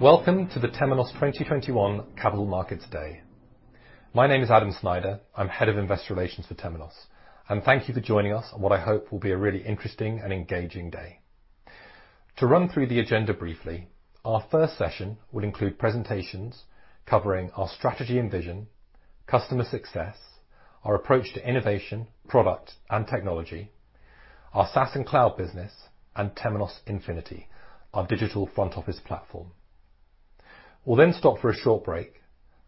Welcome to the Temenos 2021 Capital Markets Day. My name is Adam Snyder, I'm Head of Investor Relations for Temenos. Thank you for joining us on what I hope will be a really interesting and engaging day. To run through the agenda briefly, our first session will include presentations covering our strategy and vision, customer success, our approach to innovation, product and technology, our SaaS and cloud business, and Temenos Infinity, our digital front office platform. We'll then stop for a short break,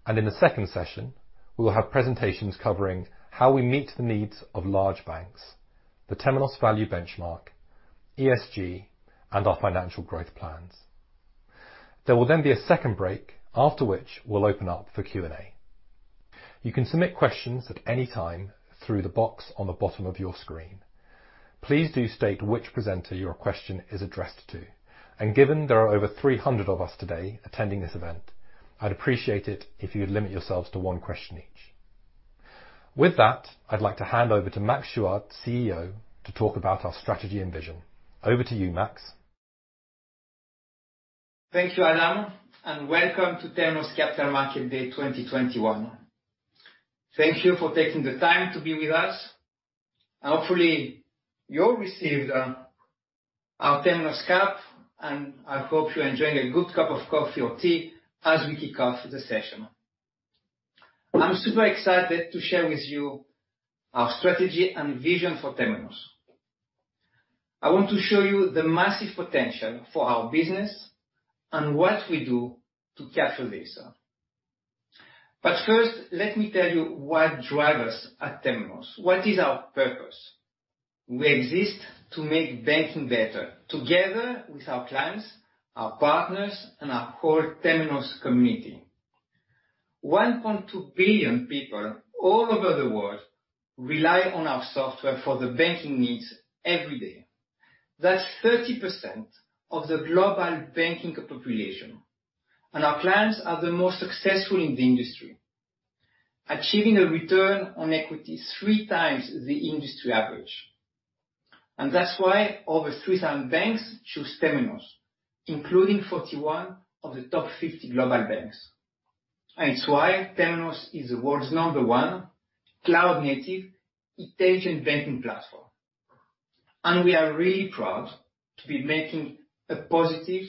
and in the second session, we will have presentations covering how we meet the needs of large banks, the Temenos Value Benchmark, ESG, and our financial growth plans. There will then be a second break, after which we'll open up for Q&A. You can submit questions at any time through the box on the bottom of your screen. Please do state which presenter your question is addressed to. Given there are over 300 of us today attending this event, I'd appreciate it if you'd limit yourselves to one question each. With that, I'd like to hand over to Max Chuard, CEO, to talk about our strategy and vision. Over to you, Max. Thank you, Adam, welcome to Temenos Capital Market Day 2021. Thank you for taking the time to be with us. Hopefully, you all received our Temenos cap. I hope you're enjoying a good cup of coffee or tea as we kick off the session. I'm super excited to share with you our strategy and vision for Temenos. I want to show you the massive potential for our business and what we do to capture this. First, let me tell you what drive us at Temenos. What is our purpose? We exist to make banking better, together with our clients, our partners, and our whole Temenos community. 1.2 billion people all over the world rely on our software for their banking needs every day. That's 30% of the global banking population, and our clients are the most successful in the industry, achieving a return on equity 3x the industry average. That's why over 3,000 banks choose Temenos, including 41 of the top 50 global banks. It's why Temenos is the world's number one cloud native intelligent banking platform. We are really proud to be making a positive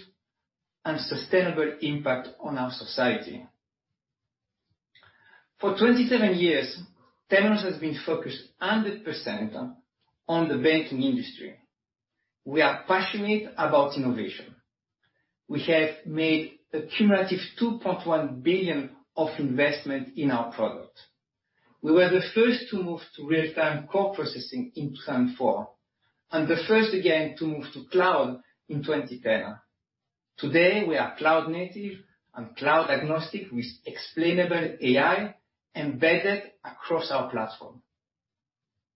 and sustainable impact on our society. For 27 years, Temenos has been focused 100% on the banking industry. We are passionate about innovation. We have made a cumulative $2.1 billion of investment in our product. We were the first to move to real-time core processing in 2004, and the first again to move to cloud in 2010. Today, we are cloud-native and cloud-agnostic with explainable AI embedded across our platform.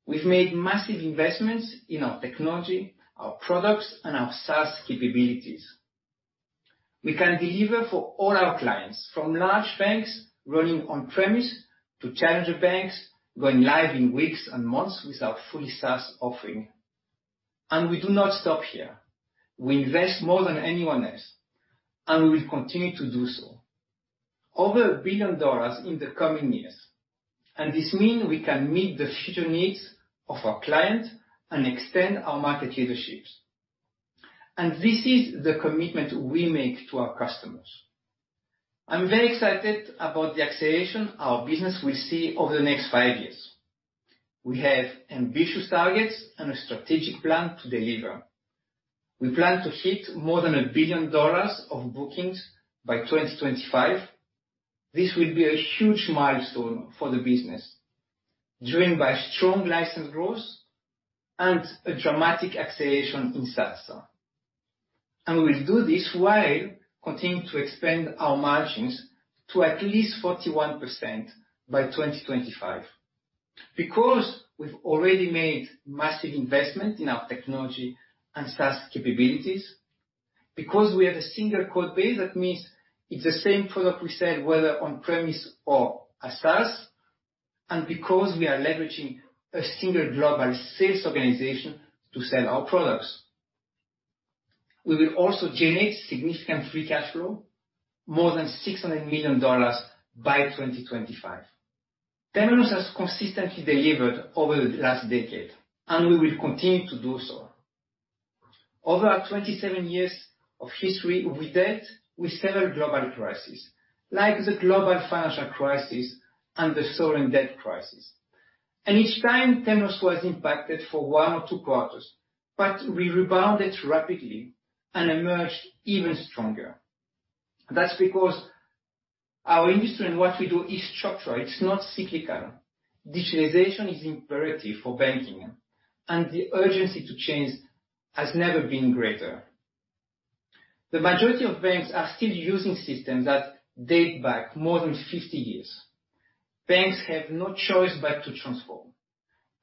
We've made massive investments in our technology, our products, and our SaaS capabilities. We can deliver for all our clients, from large banks running on premise, to challenger banks going live in weeks and months with our fully SaaS offering. We do not stop here. We invest more than anyone else, and we will continue to do so. Over $1 billion in the coming years. This mean we can meet the future needs of our client and extend our market leaderships. This is the commitment we make to our customers. I'm very excited about the acceleration our business will see over the next five years. We have ambitious targets and a strategic plan to deliver. We plan to hit more than $1 billion of bookings by 2025. This will be a huge milestone for the business, driven by strong license growth and a dramatic acceleration in SaaS. We will do this while continuing to expand our margins to at least 41% by 2025. Because we've already made massive investment in our technology and SaaS capabilities, because we have a single code base, that means it's the same product we sell, whether on premise or as SaaS, and because we are leveraging a single global sales organization to sell our products. We will also generate significant free cash flow, more than $600 million by 2025. Temenos has consistently delivered over the last decade, and we will continue to do so. Over our 27 years of history, we dealt with several global crises, like the global financial crisis and the sovereign debt crisis. Each time, Temenos was impacted for one or two quarters, but we rebounded rapidly and emerged even stronger. That's because our industry and what we do is structural. It's not cyclical. Digitalization is imperative for banking, and the urgency to change has never been greater. The majority of banks are still using systems that date back more than 50 years. Banks have no choice but to transform,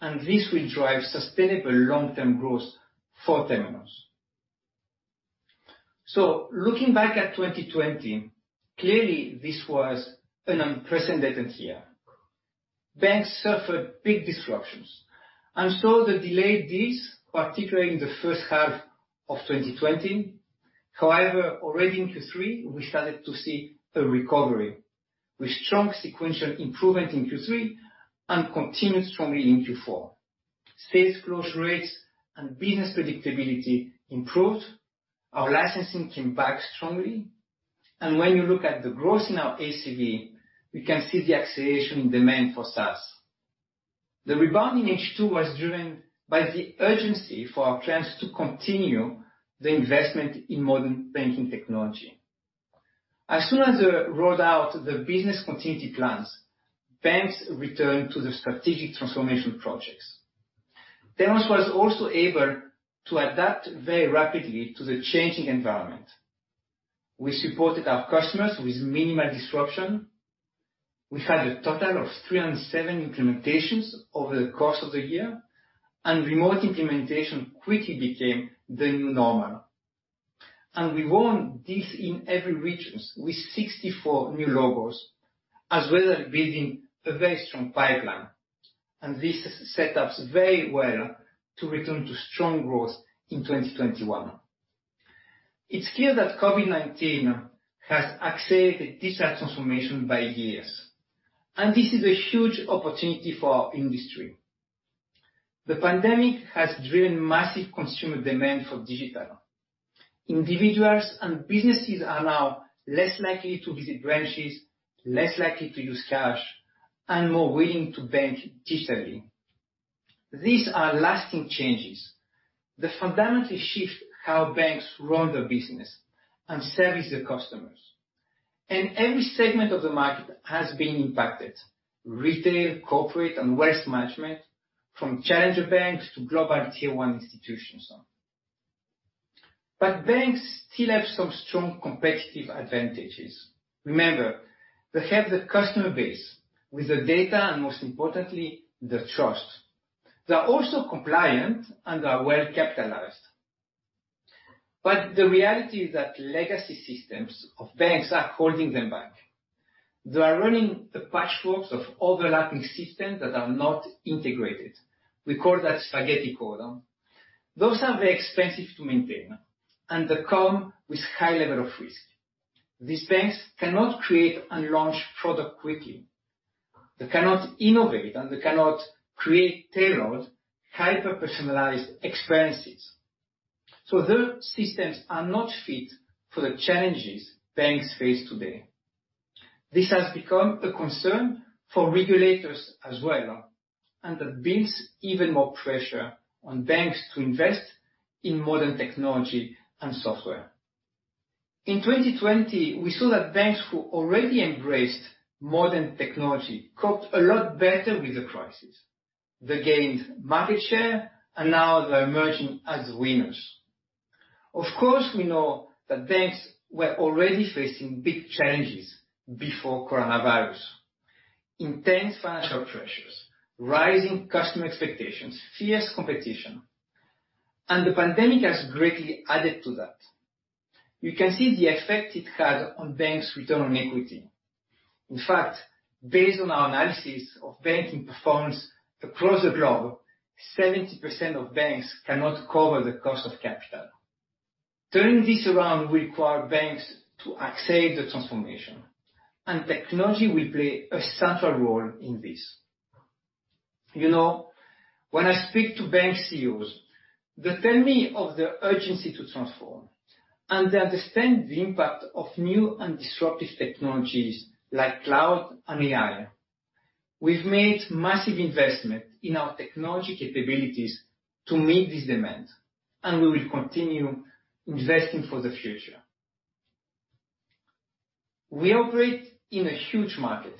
and this will drive sustainable long-term growth for Temenos. Looking back at 2020, clearly this was an unprecedented year. Banks suffered big disruptions and saw the delayed deals, particularly in the first half of 2020. However, already in Q3, we started to see a recovery, with strong sequential improvement in Q3 and continued strongly in Q4. Sales closure rates and business predictability improved. Our licensing came back strongly. When you look at the growth in our ACV, we can see the acceleration in demand for SaaS. The rebound in H2 was driven by the urgency for our clients to continue the investment in modern banking technology. As soon as they rolled out the business continuity plans, banks returned to the strategic transformation projects. Temenos was also able to adapt very rapidly to the changing environment. We supported our customers with minimal disruption. We had a total of 307 implementations over the course of the year, and remote implementation quickly became the new normal. We won deals in every region, with 64 new logos, as well as building a very strong pipeline. This sets us up very well to return to strong growth in 2021. It's clear that COVID-19 has accelerated digital transformation by years, and this is a huge opportunity for our industry. The pandemic has driven massive consumer demand for digital. Individuals and businesses are now less likely to visit branches, less likely to use cash, and more willing to bank digitally. These are lasting changes that fundamentally shift how banks run their business and service their customers. Every segment of the market has been impacted, retail, corporate, and wealth management, from challenger banks to global tier 1 institutions. Banks still have some strong competitive advantages. Remember, they have the customer base with the data, and most importantly, the trust. They are also compliant and are well capitalized. The reality is that legacy systems of banks are holding them back. They are running the patchworks of overlapping systems that are not integrated. We call that spaghetti code. Those are very expensive to maintain, and they come with high level of risk. These banks cannot create and launch product quickly. They cannot innovate, and they cannot create tailored, hyper-personalized experiences. Those systems are not fit for the challenges banks face today. This has become a concern for regulators as well, and that builds even more pressure on banks to invest in modern technology and software. In 2020, we saw that banks who already embraced modern technology coped a lot better with the crisis. They gained market share, and now they're emerging as winners. Of course, we know that banks were already facing big changes before coronavirus. Intense financial pressures, rising customer expectations, fierce competition, and the pandemic has greatly added to that. You can see the effect it had on banks' return on equity. In fact, based on our analysis of banking performance across the globe, 70% of banks cannot cover the cost of capital. Turning this around will require banks to accelerate their transformation. Technology will play a central role in this. When I speak to bank CEOs, they tell me of the urgency to transform. They understand the impact of new and disruptive technologies like cloud and AI. We've made massive investment in our technology capabilities to meet this demand. We will continue investing for the future. We operate in a huge market,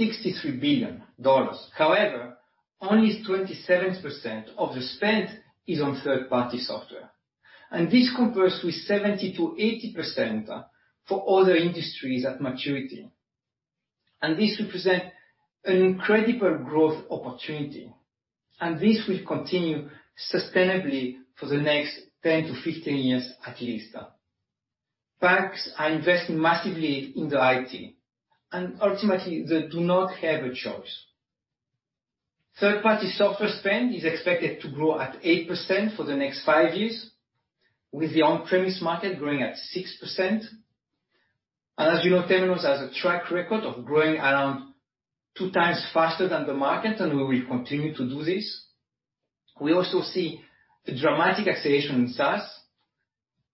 $63 billion. However, only 27% of the spend is on third-party software. This compares with 70%-80% for other industries at maturity. This represents an incredible growth opportunity. This will continue sustainably for the next 10-15 years at least. Banks are investing massively in their IT. Ultimately, they do not have a choice. Third-party software spend is expected to grow at 8% for the next five years, with the on-premise market growing at 6%. As you know, Temenos has a track record of growing around two times faster than the market, and we will continue to do this. We also see a dramatic acceleration in SaaS,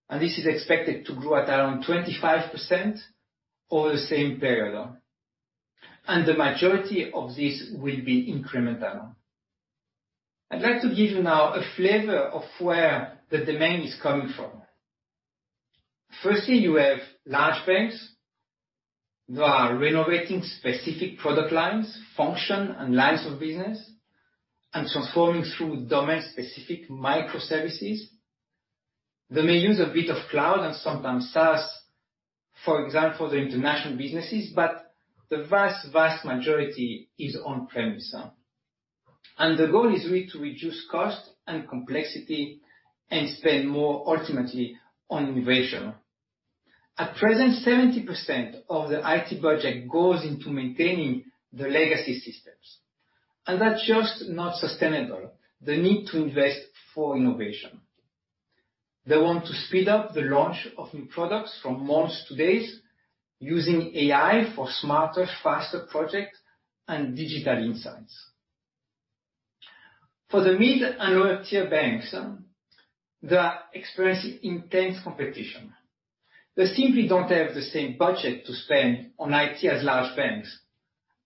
and this is expected to grow at around 25% over the same period. The majority of this will be incremental. I'd like to give you now a flavor of where the demand is coming from. Firstly, you have large banks that are renovating specific product lines, function, and lines of business, and transforming through domain-specific microservices. They may use a bit of cloud and sometimes SaaS, for example, the international businesses, but the vast majority is on-premise. The goal is really to reduce cost and complexity, and spend more ultimately on innovation. At present, 70% of the IT budget goes into maintaining the legacy systems. That's just not sustainable. They need to invest for innovation. They want to speed up the launch of new products from months to days, using AI for smarter, faster project and digital insights. For the mid and lower tier banks, they are experiencing intense competition. They simply don't have the same budget to spend on IT as large banks.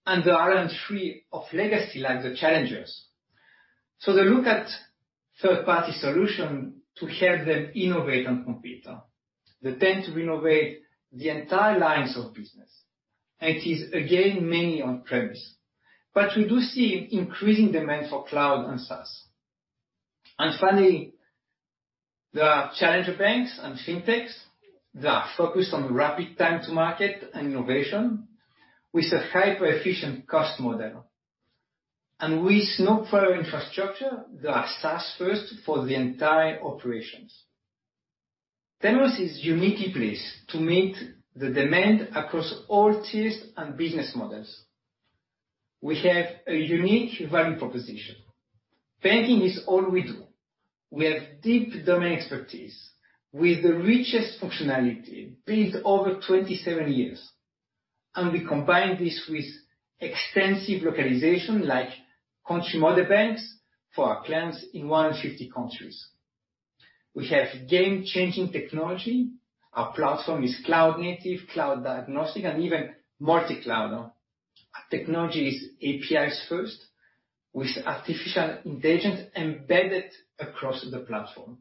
They aren't free of legacy like the challengers. They look at third-party solution to help them innovate and compete. They tend to renovate the entire lines of business. IT is again, mainly on-premise. We do see increasing demand for cloud and SaaS. Finally, there are challenger banks and fintechs that are focused on rapid time to market and innovation with a hyper-efficient cost model. With no prior infrastructure, they are SaaS first for the entire operations. Temenos is uniquely placed to meet the demand across all tiers and business models. We have a unique value proposition. Banking is all we do. We have deep domain expertise with the richest functionality built over 27 years, and we combine this with extensive localization like country model banks for our clients in 150 countries. We have game-changing technology. Our platform is cloud-native, cloud-agnostic, and even multi-cloud. Our technology is APIs first with artificial intelligence embedded across the platform.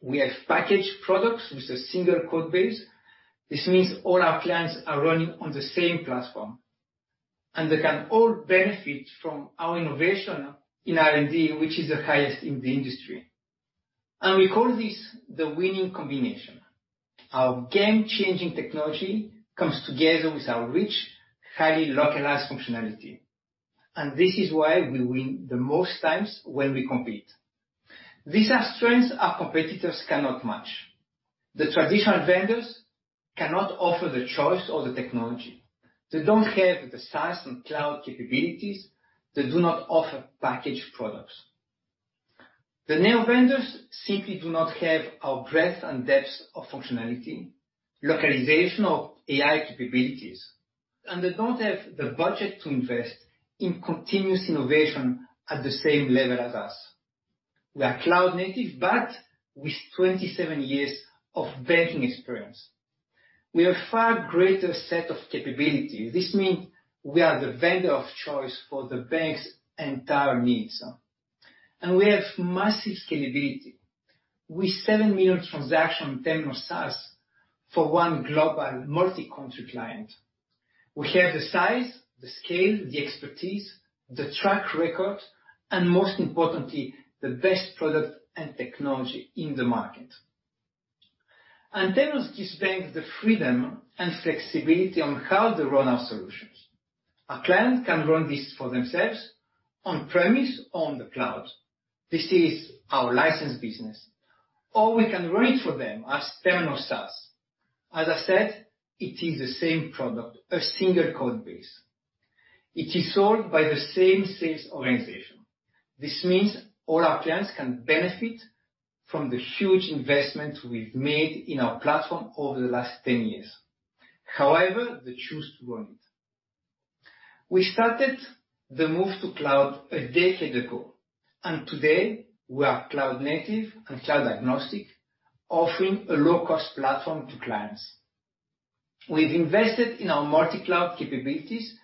We have packaged products with a single code base. This means all our clients are running on the same platform, and they can all benefit from our innovation in R&D, which is the highest in the industry. We call this the winning combination. Our game-changing technology comes together with our rich, highly localized functionality. This is why we win the most times when we compete. These are strengths our competitors cannot match. The traditional vendors cannot offer the choice or the technology. They don't have the size and cloud capabilities. They do not offer packaged products. The neo vendors simply do not have our breadth and depth of functionality, localization or AI capabilities, and they don't have the budget to invest in continuous innovation at the same level as us. We are cloud native, but with 27 years of banking experience. We have far greater set of capabilities. This means we are the vendor of choice for the bank's entire needs. We have massive scalability. With seven million transactions Temenos SaaS for one global multi-country client. We have the size, the scale, the expertise, the track record, and most importantly, the best product and technology in the market. Temenos gives banks the freedom and flexibility on how they run our solutions. A client can run this for themselves on-premise, on the cloud. This is our license business. We can run it for them as Temenos SaaS. As I said, it is the same product, a single code base. It is sold by the same sales organization. This means all our clients can benefit from the huge investment we've made in our platform over the last 10 years, however they choose to run it. We started the move to cloud a decade ago, and today we are cloud native and cloud agnostic, offering a low-cost platform to clients. We've invested in our multi-cloud capabilities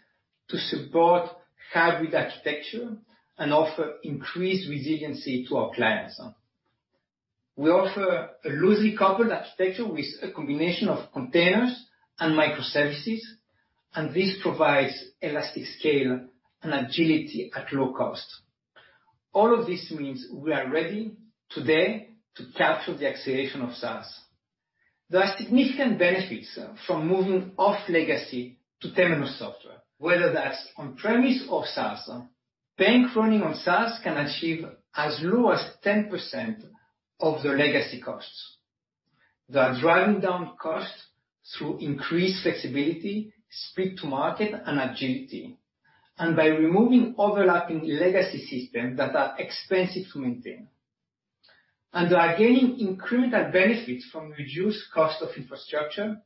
to support hybrid architecture and offer increased resiliency to our clients. We offer a loosely coupled architecture with a combination of containers and microservices, and this provides elastic scale and agility at low cost. All of this means we are ready today to capture the acceleration of SaaS. There are significant benefits from moving off legacy to Temenos software, whether that's on-premise or SaaS. Bank running on SaaS can achieve as low as 10% of their legacy costs. They are driving down costs through increased flexibility, speed to market, and agility, and by removing overlapping legacy systems that are expensive to maintain. They are gaining incremental benefits from reduced cost of infrastructure,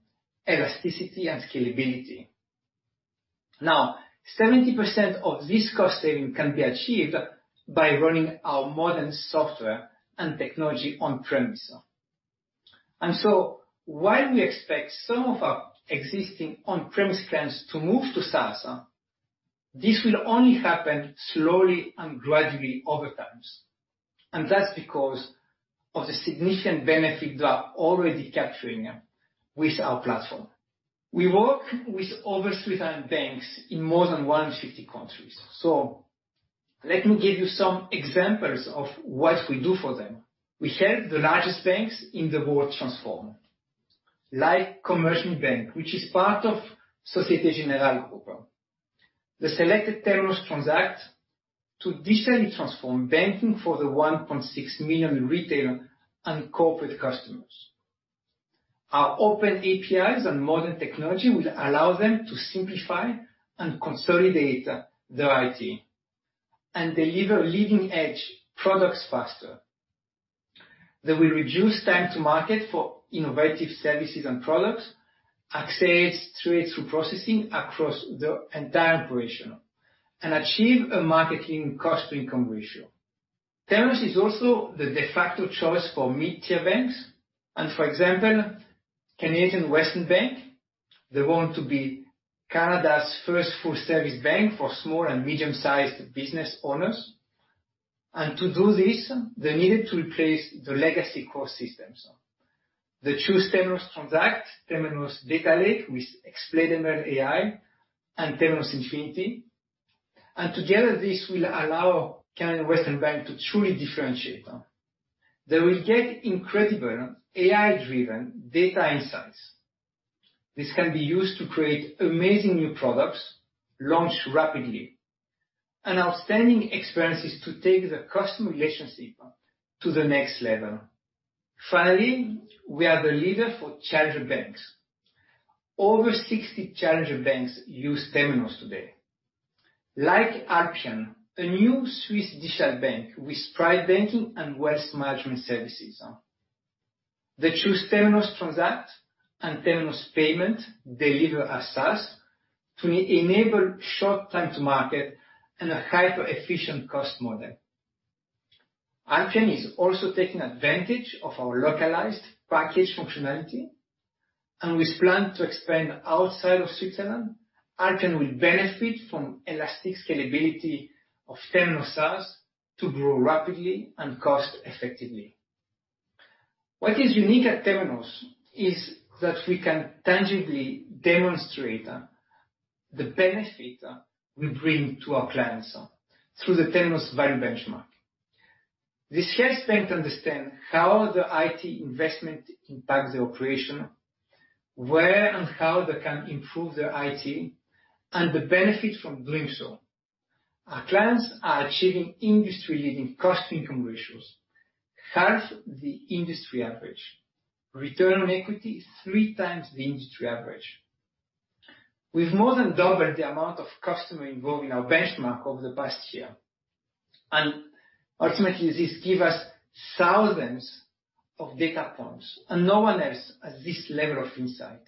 elasticity, and scalability. Now, 70% of this cost saving can be achieved by running our modern software and technology on-premise. While we expect some of our existing on-premise clients to move to SaaS, this will only happen slowly and gradually over time. That's because of the significant benefit they are already capturing with our platform. We work with over 300 banks in more than 150 countries. Let me give you some examples of what we do for them. We help the largest banks in the world transform. Like Komerční banka, which is part of Société Générale Group. The selected Temenos Transact to digitally transform banking for the 1.6 million retail and corporate customers. Our open APIs and modern technology will allow them to simplify and consolidate their IT, and deliver leading-edge products faster. They will reduce time to market for innovative services and products, access straight through processing across the entire operation, and achieve a market-leading cost-to-income ratio. Temenos is also the de facto choice for mid-tier banks. For example, Canadian Western Bank, they want to be Canada's first full-service bank for small and medium-sized business owners. To do this, they needed to replace the legacy core systems. They chose Temenos Transact, Temenos Data Lake with explainable AI, and Temenos Infinity. Together, this will allow Canadian Western Bank to truly differentiate. They will get incredible AI-driven data insights. This can be used to create amazing new products, launched rapidly, and outstanding experiences to take the customer relationship to the next level. Finally, we are the leader for challenger banks. Over 60 challenger banks use Temenos today. Like Alpian, a new Swiss digital bank with private banking and wealth management services. They chose Temenos Transact and Temenos Payments delivered as SaaS to enable short time-to-market and a hyper-efficient cost model. Alpian is also taking advantage of our localized package functionality. With plans to expand outside of Switzerland, Alpian will benefit from elastic scalability of Temenos SaaS to grow rapidly and cost effectively. What is unique at Temenos is that we can tangibly demonstrate the benefit we bring to our clients through the Temenos Value Benchmark. This helps bank understand how their IT investment impacts their operation, where and how they can improve their IT, and the benefit from doing so. Our clients are achieving industry-leading cost-income ratios, half the industry average. Return on equity, 3x the industry average. We've more than doubled the amount of customer involved in our benchmark over the past year. Ultimately, this give us thousands of data points, and no one else has this level of insight.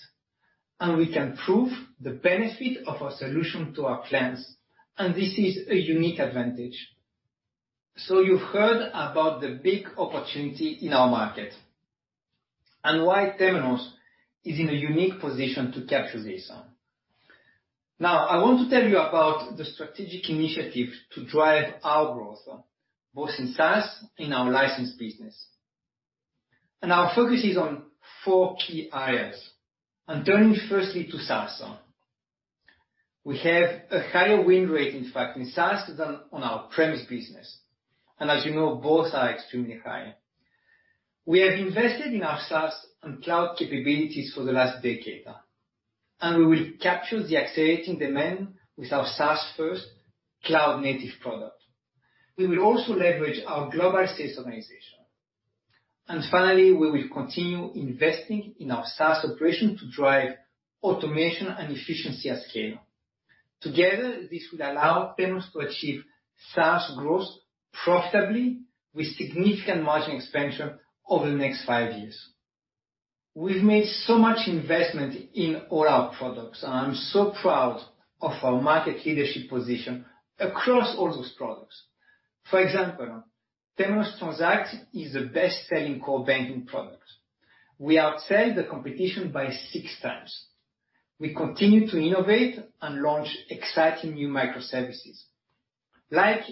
We can prove the benefit of our solution to our clients. This is a unique advantage. You've heard about the big opportunity in our market and why Temenos is in a unique position to capture this. I want to tell you about the strategic initiatives to drive our growth, both in SaaS and our license business. Our focus is on four key areas. I am turning firstly to SaaS. We have a higher win rate, in fact, in SaaS than on our premise business. As you know, both are extremely high. We have invested in our SaaS and cloud capabilities for the last decade. We will capture the accelerating demand with our SaaS first cloud-native product. We will also leverage our global sales organization. Finally, we will continue investing in our SaaS operation to drive automation and efficiency at scale. Together, this will allow Temenos to achieve SaaS growth profitably with significant margin expansion over the next five years. We have made so much investment in all our products. I am so proud of our market leadership position across all those products. For example, Temenos Transact is the best-selling core banking product. We outsell the competition by 6x. We continue to innovate and launch exciting new microservices, like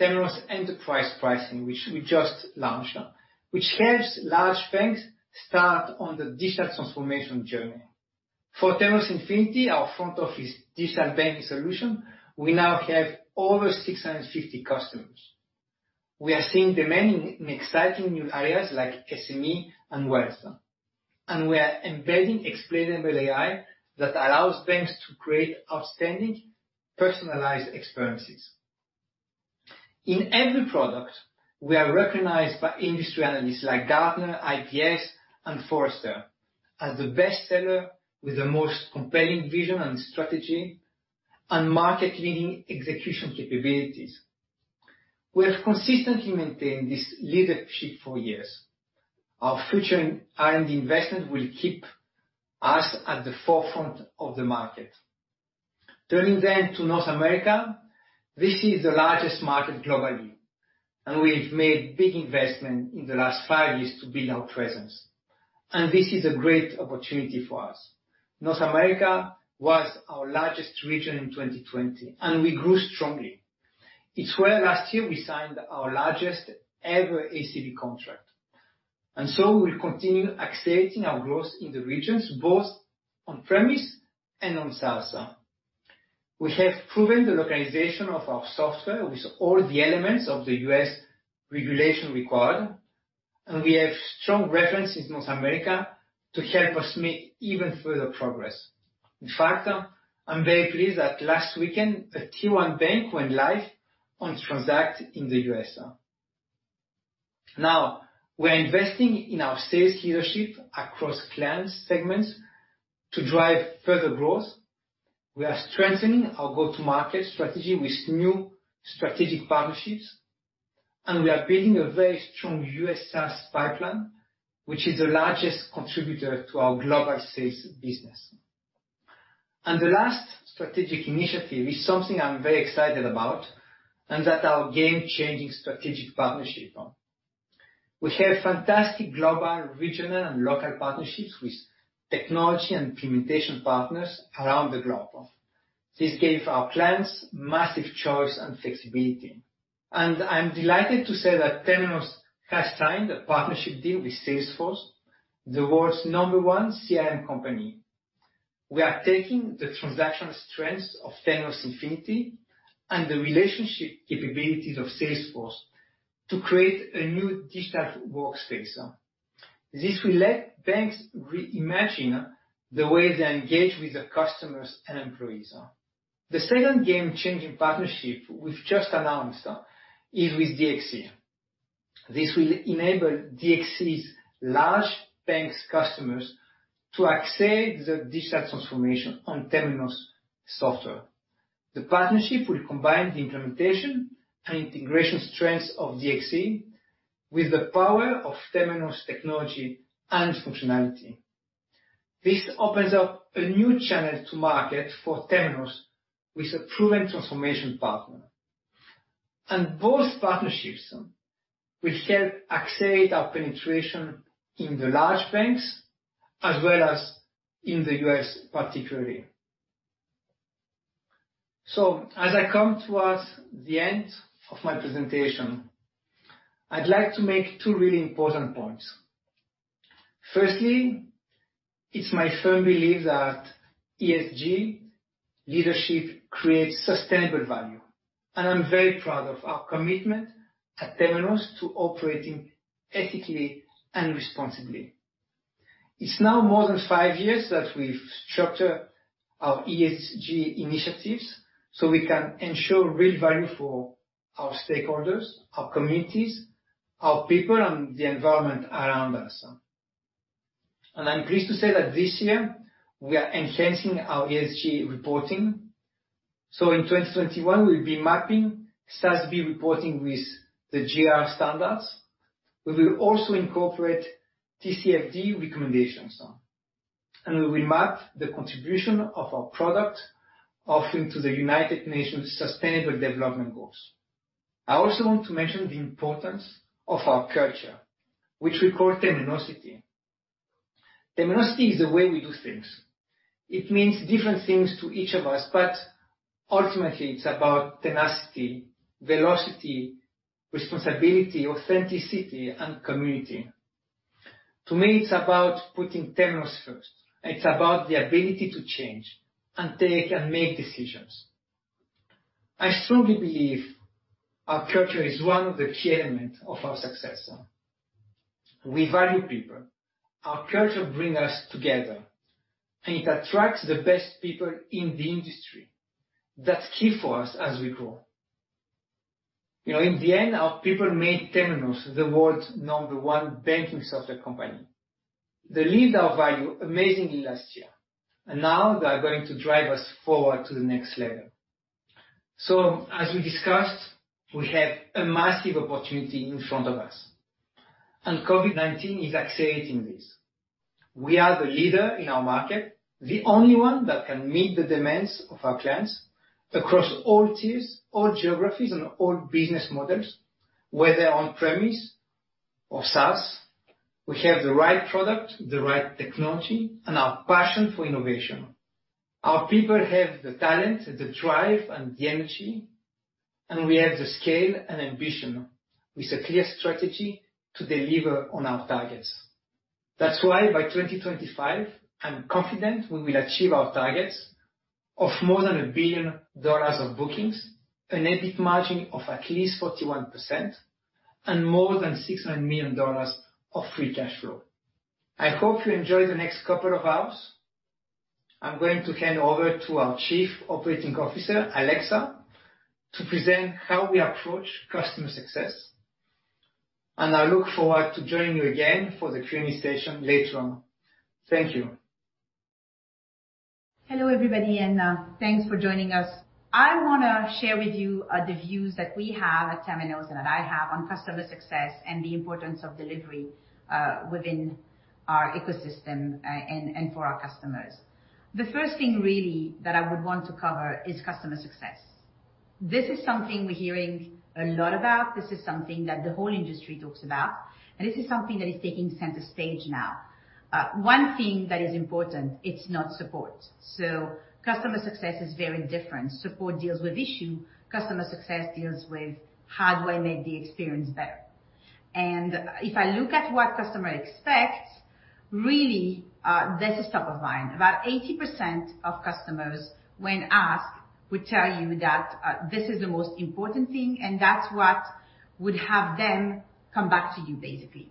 Temenos Enterprise Pricing, which we just launched, which helps large banks start on their digital transformation journey. For Temenos Infinity, our front office digital banking solution, we now have over 650 customers. We are seeing demand in exciting new areas like SME and wealth. We are embedding explainable AI that allows banks to create outstanding personalized experiences. In every product, we are recognized by industry analysts like Gartner, IBS, and Forrester as the best seller with the most compelling vision and strategy and market-leading execution capabilities. We have consistently maintained this leadership for years. Our future in R&D investment will keep us at the forefront of the market. Turning then to North America, this is the largest market globally, and we've made big investment in the last five years to build our presence. This is a great opportunity for us. North America was our largest region in 2020, and we grew strongly. It's where last year we signed our largest ever ACV contract. We'll continue accelerating our growth in the regions, both on premise and on SaaS. We have proven the localization of our software with all the elements of the U.S. regulation required, and we have strong references in North America to help us make even further progress. In fact, I'm very pleased that last weekend, a Tier 1 bank went live on Transact in the U.S. Now, we are investing in our sales leadership across client segments to drive further growth. We are strengthening our go-to-market strategy with new strategic partnerships, and we are building a very strong U.S. SaaS pipeline, which is the largest contributor to our global sales business. The last strategic initiative is something I'm very excited about, and that our game-changing strategic partnership. We have fantastic global, regional, and local partnerships with technology and implementation partners around the globe. This gave our clients massive choice and flexibility. I'm delighted to say that Temenos has signed a partnership deal with Salesforce, the world's number one CRM company. We are taking the transactional strengths of Temenos Infinity and the relationship capabilities of Salesforce to create a new digital workspace. This will let banks reimagine the way they engage with their customers and employees. The second game-changing partnership we've just announced is with DXC. This will enable DXC's large banks customers to accelerate their digital transformation on Temenos software. The partnership will combine the implementation and integration strengths of DXC with the power of Temenos technology and functionality. This opens up a new channel to market for Temenos with a proven transformation partner. Both partnerships will help accelerate our penetration in the large banks, as well as in the U.S. particularly. As I come towards the end of my presentation, I'd like to make two really important points. Firstly, it's my firm belief that ESG leadership creates sustainable value, and I'm very proud of our commitment at Temenos to operating ethically and responsibly. It's now more than five years that we've structured our ESG initiatives so we can ensure real value for our stakeholders, our communities, our people, and the environment around us. I'm pleased to say that this year we are enhancing our ESG reporting. In 2021, we'll be mapping SASB reporting with the GRI Standards. We will also incorporate TCFD recommendations, and we will map the contribution of our product offering to the United Nations Sustainable Development Goals. I also want to mention the importance of our culture, which we call Temenosity. Temenosity is the way we do things. It means different things to each of us, but ultimately it's about tenacity, velocity, responsibility, authenticity, and community. To me, it's about putting Temenos first. It's about the ability to change and take and make decisions. I strongly believe our culture is one of the key elements of our success. We value people. Our culture brings us together, and it attracts the best people in the industry. That's key for us as we grow. In the end, our people made Temenos the world's number one banking software company. They lived our value amazingly last year. Now they are going to drive us forward to the next level. As we discussed, we have a massive opportunity in front of us, and COVID-19 is accelerating this. We are the leader in our market, the only one that can meet the demands of our clients across all tiers, all geographies, and all business models, whether on-premise or SaaS. We have the right product, the right technology, and our passion for innovation. Our people have the talent, the drive, and the energy, and we have the scale and ambition with a clear strategy to deliver on our targets. That's why by 2025, I'm confident we will achieve our targets of more than $1 billion of bookings, an EBIT margin of at least 41%, and more than $600 million of free cash flow. I hope you enjoy the next couple of hours. I'm going to hand over to our Chief Operating Officer, Alexa, to present how we approach customer success, and I look forward to joining you again for the Q&A session later on. Thank you. Hello, everybody, thanks for joining us. I want to share with you the views that we have at Temenos and that I have on customer success and the importance of delivery within our ecosystem and for our customers. The first thing really that I would want to cover is customer success. This is something we're hearing a lot about. This is something that the whole industry talks about, and this is something that is taking center stage now. One thing that is important, it's not support. Customer success is very different. Support deals with issue. Customer success deals with how do I make the experience better? If I look at what customer expects, really, this is top of mind. About 80% of customers, when asked, would tell you that this is the most important thing, and that's what would have them come back to you, basically.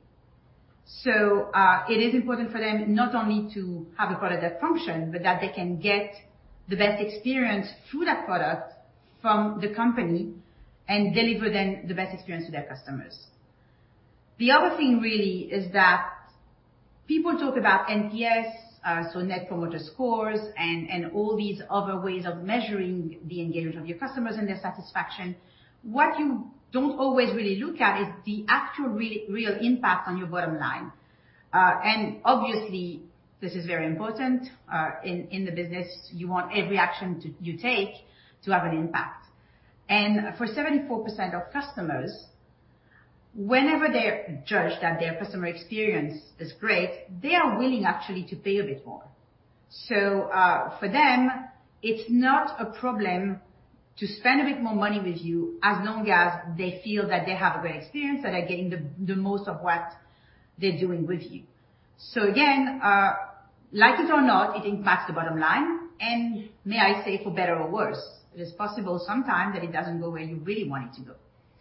It is important for them not only to have a product that functions, but that they can get the best experience through that product from the company and deliver then the best experience to their customers. The other thing really is that people talk about NPS, so net promoter scores and all these other ways of measuring the engagement of your customers and their satisfaction. What you don't always really look at is the actual real impact on your bottom line. Obviously this is very important in the business. You want every action you take to have an impact. For 74% of customers, whenever they judge that their customer experience is great, they are willing actually to pay a bit more. For them, it's not a problem to spend a bit more money with you as long as they feel that they have a great experience and are getting the most of what they're doing with you. Again, like it or not, it impacts the bottom line. May I say, for better or worse. It is possible sometimes that it doesn't go where you really want it to go.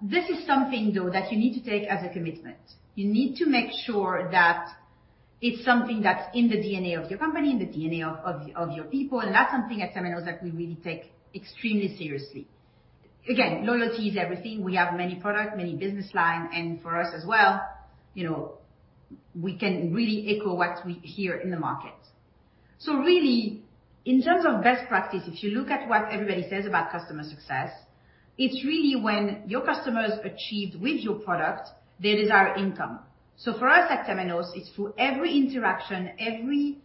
This is something, though, that you need to take as a commitment. You need to make sure that it's something that's in the DNA of your company, in the DNA of your people. That's something at Temenos that we really take extremely seriously. Loyalty is everything. We have many product, many business line, and for us as well, we can really echo what we hear in the market. Really, in terms of best practice, if you look at what everybody says about customer success, it's really when your customers achieved with your product, they desire income. For us at Temenos, it's through every interaction, every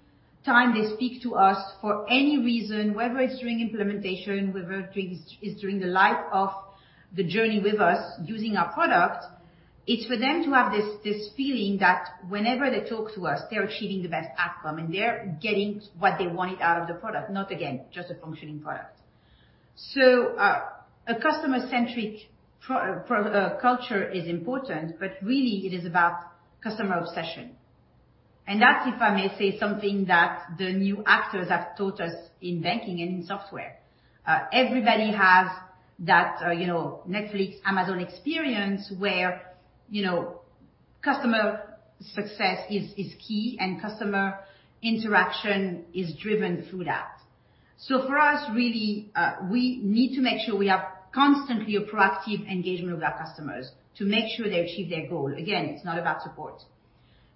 time they speak to us for any reason, whether it's during implementation, whether it's during the life of the journey with us using our product, it's for them to have this feeling that whenever they talk to us, they're achieving the best outcome, and they're getting what they wanted out of the product. Not again, just a functioning product. A customer-centric culture is important, but really it is about customer obsession. That's, if I may say, something that the new actors have taught us in banking and in software. Everybody has that Netflix, Amazon experience where customer success is key and customer interaction is driven through that. For us, really, we need to make sure we have constantly a proactive engagement with our customers to make sure they achieve their goal. Again, it's not about support.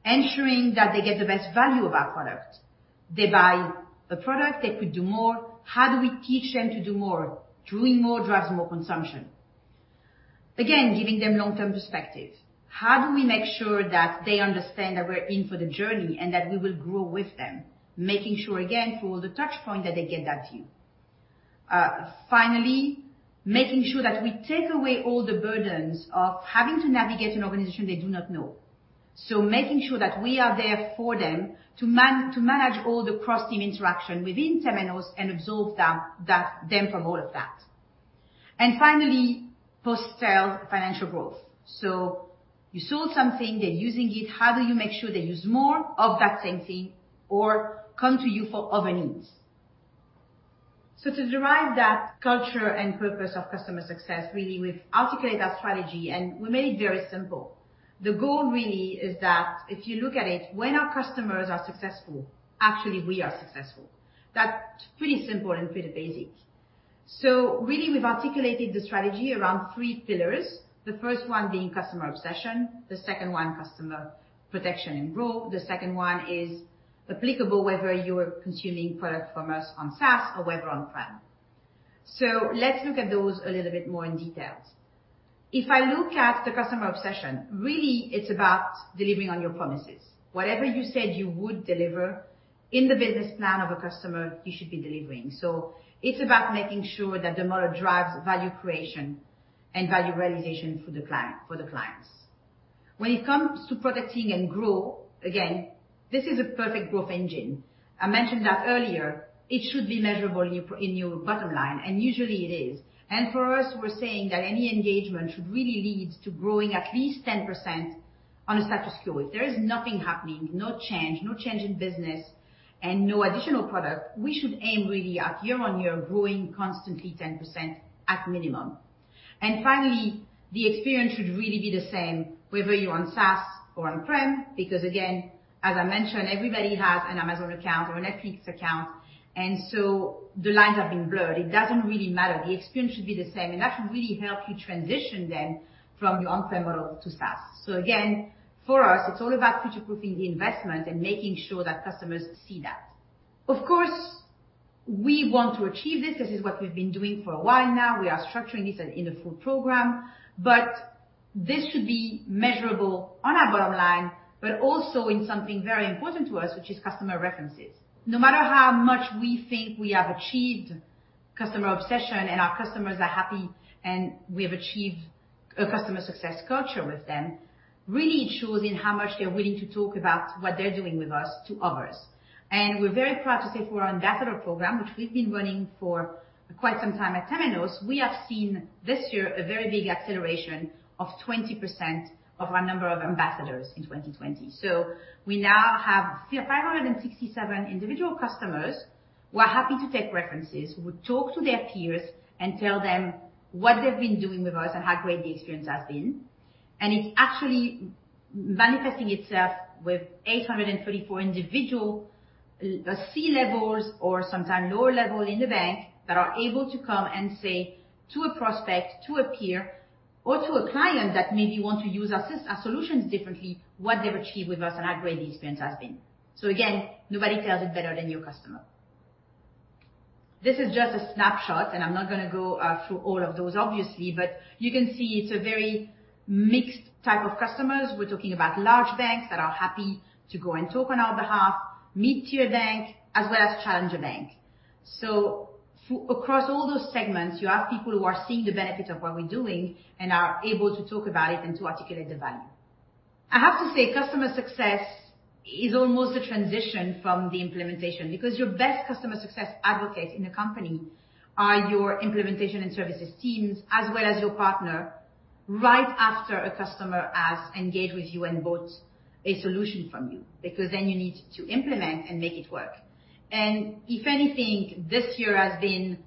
Ensuring that they get the best value of our product. They buy a product, they could do more. How do we teach them to do more? Doing more drives more consumption. Again, giving them long-term perspective. How do we make sure that they understand that we're in for the journey and that we will grow with them? Making sure, again, through all the touchpoint that they get that view. Finally, making sure that we take away all the burdens of having to navigate an organization they do not know. Making sure that we are there for them to manage all the cross-team interaction within Temenos and absorb them from all of that. Finally, post-sale financial growth. You sold something, they're using it. How do you make sure they use more of that same thing or come to you for other needs? To derive that culture and purpose of customer success, really, we've articulated our strategy, and we made it very simple. The goal really is that if you look at it, when our customers are successful, actually we are successful. That's pretty simple and pretty basic. Really we've articulated the strategy around three pillars. The first one being customer obsession, the second one, customer protection and growth. The second one is applicable whether you're consuming product from us on SaaS or whether on-prem. Let's look at those a little bit more in details. If I look at the customer obsession, really it's about delivering on your promises. Whatever you said you would deliver in the business plan of a customer, you should be delivering. It's about making sure that the model drives value creation and value realization for the clients. When it comes to protecting and grow, again, this is a perfect growth engine. I mentioned that earlier. It should be measurable in your bottom line, and usually it is. For us, we're saying that any engagement should really lead to growing at least 10% on a status quo. If there is nothing happening, no change, no change in business, and no additional product, we should aim really at year-on-year growing constantly 10% at minimum. Finally, the experience should really be the same whether you're on SaaS or on-prem, because again, as I mentioned, everybody has an Amazon account or a Netflix account, the lines have been blurred. It doesn't really matter. The experience should be the same. That should really help you transition then from your on-prem model to SaaS. Again, for us, it's all about future-proofing the investment and making sure that customers see that. Of course, we want to achieve this. This is what we've been doing for a while now. We are structuring this in a full program. This should be measurable on our bottom line, but also in something very important to us, which is customer references. No matter how much we think we have achieved customer obsession and our customers are happy and we have achieved a customer success culture with them. Really it shows in how much they're willing to talk about what they're doing with us to others. We're very proud to say for our ambassador program, which we've been running for quite some time at Temenos, we have seen this year a very big acceleration of 20% of our number of ambassadors in 2020. We now have 567 individual customers who are happy to take references, who talk to their peers and tell them what they've been doing with us and how great the experience has been. It's actually manifesting itself with 834 individual C-levels or sometime lower level in the bank that are able to come and say to a prospect, to a peer, or to a client that maybe want to use our solutions differently, what they've achieved with us and how great the experience has been. Again, nobody tells it better than your customer. This is just a snapshot, and I'm not going to go through all of those, obviously, but you can see it's a very mixed type of customers. We're talking about large banks that are happy to go and talk on our behalf, mid-tier banks, as well as challenger banks. Across all those segments, you have people who are seeing the benefit of what we're doing and are able to talk about it and to articulate the value. I have to say customer success is almost a transition from the implementation because your best customer success advocates in the company are your implementation and services teams, as well as your partner, right after a customer has engaged with you and bought a solution from you, because then you need to implement and make it work. If anything, this year has been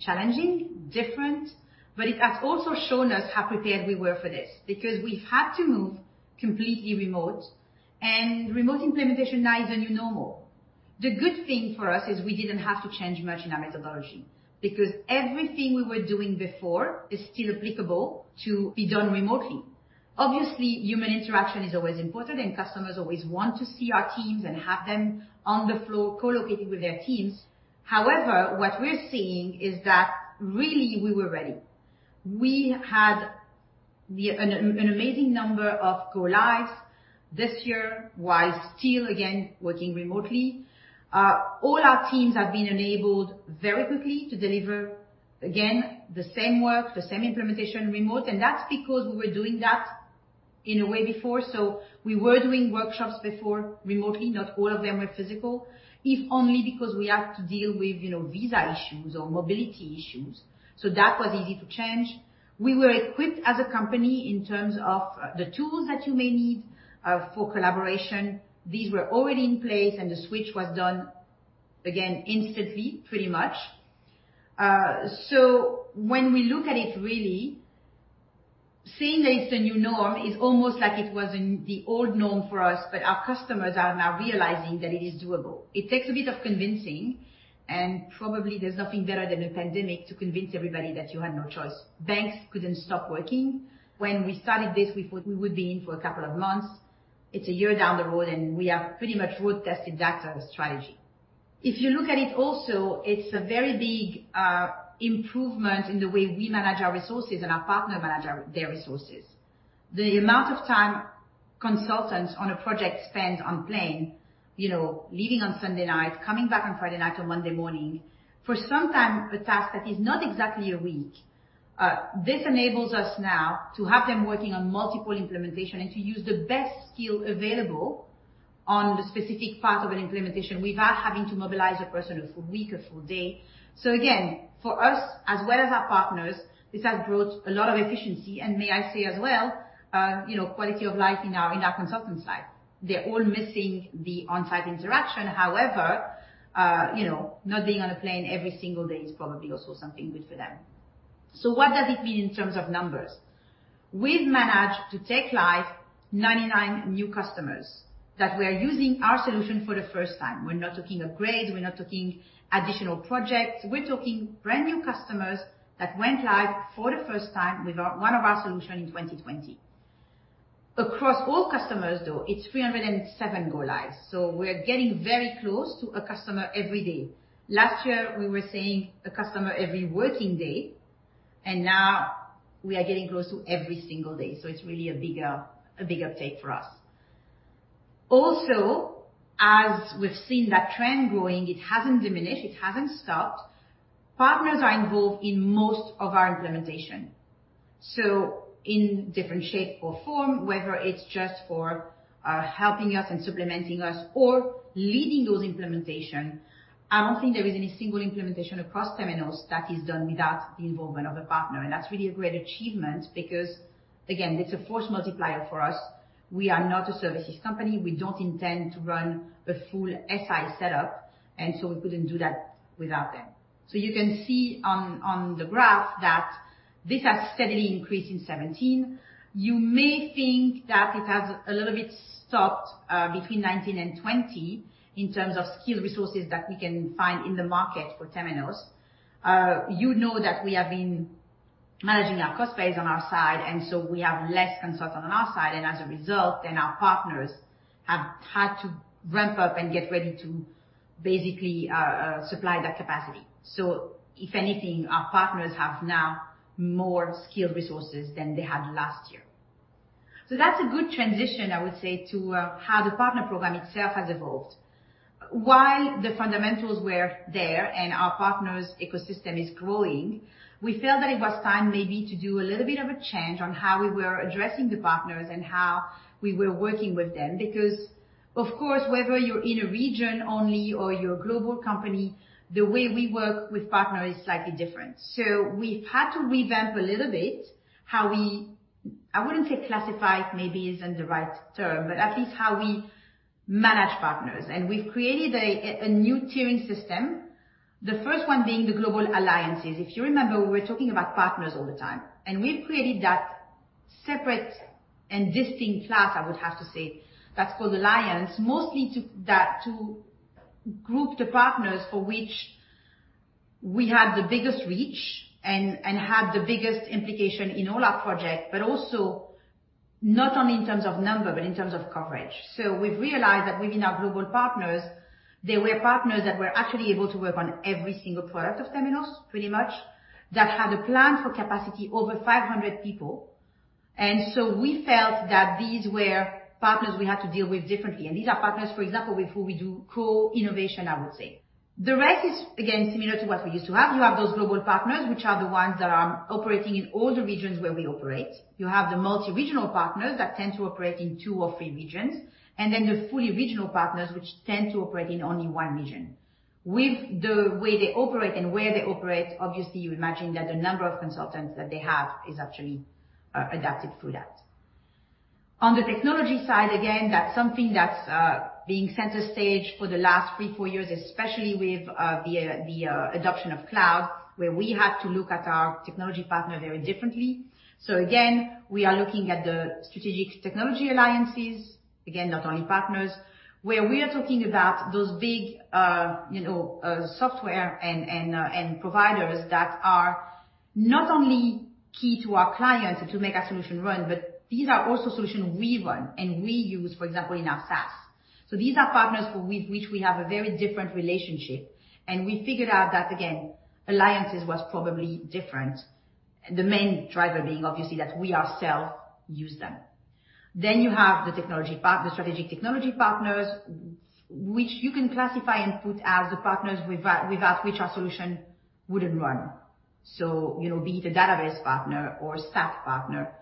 challenging, different, but it has also shown us how prepared we were for this because we've had to move completely remote, and remote implementation now is the new normal. The good thing for us is we didn't have to change much in our methodology because everything we were doing before is still applicable to be done remotely. Obviously, human interaction is always important and customers always want to see our teams and have them on the floor co-located with their teams. However, what we're seeing is that really we were ready. We had an amazing number of go-lives this year while still, again, working remotely. All our teams have been enabled very quickly to deliver, again, the same work, the same implementation remote, and that's because we were doing that in a way before. We were doing workshops before remotely. Not all of them were physical, if only because we had to deal with visa issues or mobility issues. That was easy to change. We were equipped as a company in terms of the tools that you may need for collaboration. These were already in place, and the switch was done, again, instantly, pretty much. When we look at it, really saying that it's the new norm is almost like it was the old norm for us, but our customers are now realizing that it is doable. It takes a bit of convincing, and probably there's nothing better than a pandemic to convince everybody that you had no choice. Banks couldn't stop working. When we started this, we thought we would be in for a couple of months. It's one year down the road, and we have pretty much road-tested that strategy. If you look at it also, it's a very big improvement in the way we manage our resources and our partner manage their resources. The amount of time consultants on a project spend on plane, leaving on Sunday night, coming back on Friday night or Monday morning, for sometime a task that is not exactly a week. This enables us now to have them working on multiple implementation and to use the best skill available on the specific part of an implementation without having to mobilize a person for a week or for a day. Again, for us as well as our partners, this has brought a lot of efficiency and may I say as well quality of life in our consultant side. They're all missing the on-site interaction. Not being on a plane every single day is probably also something good for them. What does it mean in terms of numbers? We've managed to take live 99 new customers that were using our solution for the first time. We're not talking upgrades, we're not talking additional projects. We're talking brand new customers that went live for the first time with one of our solution in 2020. Across all customers, though, it's 307 go-lives. We're getting very close to a customer every day. Last year, we were seeing a customer every working day, and now we are getting close to every single day. It's really a big uptake for us. Also, as we've seen that trend growing, it hasn't diminished. It hasn't stopped. Partners are involved in most of our implementation. In different shape or form, whether it's just for helping us and supplementing us or leading those implementations, I don't think there is any single implementation across Temenos that is done without the involvement of a partner. That's really a great achievement because, again, it's a force multiplier for us. We are not a services company. We don't intend to run a full SI setup, and so we couldn't do that without them. You can see on the graph that this has steadily increased in 2017. You may think that it has a little bit stopped between 2019 and 2020 in terms of skilled resources that we can find in the market for Temenos. You know that we have been managing our cost base on our side, and so we have less consultant on our side, and as a result, then our partners have had to ramp up and get ready to basically supply that capacity. If anything, our partners have now more skilled resources than they had last year. That's a good transition, I would say, to how the partner program itself has evolved. While the fundamentals were there and our partners ecosystem is growing, we felt that it was time maybe to do a little bit of a change on how we were addressing the partners and how we were working with them. Of course, whether you're in a region only or you're a global company, the way we work with partners is slightly different. We've had to revamp a little bit how we, I wouldn't say classify, maybe isn't the right term, but at least how we manage partners. We've created a new tiering system, the first one being the global alliances. If you remember, we were talking about partners all the time, and we've created that separate and distinct class, I would have to say, that's called alliance, mostly to group the partners for which we had the biggest reach and had the biggest implication in all our projects, but also not only in terms of number, but in terms of coverage. We've realized that within our global partners, there were partners that were actually able to work on every single product of Temenos pretty much, that had a plan for capacity over 500 people. We felt that these were partners we had to deal with differently. These are partners, for example, with who we do co-innovation, I would say. The rest is, again, similar to what we used to have. You have those global partners, which are the ones that are operating in all the regions where we operate. You have the multi-regional partners that tend to operate in two or three regions, and then the fully regional partners, which tend to operate in only one region. With the way they operate and where they operate, obviously, you imagine that the number of consultants that they have is actually adapted through that. On the technology side, again, that's something that's being center stage for the last three, four years, especially with the adoption of cloud, where we had to look at our technology partner very differently. Again, we are looking at the strategic technology alliances, again, not only partners, where we are talking about those big software and providers that are not only key to our clients to make our solution run, but these are also solutions we run and we use, for example, in our SaaS. These are partners with which we have a very different relationship, and we figured out that, again, alliances was probably different. The main driver being obviously that we ourselves use them. You have the strategic technology partners, which you can classify and put as the partners without which our solution wouldn't run. Be it a database partner or a SaaS partner,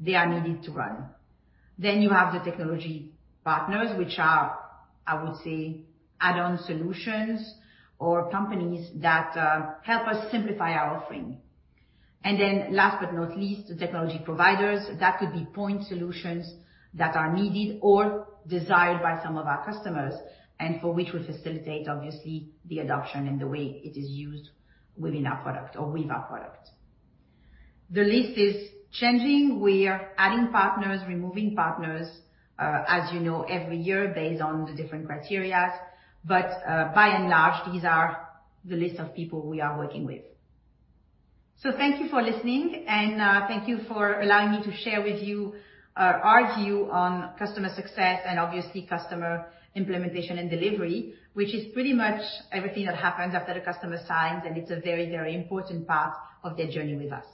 they are needed to run. You have the technology partners, which are, I would say, add-on solutions or companies that help us simplify our offering. Last but not least, the technology providers, that could be point solutions that are needed or desired by some of our customers, and for which we facilitate, obviously, the adoption and the way it is used within our product or with our product. The list is changing. We are adding partners, removing partners, as you know, every year based on the different criteria. By and large, these are the list of people we are working with. Thank you for listening, and thank you for allowing me to share with you our view on customer success and obviously customer implementation and delivery, which is pretty much everything that happens after the customer signs, and it's a very, very important part of their journey with us.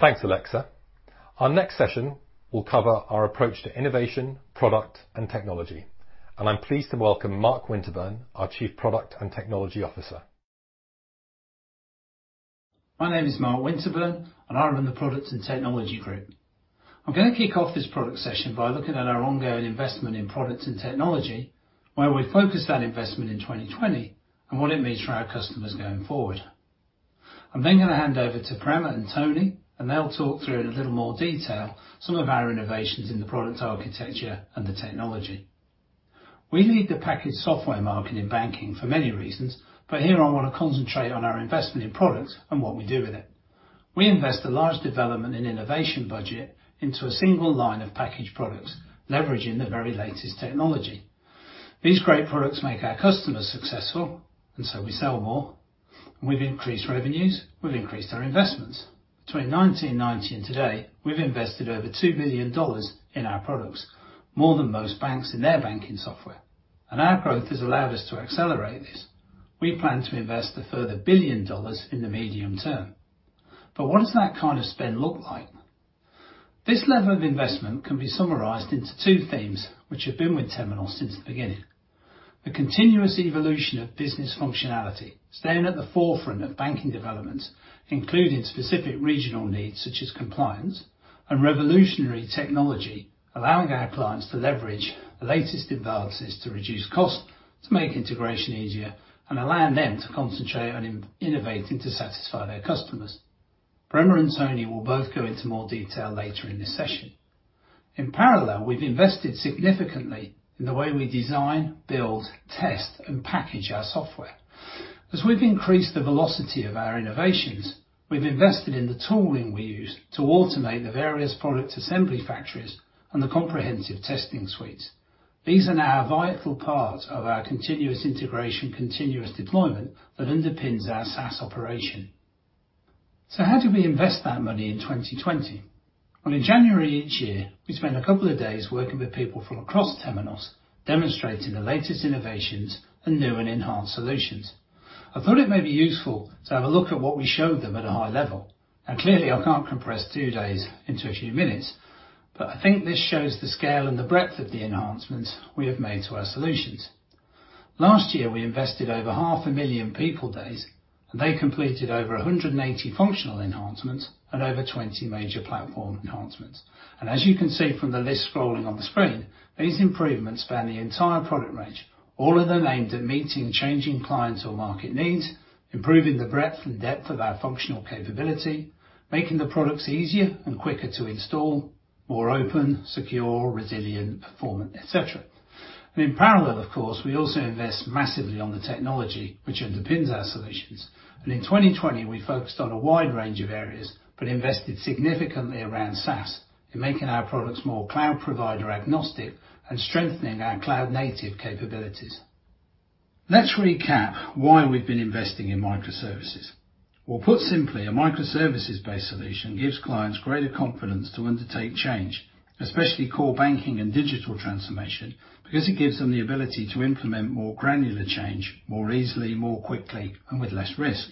Thanks, Alexa. Our next session will cover our approach to innovation, product, and technology. I'm pleased to welcome Mark Winterburn, our Chief Product and Technology Officer. My name is Mark Winterburn, and I run the product and technology group. I'm going to kick off this product session by looking at our ongoing investment in products and technology, where we focused that investment in 2020, and what it means for our customers going forward. I'm then going to hand over to Prema and Tony, and they'll talk through in a little more detail some of our innovations in the product architecture and the technology. We lead the packaged software market in banking for many reasons, but here I want to concentrate on our investment in products and what we do with it. We invest a large development in innovation budget into a single line of packaged products, leveraging the very latest technology. These great products make our customers successful, and so we sell more. We've increased revenues, we've increased our investments. Between 1990 and today, we've invested over $2 billion in our products, more than most banks in their banking software. Our growth has allowed us to accelerate this. We plan to invest a further $1 billion in the medium term. What does that kind of spend look like? This level of investment can be summarized into two themes, which have been with Temenos since the beginning. A continuous evolution of business functionality, staying at the forefront of banking developments, including specific regional needs such as compliance and revolutionary technology, allowing our clients to leverage the latest advances to reduce costs, to make integration easier, and allowing them to concentrate on innovating to satisfy their customers. Prema and Tony will both go into more detail later in this session. In parallel, we've invested significantly in the way we design, build, test, and package our software. As we've increased the velocity of our innovations, we've invested in the tooling we use to automate the various product assembly factories and the comprehensive testing suites. These are now a vital part of our continuous integration, continuous deployment that underpins our SaaS operation. How did we invest that money in 2020? Well, in January each year, we spend a couple of days working with people from across Temenos, demonstrating the latest innovations and new and enhanced solutions. I thought it may be useful to have a look at what we showed them at a high level. Now clearly, I can't compress two days into a few minutes, but I think this shows the scale and the breadth of the enhancements we have made to our solutions. Last year, we invested over half a million people days, and they completed over 180 functional enhancements and over 20 major platform enhancements. As you can see from the list scrolling on the screen, these improvements span the entire product range, all of them aimed at meeting changing clients or market needs, improving the breadth and depth of our functional capability, making the products easier and quicker to install, more open, secure, resilient, performant, et cetera. In parallel, of course, we also invest massively on the technology which underpins our solutions. In 2020, we focused on a wide range of areas, but invested significantly around SaaS in making our products more cloud provider agnostic and strengthening our cloud-native capabilities. Let's recap why we've been investing in microservices. Well, put simply, a microservices-based solution gives clients greater confidence to undertake change, especially core banking and digital transformation, because it gives them the ability to implement more granular change more easily, more quickly, and with less risk.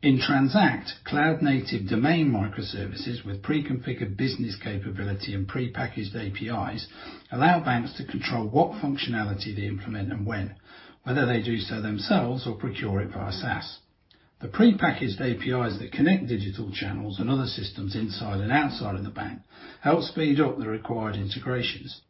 In Transact, cloud-native domain microservices with pre-configured business capability and pre-packaged APIs allow banks to control what functionality they implement and when, whether they do so themselves or procure it via SaaS. The pre-packaged APIs that connect digital channels and other systems inside and outside of the bank help speed up the required integrations.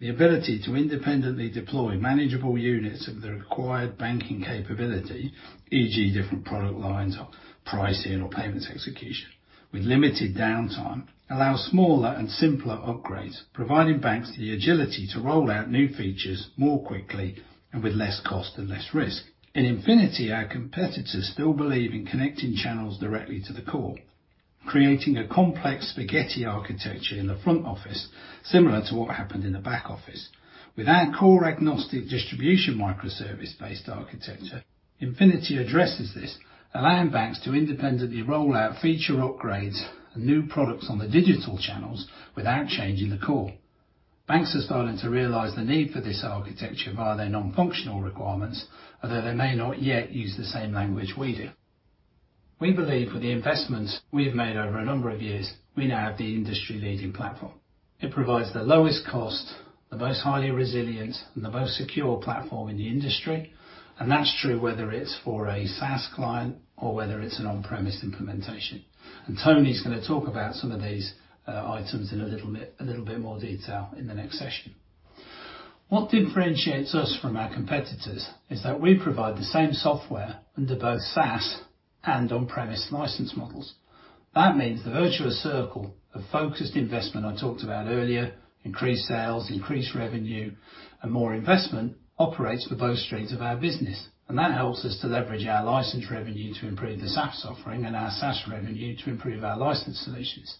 The ability to independently deploy manageable units of the required banking capability, e.g., different product lines or pricing or payments execution, with limited downtime, allows smaller and simpler upgrades, providing banks the agility to roll out new features more quickly and with less cost and less risk. In Infinity, our competitors still believe in connecting channels directly to the core, creating a complex spaghetti architecture in the front office, similar to what happened in the back office. With our core agnostic distribution microservice-based architecture, Temenos Infinity addresses this, allowing banks to independently roll out feature upgrades and new products on the digital channels without changing the core. Banks are starting to realize the need for this architecture via their non-functional requirements, although they may not yet use the same language we do. We believe with the investments we have made over a number of years, we now have the industry-leading platform. It provides the lowest cost, the most highly resilient, and the most secure platform in the industry. That's true whether it's for a SaaS client or whether it's an on-premise implementation. Tony's going to talk about some of these items in a little bit more detail in the next session. What differentiates us from our competitors is that we provide the same software under both SaaS and on-premise license models. That means the virtuous circle of focused investment I talked about earlier, increased sales, increased revenue, and more investment operates for both streams of our business, and that helps us to leverage our license revenue to improve the SaaS offering and our SaaS revenue to improve our license solutions.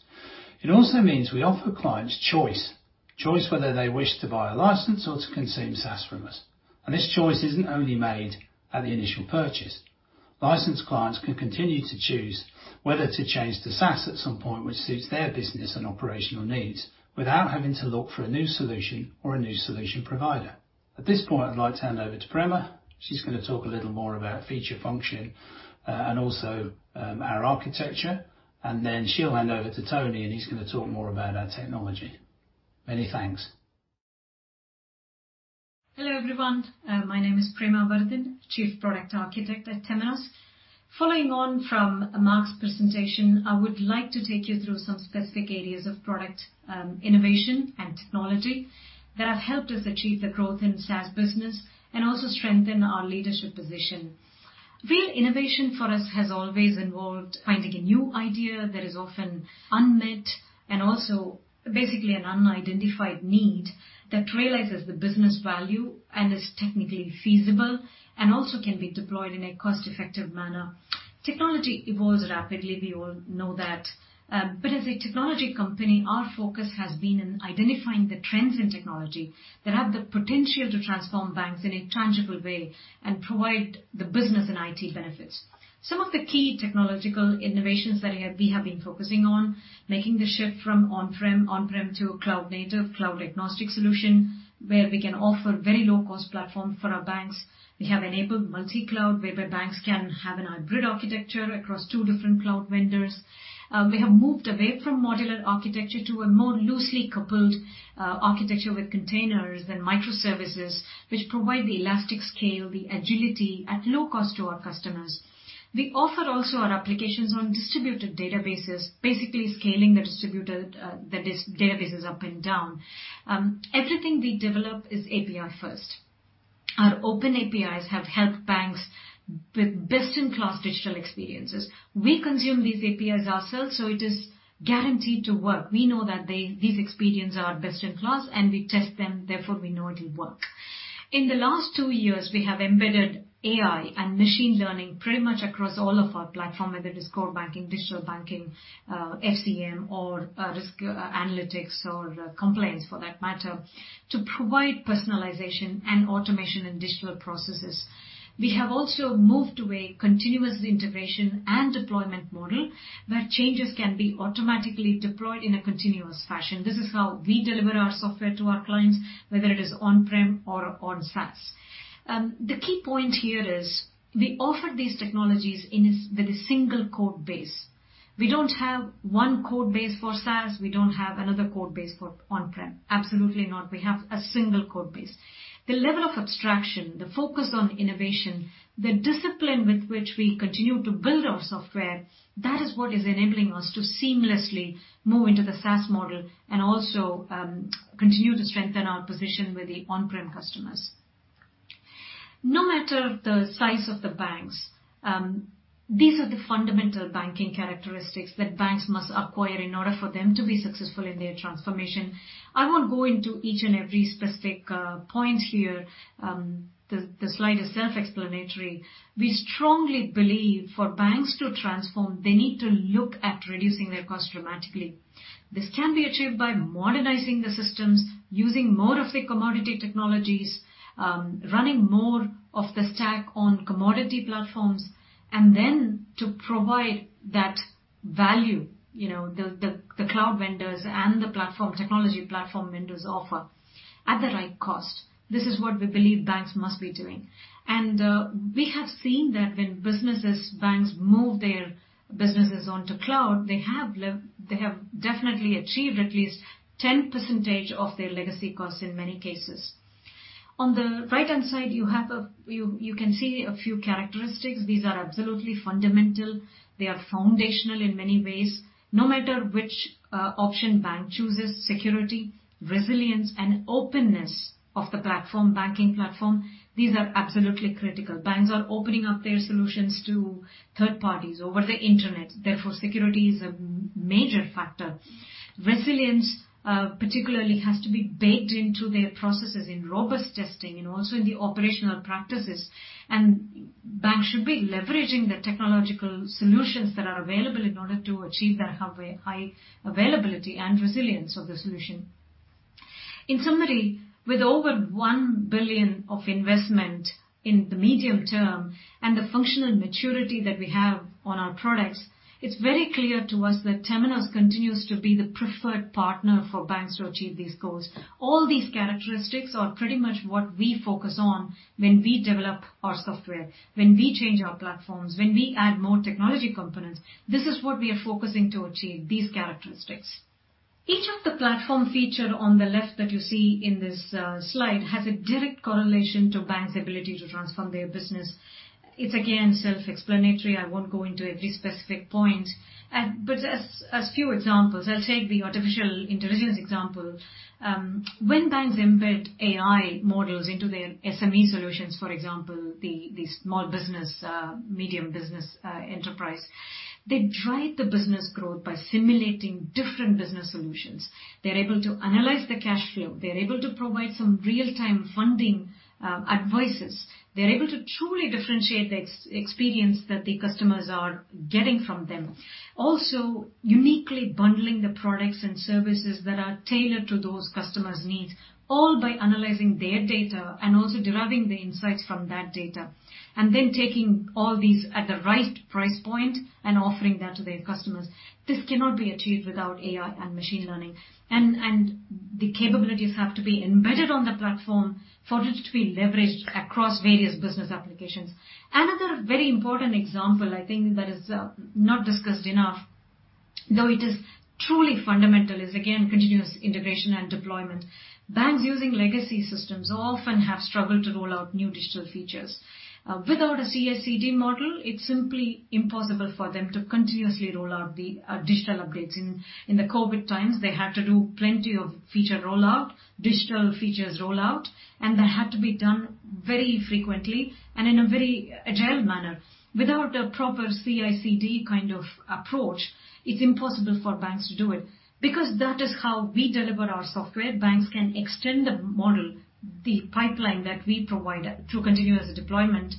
It also means we offer clients choice whether they wish to buy a license or to consume SaaS from us. This choice isn't only made at the initial purchase. License clients can continue to choose whether to change to SaaS at some point which suits their business and operational needs without having to look for a new solution or a new solution provider. At this point, I'd like to hand over to Prema. She's going to talk a little more about feature function, and also our architecture. She'll hand over to Tony, and he's going to talk more about our technology. Many thanks. Hello, everyone. My name is Prema Varadhan, Chief Product Architect at Temenos. Following on from Mark's presentation, I would like to take you through some specific areas of product innovation and technology that have helped us achieve the growth in the SaaS business and also strengthen our leadership position. Real innovation for us has always involved finding a new idea that is often unmet and also basically an unidentified need that realizes the business value and is technically feasible and also can be deployed in a cost-effective manner. Technology evolves rapidly, we all know that. As a technology company, our focus has been in identifying the trends in technology that have the potential to transform banks in a tangible way and provide the business and IT benefits. Some of the key technological innovations that we have been focusing on, making the shift from on-prem to a cloud-native, cloud-agnostic solution, where we can offer very low cost platform for our banks. We have enabled multi-cloud, whereby banks can have a hybrid architecture across two different cloud vendors. We have moved away from modular architecture to a more loosely coupled architecture with containers and microservices, which provide the elastic scale, the agility at low cost to our customers. We offer also our applications on distributed databases, basically scaling the databases up and down. Everything we develop is API first. Our open APIs have helped banks with best-in-class digital experiences. We consume these APIs ourselves, so it is guaranteed to work. We know that these experiences are best in class, and we test them, therefore, we know it will work. In the last two years, we have embedded AI and machine learning pretty much across all of our platform, whether it is core banking, digital banking, FCM or risk analytics or complaince, for that matter, to provide personalization and automation in digital processes. We have also moved to a continuous integration and deployment model, where changes can be automatically deployed in a continuous fashion. This is how we deliver our software to our clients, whether it is on-prem or on SaaS. The key point here is we offer these technologies with a single code base. We don't have one code base for SaaS. We don't have another code base for on-prem. Absolutely not. We have a single code base. The level of abstraction, the focus on innovation, the discipline with which we continue to build our software, that is what is enabling us to seamlessly move into the SaaS model and also continue to strengthen our position with the on-prem customers. No matter the size of the banks, these are the fundamental banking characteristics that banks must acquire in order for them to be successful in their transformation. I won't go into each and every specific point here. The slide is self-explanatory. We strongly believe for banks to transform, they need to look at reducing their cost dramatically. This can be achieved by modernizing the systems, using more of the commodity technologies, running more of the stack on commodity platforms, and then to provide that value, the cloud vendors and the technology platform vendors offer at the right cost. This is what we believe banks must be doing. We have seen that when businesses, banks move their businesses onto cloud, they have definitely achieved at least 10% of their legacy costs in many cases. On the right-hand side, you can see a few characteristics. These are absolutely fundamental. They are foundational in many ways. No matter which option bank chooses, security, resilience, and openness of the banking platform, these are absolutely critical. Banks are opening up their solutions to third parties over the internet. Therefore, security is a major factor. Resilience particularly has to be baked into their processes in robust testing and also in the operational practices. Banks should be leveraging the technological solutions that are available in order to achieve that high availability and resilience of the solution. In summary, with over $1 billion of investment in the medium term and the functional maturity that we have on our products, it's very clear to us that Temenos continues to be the preferred partner for banks to achieve these goals. All these characteristics are pretty much what we focus on when we develop our software, when we change our platforms, when we add more technology components. This is what we are focusing to achieve, these characteristics. Each of the platform featured on the left that you see in this slide has a direct correlation to banks' ability to transform their business. It's again, self-explanatory. I won't go into every specific point. As few examples, I'll take the artificial intelligence example. When banks embed AI models into their SME solutions, for example, the small business, medium business enterprise, they drive the business growth by simulating different business solutions. They're able to analyze the cash flow. They're able to provide some real-time funding advices. They're able to truly differentiate the experience that the customers are getting from them. Also, uniquely bundling the products and services that are tailored to those customers' needs, all by analyzing their data and also deriving the insights from that data. Taking all these at the right price point and offering that to their customers. This cannot be achieved without AI and machine learning. The capabilities have to be embedded on the platform for it to be leveraged across various business applications. Another very important example, I think that is not discussed enough, though it is truly fundamental, is again, continuous integration and deployment. Banks using legacy systems often have struggled to roll out new digital features. Without a CI/CD model, it is simply impossible for them to continuously roll out the digital upgrades. In the COVID times, they had to do plenty of feature rollout, digital features rollout, and that had to be done very frequently and in a very agile manner. Without a proper CI/CD kind of approach, it is impossible for banks to do it. Because that is how we deliver our software, banks can extend the model, the pipeline that we provide through continuous deployment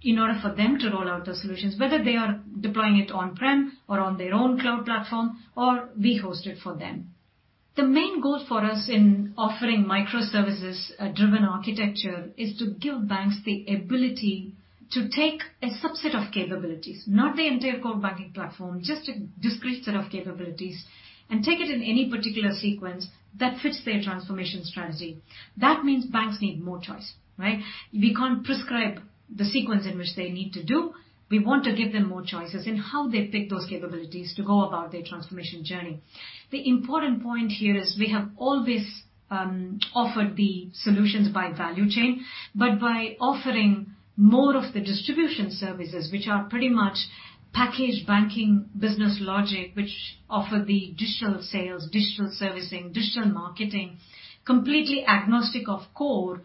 in order for them to roll out those solutions, whether they are deploying it on-prem or on their own cloud platform, or we host it for them. The main goal for us in offering microservices-driven architecture is to give banks the ability to take a subset of capabilities, not the entire core banking platform, just a discrete set of capabilities, and take it in any particular sequence that fits their transformation strategy. That means banks need more choice, right? We can't prescribe the sequence in which they need to do. We want to give them more choices in how they pick those capabilities to go about their transformation journey. The important point here is we have always offered the solutions by value chain, but by offering more of the distribution services, which are pretty much packaged banking business logic, which offer the digital sales, digital servicing, digital marketing, completely agnostic of core,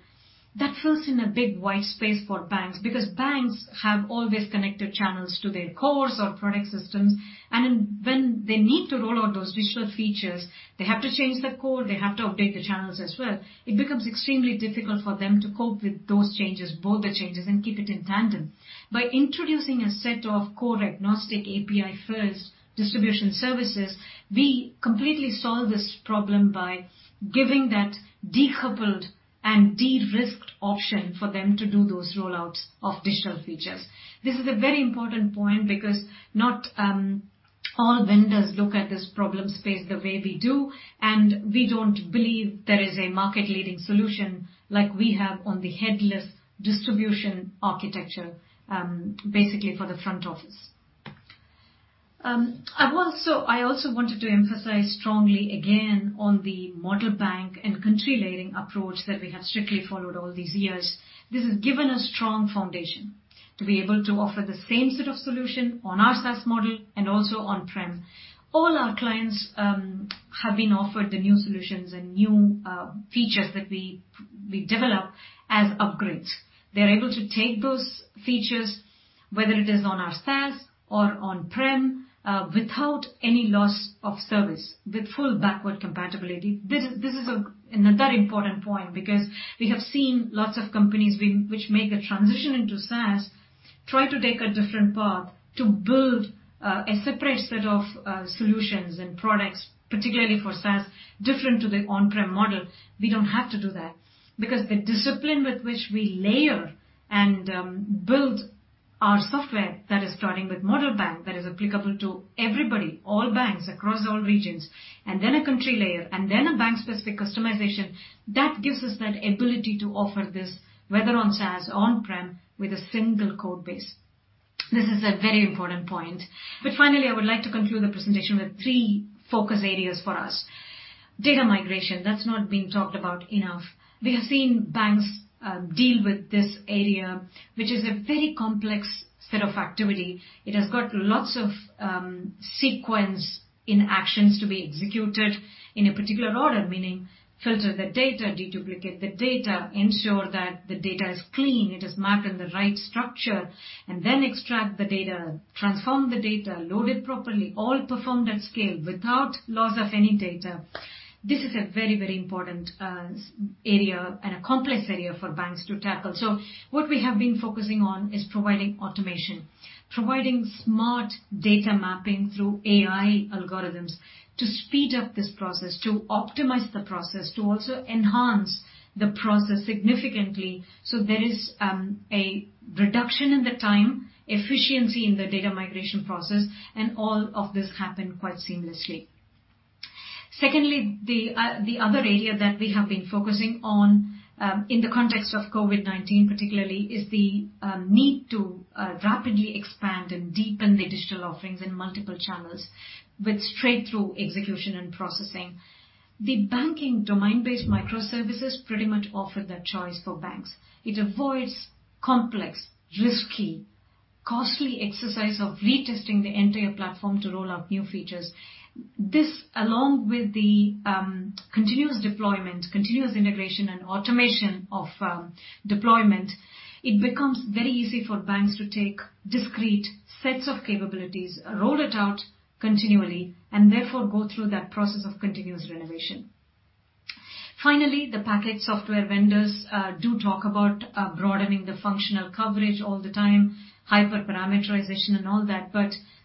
that fills in a big white space for banks. Because banks have always connected channels to their cores or product systems, and when they need to roll out those digital features, they have to change the core, they have to update the channels as well. It becomes extremely difficult for them to cope with those changes, both the changes, and keep it in tandem. By introducing a set of core agnostic API-first distribution services, we completely solve this problem by giving that decoupled and de-risked option for them to do those rollouts of digital features. This is a very important point because not all vendors look at this problem space the way we do, and we don't believe there is a market-leading solution like we have on the headless distribution architecture basically for the front office. I also wanted to emphasize strongly again on the model bank and country layering approach that we have strictly followed all these years. This has given us strong foundation to be able to offer the same set of solution on our SaaS model and also on-prem. All our clients have been offered the new solutions and new features that we develop as upgrades. They're able to take those features, whether it is on our SaaS or on-prem, without any loss of service, with full backward compatibility. This is a very important point because we have seen lots of companies which make a transition into SaaS try to take a different path to build a separate set of solutions and products, particularly for SaaS, different to the on-prem model. We don't have to do that because the discipline with which we layer and build our software, that is starting with model bank, that is applicable to everybody, all banks across all regions, and then a country layer, and then a bank-specific customization, that gives us that ability to offer this whether on SaaS, on-prem, with a single code base. This is a very important point. Finally, I would like to conclude the presentation with three focus areas for us. Data migration, that's not been talked about enough. We have seen banks deal with this area, which is a very complex set of activity. It has got lots of sequence in actions to be executed in a particular order, meaning filter the data, de-duplicate the data, ensure that the data is clean, it is mapped in the right structure, and then extract the data, transform the data, load it properly, all performed at scale without loss of any data. This is a very important area and a complex area for banks to tackle. What we have been focusing on is providing automation, providing smart data mapping through AI algorithms to speed up this process, to optimize the process, to also enhance the process significantly so there is a reduction in the time, efficiency in the data migration process. All of this happen quite seamlessly. Secondly, the other area that we have been focusing on, in the context of COVID-19 particularly, is the need to rapidly expand and deepen the digital offerings in multiple channels with straight-through execution and processing. The banking domain-based microservices pretty much offer that choice for banks. It avoids complex, risky, costly exercise of retesting the entire platform to roll out new features. This, along with the continuous deployment, continuous integration, and automation of deployment, it becomes very easy for banks to take discrete sets of capabilities, roll it out continually, and therefore go through that process of continuous renovation. Finally, the packaged software vendors do talk about broadening the functional coverage all the time, hyperparameterization and all that.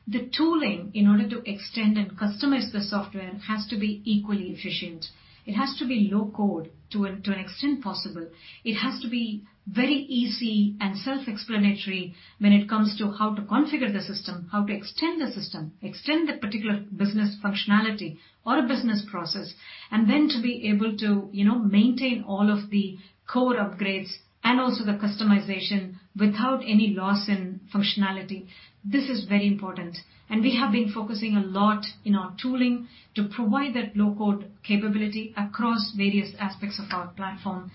The tooling, in order to extend and customize the software, has to be equally efficient. It has to be low code to an extent possible. It has to be very easy and self-explanatory when it comes to how to configure the system, how to extend the system, extend the particular business functionality or a business process, and then to be able to maintain all of the code upgrades and also the customization without any loss in functionality. This is very important. We have been focusing a lot in our tooling to provide that low-code capability across various aspects of our platform.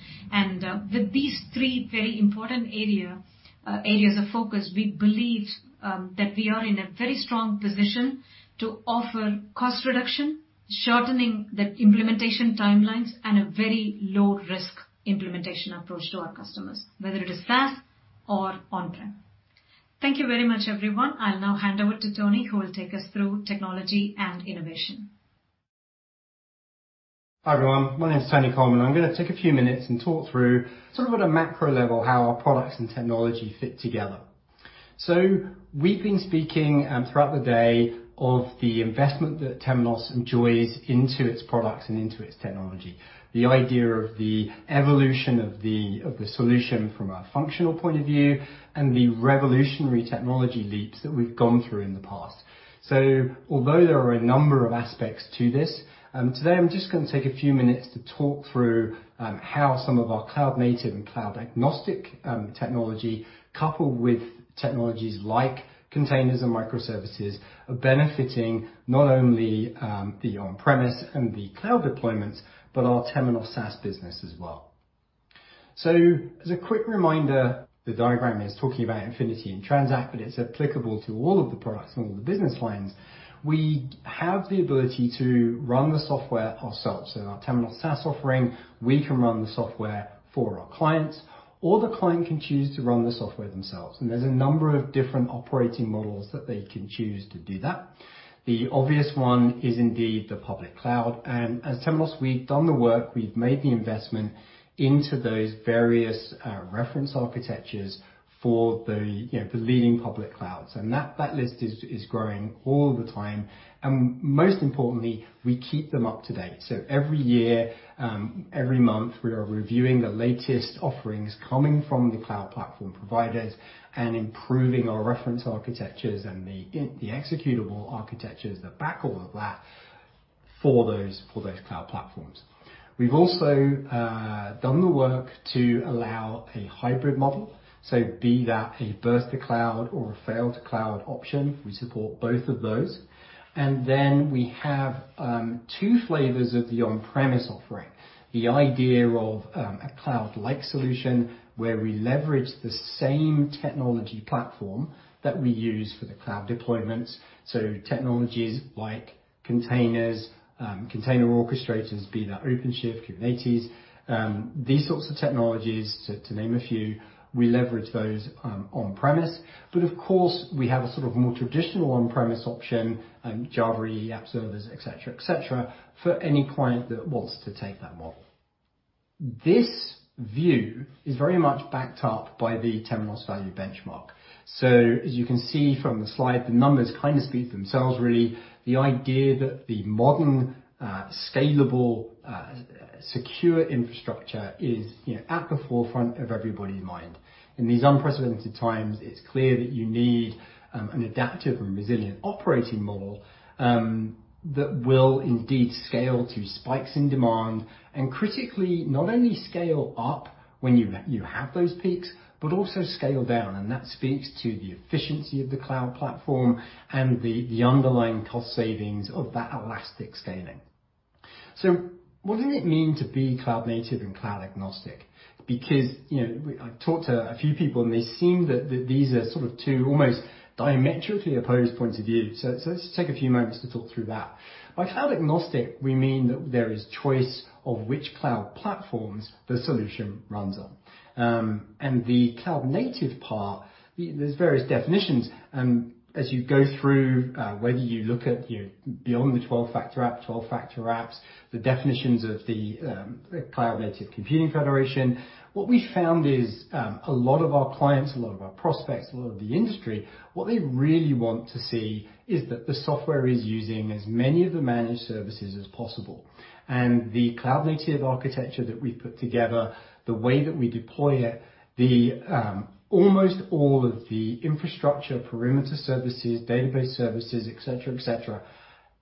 With these three very important areas of focus, we believe that we are in a very strong position to offer cost reduction, shortening the implementation timelines, and a very low-risk implementation approach to our customers, whether it is SaaS or on-prem. Thank you very much, everyone. I'll now hand over to Tony, who will take us through technology and innovation. Hi, everyone. My name is Tony Coleman. I'm going to take a few minutes and talk through sort of at a macro level how our products and technology fit together. We've been speaking throughout the day of the investment that Temenos enjoys into its products and into its technology, the idea of the evolution of the solution from a functional point of view, and the revolutionary technology leaps that we've gone through in the past. Although there are a number of aspects to this, today I'm just going to take a few minutes to talk through how some of our cloud-native and cloud-agnostic technology, coupled with technologies like containers and microservices, are benefiting not only the on-premise and the cloud deployments, but our Temenos SaaS business as well. As a quick reminder, the diagram is talking about Infinity and Transact, but it's applicable to all of the products and all the business lines. We have the ability to run the software ourselves. In our Temenos SaaS offering, we can run the software for our clients, or the client can choose to run the software themselves, and there's a number of different operating models that they can choose to do that. The obvious one is indeed the public cloud, and as Temenos, we've done the work, we've made the investment into those various reference architectures for the leading public clouds. That list is growing all the time, and most importantly, we keep them up to date. Every year, every month, we are reviewing the latest offerings coming from the cloud platform providers and improving our reference architectures and the executable architectures that back all of that for those cloud platforms. We've also done the work to allow a hybrid model, be that a burst to cloud or a fail to cloud option, we support both of those. We have two flavors of the on-premise offering. The idea of a cloud-like solution where we leverage the same technology platform that we use for the cloud deployments. Technologies like containers, container orchestrators, be that OpenShift, Kubernetes, these sorts of technologies, to name a few, we leverage those on-premise. Of course, we have a more traditional on-premise option, Java EE app servers, et cetera, for any client that wants to take that model. This view is very much backed up by the Temenos Value Benchmark. As you can see from the slide, the numbers speak for themselves, really. The idea that the modern, scalable, secure infrastructure is at the forefront of everybody's mind. In these unprecedented times, it's clear that you need an adaptive and resilient operating model that will indeed scale to spikes in demand, and critically, not only scale up when you have those peaks, but also scale down. That speaks to the efficiency of the cloud platform and the underlying cost savings of that elastic scaling. What does it mean to be cloud-native and cloud-agnostic? Because I've talked to a few people, and they seem that these are two almost diametrically opposed points of view. Let's take a few moments to talk through that. By cloud-agnostic, we mean that there is choice of which cloud platforms the solution runs on. The cloud-native part, there's various definitions. As you go through, whether you look at beyond the 12-factor app, 12-factor apps, the definitions of the Cloud Native Computing Foundation, what we've found is a lot of our clients, a lot of our prospects, a lot of the industry, what they really want to see is that the software is using as many of the managed services as possible. The cloud-native architecture that we've put together, the way that we deploy it, almost all of the infrastructure, perimeter services, database services, et cetera.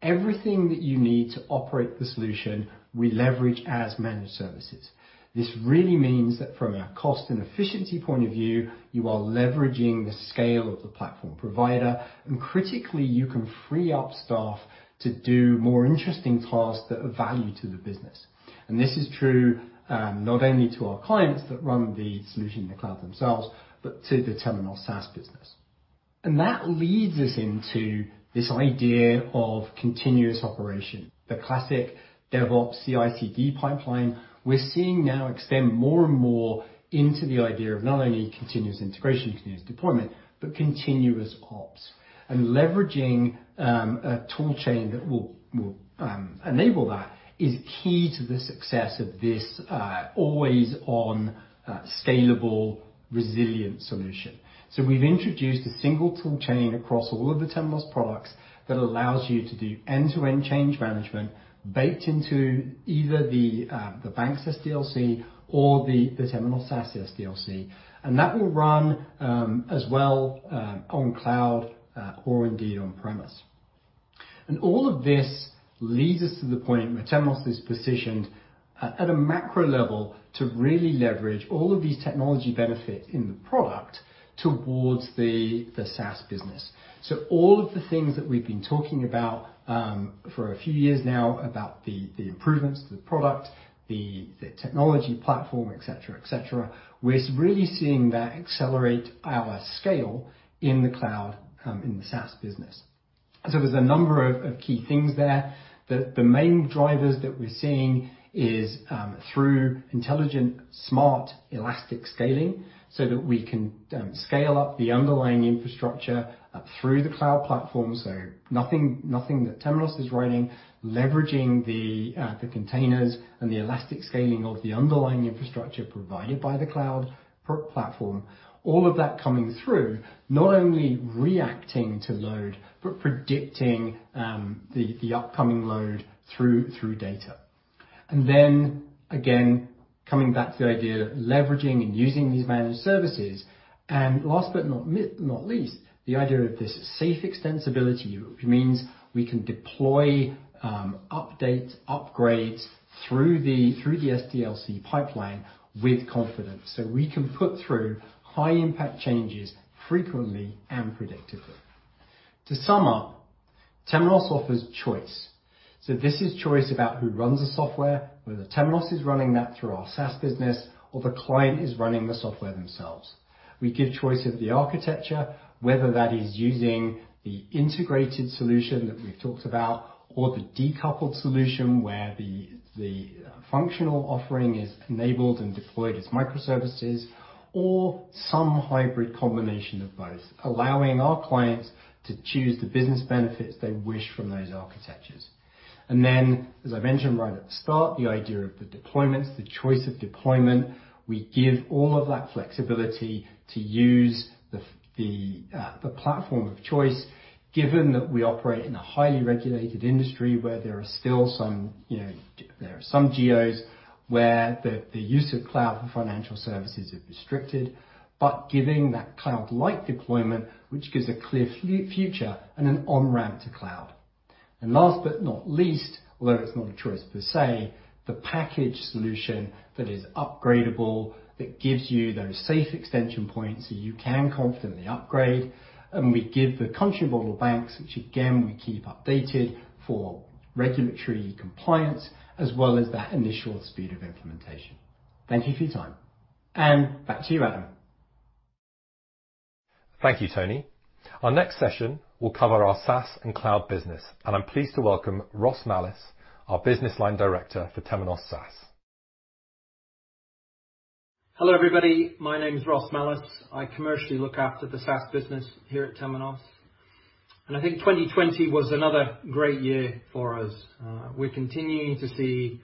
Everything that you need to operate the solution, we leverage as managed services. This really means that from a cost and efficiency point of view, you are leveraging the scale of the platform provider, and critically, you can free up staff to do more interesting tasks that add value to the business. This is true, not only to our clients that run the solution in the cloud themselves, but to the Temenos SaaS business. That leads us into this idea of continuous operation. The classic DevOps CI/CD pipeline, we're seeing now extend more and more into the idea of not only continuous integration, continuous deployment, but continuous ops. Leveraging a tool chain that will enable that is key to the success of this always-on scalable, resilient solution. We've introduced a single tool chain across all of the Temenos products that allows you to do end-to-end change management baked into either the bank's SDLC or the Temenos SaaS SDLC. That will run as well on cloud or indeed on-premise. All of this leads us to the point where Temenos is positioned at a macro level to really leverage all of these technology benefits in the product towards the SaaS business. All of the things that we've been talking about for a few years now, about the improvements to the product, the technology platform, et cetera. We're really seeing that accelerate our scale in the cloud, in the SaaS business. There's a number of key things there. The main drivers that we're seeing is through intelligent, smart, elastic scaling so that we can scale up the underlying infrastructure up through the cloud platform. Nothing that Temenos is running, leveraging the containers and the elastic scaling of the underlying infrastructure provided by the cloud platform. All of that coming through, not only reacting to load, but predicting the upcoming load through data. Then, again, coming back to the idea of leveraging and using these managed services. Last but not least, the idea of this safe extensibility, which means we can deploy updates, upgrades through the SDLC pipeline with confidence. We can put through high impact changes frequently and predictably. To sum up, Temenos offers choice. This is choice about who runs the software, whether Temenos is running that through our SaaS business or the client is running the software themselves. We give choice of the architecture, whether that is using the integrated solution that we've talked about, or the decoupled solution where the functional offering is enabled and deployed as microservices, or some hybrid combination of both, allowing our clients to choose the business benefits they wish from those architectures. Then, as I mentioned right at the start, the idea of the deployments, the choice of deployment. We give all of that flexibility to use the platform of choice, given that we operate in a highly regulated industry where there are some geos where the use of cloud for financial services is restricted. Giving that cloud-like deployment, which gives a clear future and an on-ramp to cloud. Last but not least, although it's not a choice per se, the package solution that is upgradeable, that gives you those safe extension points so you can confidently upgrade. We give the contribution model banks, which again, we keep updated for regulatory compliance as well as that initial speed of implementation. Thank you for your time. Back to you, Adam. Thank you, Tony. Our next session will cover our SaaS and cloud business. I'm pleased to welcome Ross Mallace, our business line director for Temenos SaaS. Hello, everybody. My name is Ross Mallace. I commercially look after the SaaS business here at Temenos. I think 2020 was another great year for us. We're continuing to see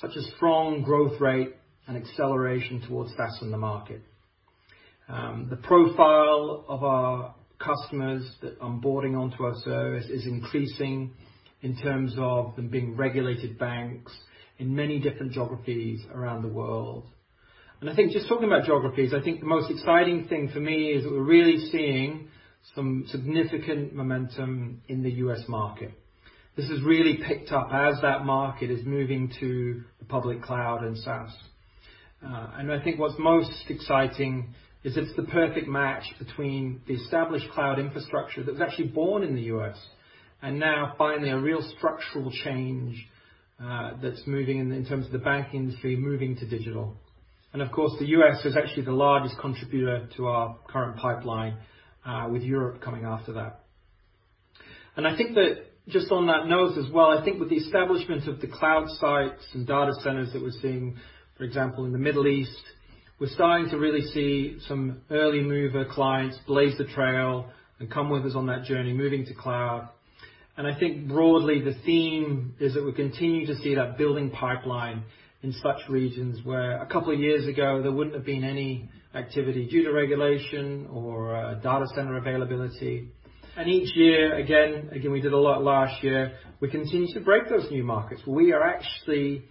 such a strong growth rate and acceleration towards SaaS in the market. The profile of our customers that onboarding onto our service is increasing in terms of them being regulated banks in many different geographies around the world. I think just talking about geographies, I think the most exciting thing for me is that we're really seeing some significant momentum in the U.S. market. This has really picked up as that market is moving to the public cloud and SaaS. I think what's most exciting is it's the perfect match between the established cloud infrastructure that was actually born in the U.S. and now finally a real structural change, that's moving in terms of the banking industry moving to digital. Of course, the U.S. is actually the largest contributor to our current pipeline, with Europe coming after that. I think that just on that note as well, I think with the establishment of the cloud sites and data centers that we're seeing, for example, in the Middle East, we're starting to really see some early mover clients blaze the trail and come with us on that journey moving to cloud. I think broadly the theme is that we're continuing to see that building pipeline in such regions where a couple of years ago there wouldn't have been any activity due to regulation or data center availability. Each year, again, we did a lot last year, we continue to break those new markets. We are actually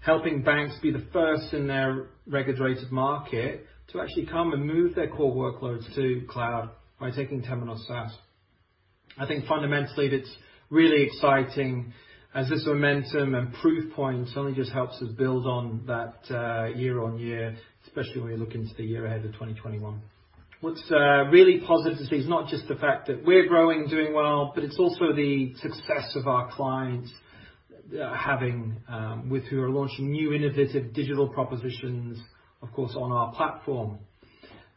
helping banks be the first in their regulated market to actually come and move their core workloads to cloud by taking Temenos SaaS. I think fundamentally it's really exciting as this momentum and proof point suddenly just helps us build on that year on year, especially when we look into the year ahead of 2021. Really positive to see is not just the fact that we're growing and doing well, but it's also the success of our clients we're having, with who are launching new innovative digital propositions, of course, on our platform.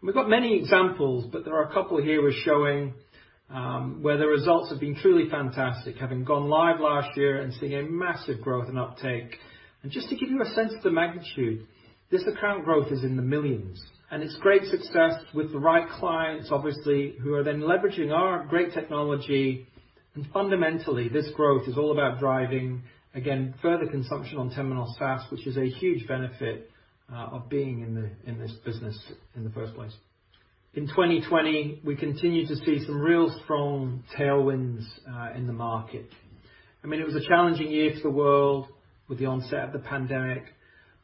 We've got many examples, but there are a couple here we're showing, where the results have been truly fantastic, having gone live last year and seeing a massive growth and uptake. Just to give you a sense of the magnitude, this account growth is in the millions, and it's great success with the right clients, obviously, who are then leveraging our great technology. Fundamentally, this growth is all about driving, again, further consumption on Temenos SaaS, which is a huge benefit of being in this business in the first place. In 2020, we continued to see some real strong tailwinds in the market. It was a challenging year for the world with the onset of the pandemic,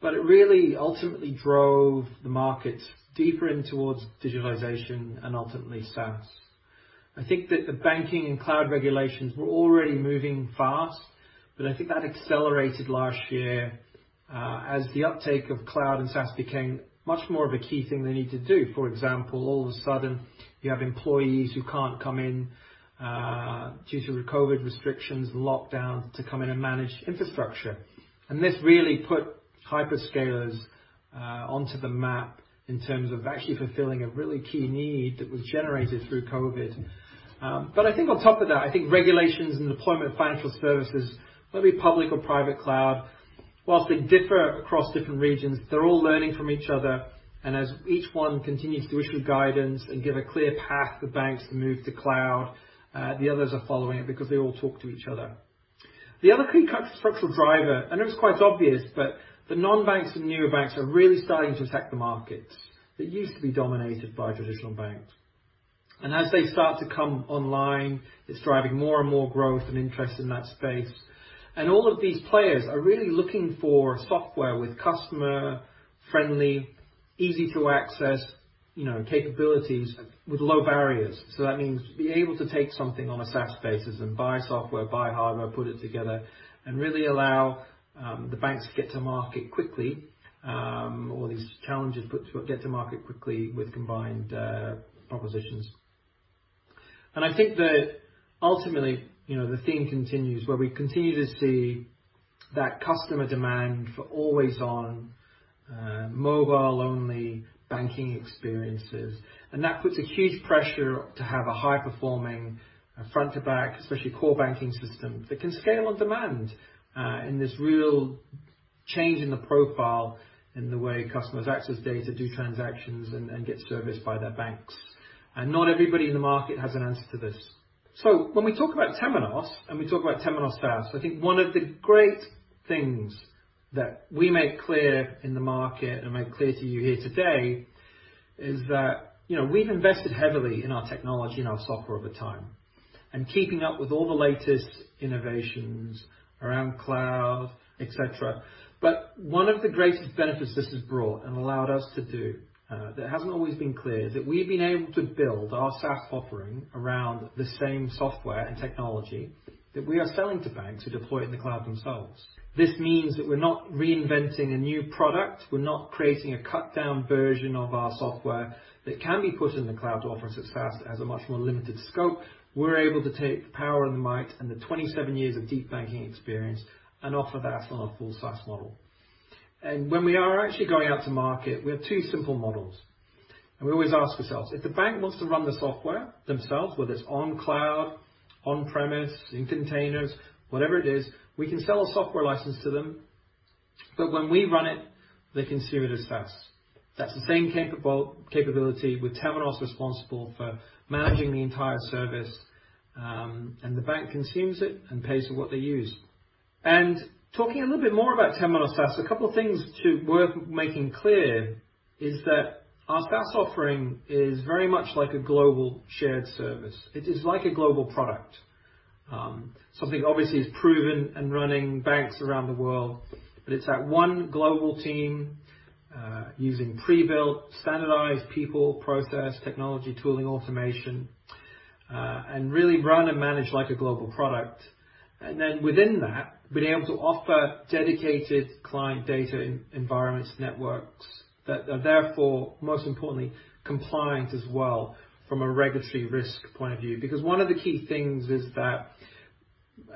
but it really ultimately drove the market deeper in towards digitalization and ultimately SaaS. I think that the banking and cloud regulations were already moving fast, but I think that accelerated last year, as the uptake of cloud and SaaS became much more of a key thing they need to do. For example, all of a sudden you have employees who can't come in, due to the COVID restrictions, lockdowns to come in and manage infrastructure. This really put hyperscalers onto the map in terms of actually fulfilling a really key need that was generated through COVID. I think on top of that, I think regulations and deployment of financial services, whether it be public or private cloud, whilst they differ across different regions, they're all learning from each other. As each one continues to issue guidance and give a clear path for banks to move to cloud, the others are following it because they all talk to each other. The other key structural driver, and it's quite obvious, but the non-banks and newer banks are really starting to attack the markets that used to be dominated by traditional banks. As they start to come online, it's driving more and more growth and interest in that space. All of these players are really looking for software with customer-friendly, easy-to-access capabilities with low barriers. That means being able to take something on a SaaS basis and buy software, buy hardware, put it together, and really allow the banks to get to market quickly, all these challenges, but get to market quickly with combined propositions. I think that ultimately the theme continues where we continue to see that customer demand for always on mobile-only banking experiences. That puts a huge pressure to have a high performing front to back, especially core banking systems that can scale on demand, in this real change in the profile in the way customers access data, do transactions, and get serviced by their banks. Not everybody in the market has an answer to this. When we talk about Temenos, and we talk about Temenos SaaS, I think one of the great things that we make clear in the market and make clear to you here today is that we've invested heavily in our technology and our software over time, and keeping up with all the latest innovations around cloud, et cetera. One of the greatest benefits this has brought and allowed us to do, that hasn't always been clear, is that we've been able to build our SaaS offering around the same software and technology that we are selling to banks to deploy in the cloud themselves. This means that we're not reinventing a new product. We're not creating a cut-down version of our software that can be put in the cloud to offer as a SaaS, as a much more limited scope. We're able to take the power and the might and the 27 years of deep banking experience and offer that on our full SaaS model. When we are actually going out to market, we have two simple models. We always ask ourselves, if the bank wants to run the software themselves, whether it's on-cloud, on-premise, in containers, whatever it is, we can sell a software license to them. When we run it, they consume it as SaaS. That's the same capability with Temenos responsible for managing the entire service, and the bank consumes it and pays for what they use. Talking a little bit more about Temenos SaaS, a couple things worth making clear is that our SaaS offering is very much like a global shared service. It is like a global product. Something obviously is proven and running banks around the world, but it's that one global team, using pre-built, standardized people, process, technology, tooling, automation, and really run and managed like a global product. Within that, being able to offer dedicated client data environments, networks that are therefore, most importantly, compliant as well from a regulatory risk point of view. One of the key things is that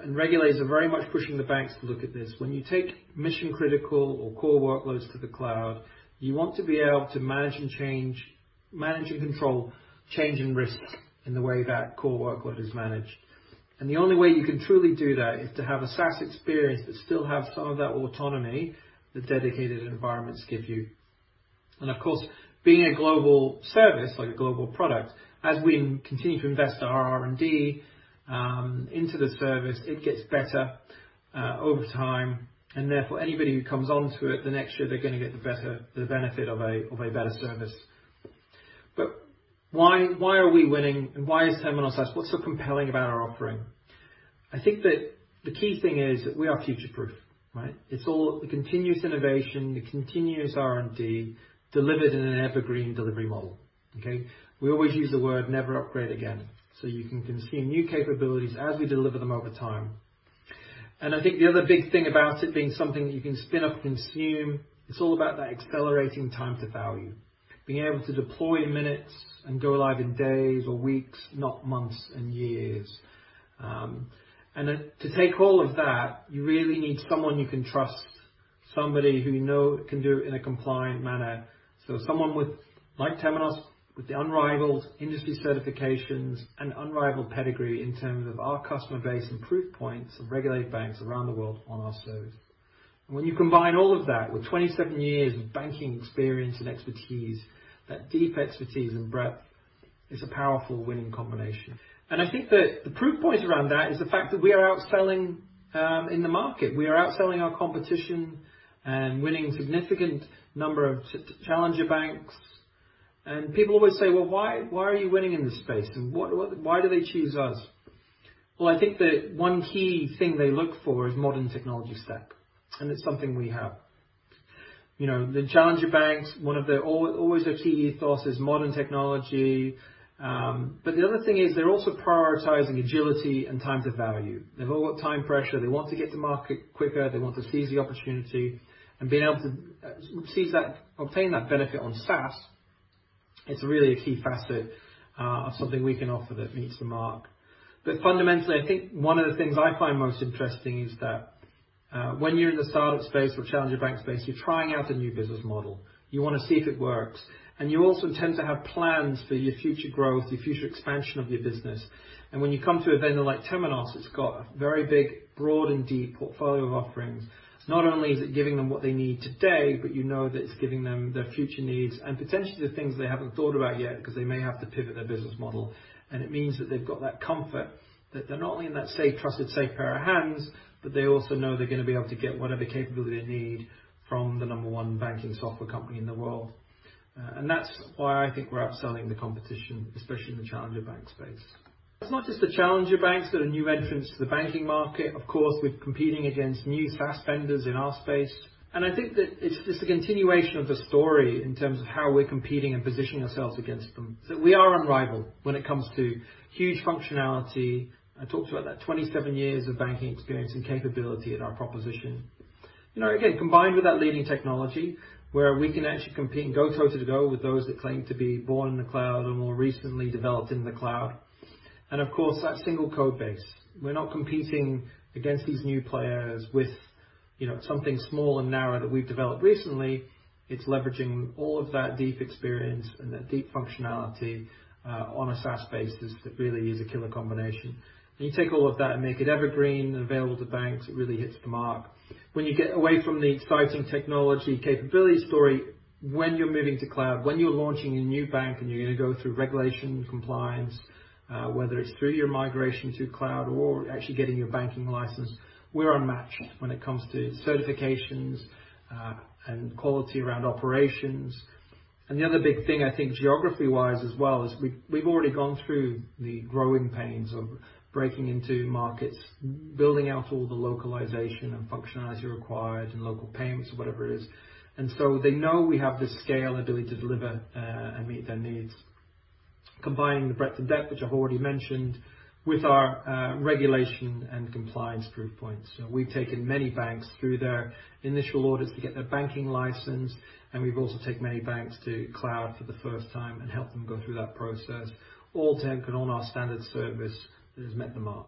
regulators are very much pushing the banks to look at this. When you take mission-critical or core workloads to the cloud, you want to be able to manage and control change and risks in the way that core workload is managed. The only way you can truly do that is to have a SaaS experience but still have some of that autonomy that dedicated environments give you. Of course, being a global service like a global product, as we continue to invest our R&D into the service, it gets better over time, and therefore anybody who comes onto it, the next year, they're going to get the benefit of a better service. Why are we winning and why is Temenos SaaS? What's so compelling about our offering? I think that the key thing is that we are future-proof. It's all the continuous innovation, the continuous R&D delivered in an evergreen delivery model. Okay? We always use the word never upgrade again. You can consume new capabilities as we deliver them over time. I think the other big thing about it being something that you can spin up and consume, it's all about that accelerating time to value. Being able to deploy in minutes and go live in days or weeks, not months and years. To take all of that, you really need someone you can trust, somebody who you know can do it in a compliant manner. Someone like Temenos, with the unrivaled industry certifications and unrivaled pedigree in terms of our customer base and proof points of regulated banks around the world on our service. When you combine all of that with 27 years of banking experience and expertise, that deep expertise and breadth is a powerful winning combination. I think that the proof points around that is the fact that we are outselling in the market. We are outselling our competition and winning a significant number of challenger banks. People always say, Well, why are you winning in this space? Why do they choose us? Well, I think that one key thing they look for is modern technology stack, and it's something we have. The challenger banks, always their key ethos is modern technology. The other thing is they're also prioritizing agility and time to value. They've all got time pressure. They want to get to market quicker. They want to seize the opportunity. Being able to obtain that benefit on SaaS, it's really a key facet of something we can offer that meets the mark. Fundamentally, I think one of the things I find most interesting is that when you're in the startup space or challenger bank space, you're trying out a new business model. You want to see if it works. You also tend to have plans for your future growth, your future expansion of your business. When you come to a vendor like Temenos, it's got a very big, broad and deep portfolio of offerings. Not only is it giving them what they need today, but you know that it's giving them their future needs and potentially the things they haven't thought about yet because they may have to pivot their business model. It means that they've got that comfort that they're not only in that trusted, safe pair of hands, but they also know they're going to be able to get whatever capability they need from the number one banking software company in the world. That's why I think we're outselling the competition, especially in the challenger bank space. It's not just the challenger banks that are new entrants to the banking market. Of course, we're competing against new SaaS vendors in our space. I think that it's a continuation of a story in terms of how we're competing and positioning ourselves against them. We are unrivaled when it comes to huge functionality. I talked about that 27 years of banking experience and capability at our proposition. Again, combined with that leading technology, where we can actually compete and go toe-to-toe with those that claim to be born in the cloud or more recently developed in the cloud. Of course, that single code base. We're not competing against these new players with something small and narrow that we've developed recently. It's leveraging all of that deep experience and that deep functionality on a SaaS basis to really use a killer combination. You take all of that and make it evergreen and available to banks, it really hits the mark. When you get away from the exciting technology capability story, when you're moving to cloud, when you're launching a new bank, and you're going to go through regulation and compliance, whether it's through your migration to cloud or actually getting your banking license, we're unmatched when it comes to certifications and quality around operations. The other big thing, I think geography-wise as well is we've already gone through the growing pains of breaking into markets, building out all the localization and functionality required and local payments or whatever it is. They know we have the scalability to deliver, and meet their needs. Combining the breadth and depth, which I've already mentioned, with our regulation and compliance proof points. We've taken many banks through their initial orders to get their banking license, and we've also taken many banks to cloud for the first time and helped them go through that process, all taken on our standard service that has met the mark.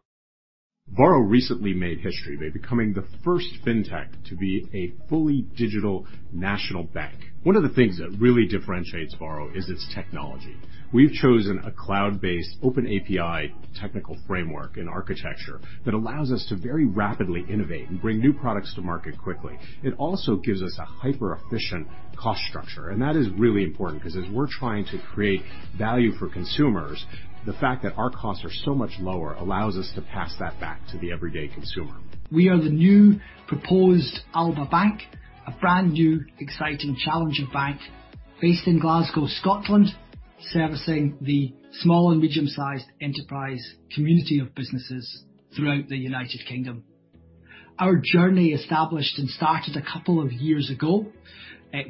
Varo recently made history by becoming the first fintech to be a fully digital national bank. One of the things that really differentiates Varo is its technology. We've chosen a cloud-based OpenAPI technical framework and architecture that allows us to very rapidly innovate and bring new products to market quickly. It also gives us a hyper-efficient cost structure, and that is really important because as we're trying to create value for consumers, the fact that our costs are so much lower allows us to pass that back to the everyday consumer. We are the new proposed Alba Bank, a brand new, exciting challenger bank based in Glasgow, Scotland, servicing the small and medium-sized enterprise community of businesses throughout the United Kingdom. Our journey established and started a couple of years ago,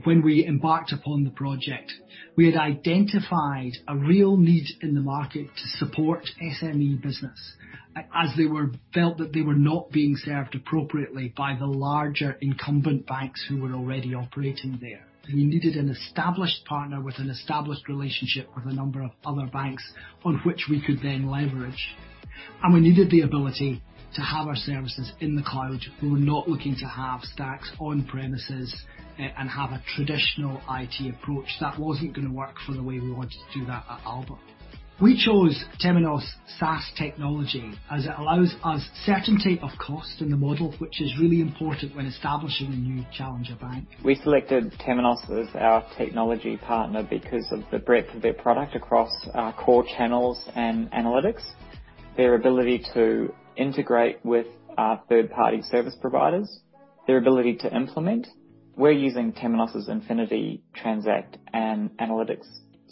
when we embarked upon the project. We had identified a real need in the market to support SME business as they felt that they were not being served appropriately by the larger incumbent banks who were already operating there. We needed an established partner with an established relationship with a number of other banks on which we could then leverage. We needed the ability to have our services in the cloud. We were not looking to have stacks on premises and have a traditional IT approach. That wasn't going to work for the way we wanted to do that at Alba. We chose Temenos SaaS technology as it allows us certainty of cost in the model, which is really important when establishing a new challenger bank. We selected Temenos as our technology partner because of the breadth of their product across our core channels and analytics, their ability to integrate with our third-party service providers, their ability to implement. We're using Temenos Infinity, Transact, and Analytics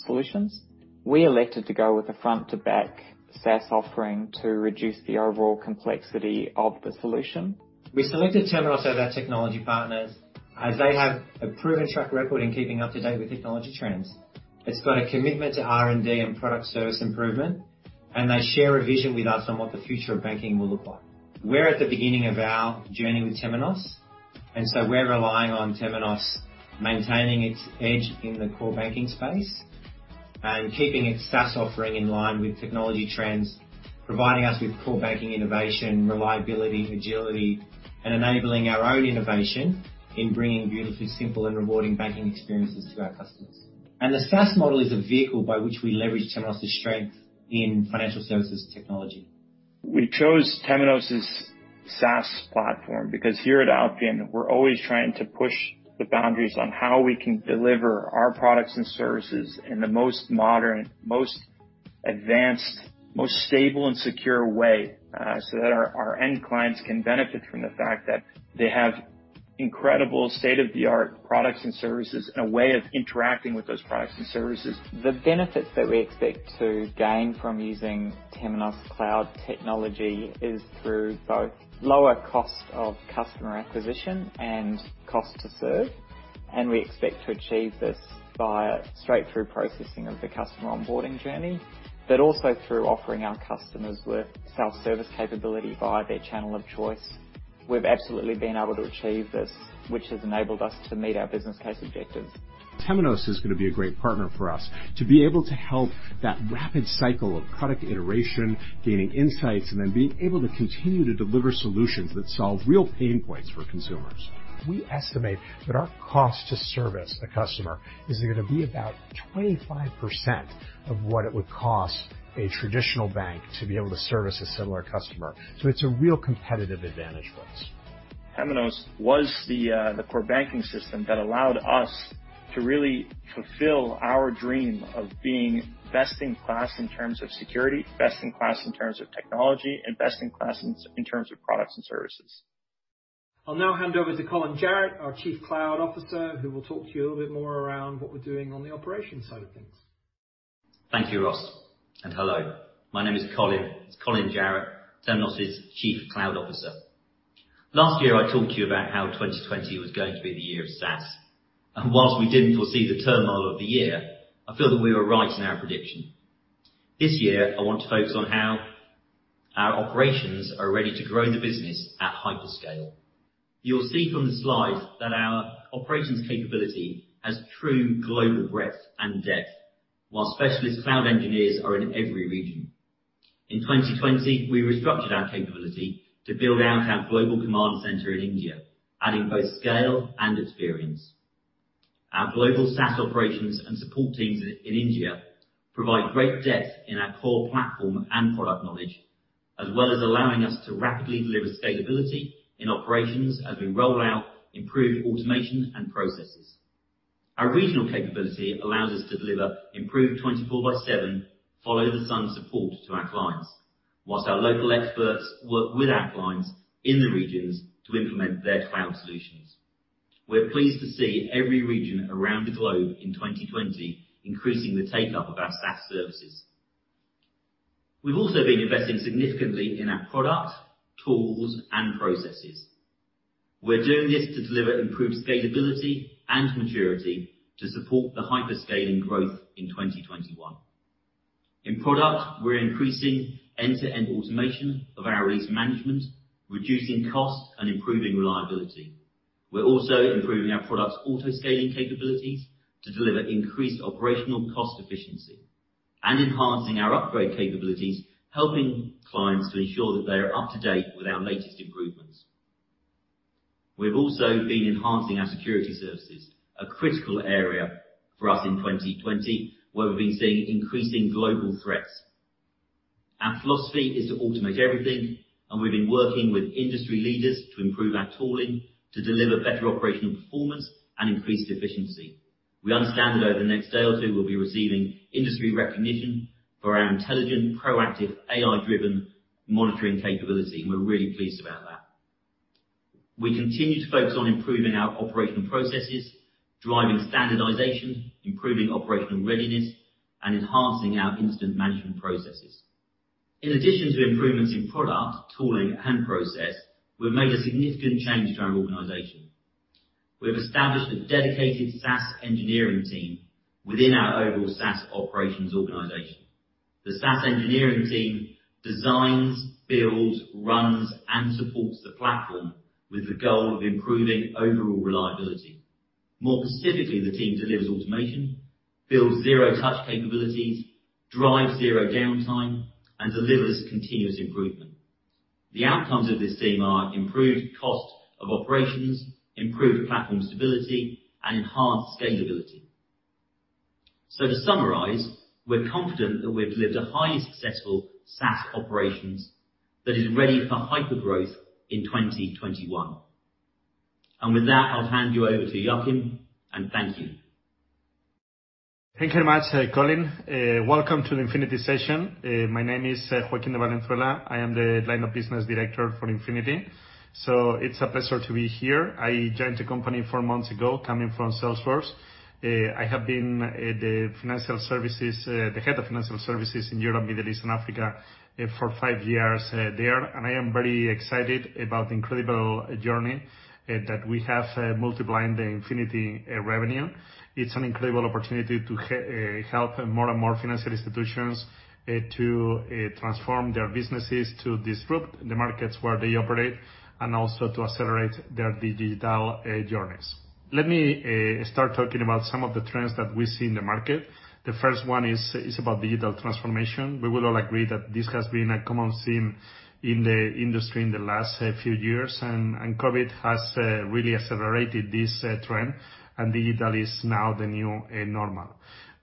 solutions. We elected to go with a front-to-back SaaS offering to reduce the overall complexity of the solution. We selected Temenos as our technology partners as they have a proven track record in keeping up to date with technology trends. It's got a commitment to R&D and product service improvement. They share a vision with us on what the future of banking will look like. We're at the beginning of our journey with Temenos. We're relying on Temenos maintaining its edge in the core banking space and keeping its SaaS offering in line with technology trends, providing us with core banking innovation, reliability, agility, and enabling our own innovation in bringing beautifully simple and rewarding banking experiences to our customers. The SaaS model is a vehicle by which we leverage Temenos' strength in financial services technology. We chose Temenos' SaaS platform because here at Altium, we're always trying to push the boundaries on how we can deliver our products and services in the most modern, most advanced, most stable, and secure way, so that our end clients can benefit from the fact that they have incredible state-of-the-art products and services and a way of interacting with those products and services. The benefits that we expect to gain from using Temenos cloud technology is through both lower cost of customer acquisition and cost to serve. We expect to achieve this via straight-through processing of the customer onboarding journey, also through offering our customers with self-service capability via their channel of choice. We've absolutely been able to achieve this, which has enabled us to meet our business case objectives. Temenos is going to be a great partner for us to be able to help that rapid cycle of product iteration, gaining insights, and then being able to continue to deliver solutions that solve real pain points for consumers. We estimate that our cost to service a customer is going to be about 25% of what it would cost a traditional bank to be able to service a similar customer. It's a real competitive advantage for us. Temenos was the core banking system that allowed us to really fulfill our dream of being best in class in terms of security, best in class in terms of technology, and best in class in terms of products and services. I'll now hand over to Colin Jarrett, our Chief Cloud Officer, who will talk to you a little bit more around what we're doing on the operations side of things. Thank you, Ross. Hello. My name is Colin Jarrett, Temenos' Chief Cloud Officer. Last year, I talked to you about how 2020 was going to be the year of SaaS. Whilst we didn't foresee the turmoil of the year, I feel that we were right in our prediction. This year, I want to focus on how our operations are ready to grow the business at hyperscale. You'll see from the slide that our operations capability has true global breadth and depth. Our specialist cloud engineers are in every region. In 2020, we restructured our capability to build out our global command center in India, adding both scale and experience. Our global SaaS operations and support teams in India provide great depth in our core platform and product knowledge, as well as allowing us to rapidly deliver scalability in operations as we roll out improved automation and processes. Our regional capability allows us to deliver improved 24x7, follow-the-sun support to our clients, while our local experts work with our clients in the regions to implement their cloud solutions. We're pleased to see every region around the globe in 2020 increasing the take-up of our SaaS services. We've also been investing significantly in our product, tools, and processes. We're doing this to deliver improved scalability and maturity to support the hyperscaling growth in 2021. In product, we're increasing end-to-end automation of our release management, reducing cost, and improving reliability. We're also improving our product's auto-scaling capabilities to deliver increased operational cost efficiency and enhancing our upgrade capabilities, helping clients to ensure that they are up to date with our latest improvements. We've also been enhancing our security services, a critical area for us in 2020, where we've been seeing increasing global threats. Our philosophy is to automate everything, and we've been working with industry leaders to improve our tooling to deliver better operational performance and increased efficiency. We understand that over the next day or two, we'll be receiving industry recognition for our intelligent, proactive, AI-driven monitoring capability, and we're really pleased about that. We continue to focus on improving our operational processes, driving standardization, improving operational readiness, and enhancing our incident management processes. In addition to improvements in product, tooling, and process, we've made a significant change to our organization. We've established a dedicated SaaS engineering team within our overall SaaS operations organization. The SaaS engineering team designs, builds, runs, and supports the platform with the goal of improving overall reliability. More specifically, the team delivers automation, builds zero-touch capabilities, drives zero downtime, and delivers continuous improvement. The outcomes of this team are improved cost of operations, improved platform stability, and enhanced scalability. To summarize, we're confident that we've delivered a highly successful SaaS operations that is ready for hypergrowth in 2021. With that, I'll hand you over to Joaquin, and thank you. Thank you very much, Colin. Welcome to the Infinity session. My name is Joaquin de Valenzuela. I am the line of business director for Infinity. It's a pleasure to be here. I joined the company four months ago coming from Salesforce. I have been the head of financial services in Europe, Middle East, and Africa for five years there, and I am very excited about the incredible journey that we have multiplying the Infinity revenue. It's an incredible opportunity to help more and more financial institutions to transform their businesses, to disrupt the markets where they operate, and also to accelerate their digital journeys. Let me start talking about some of the trends that we see in the market. The first one is about digital transformation. We will all agree that this has been a common theme in the industry in the last few years, and COVID has really accelerated this trend, and digital is now the new normal.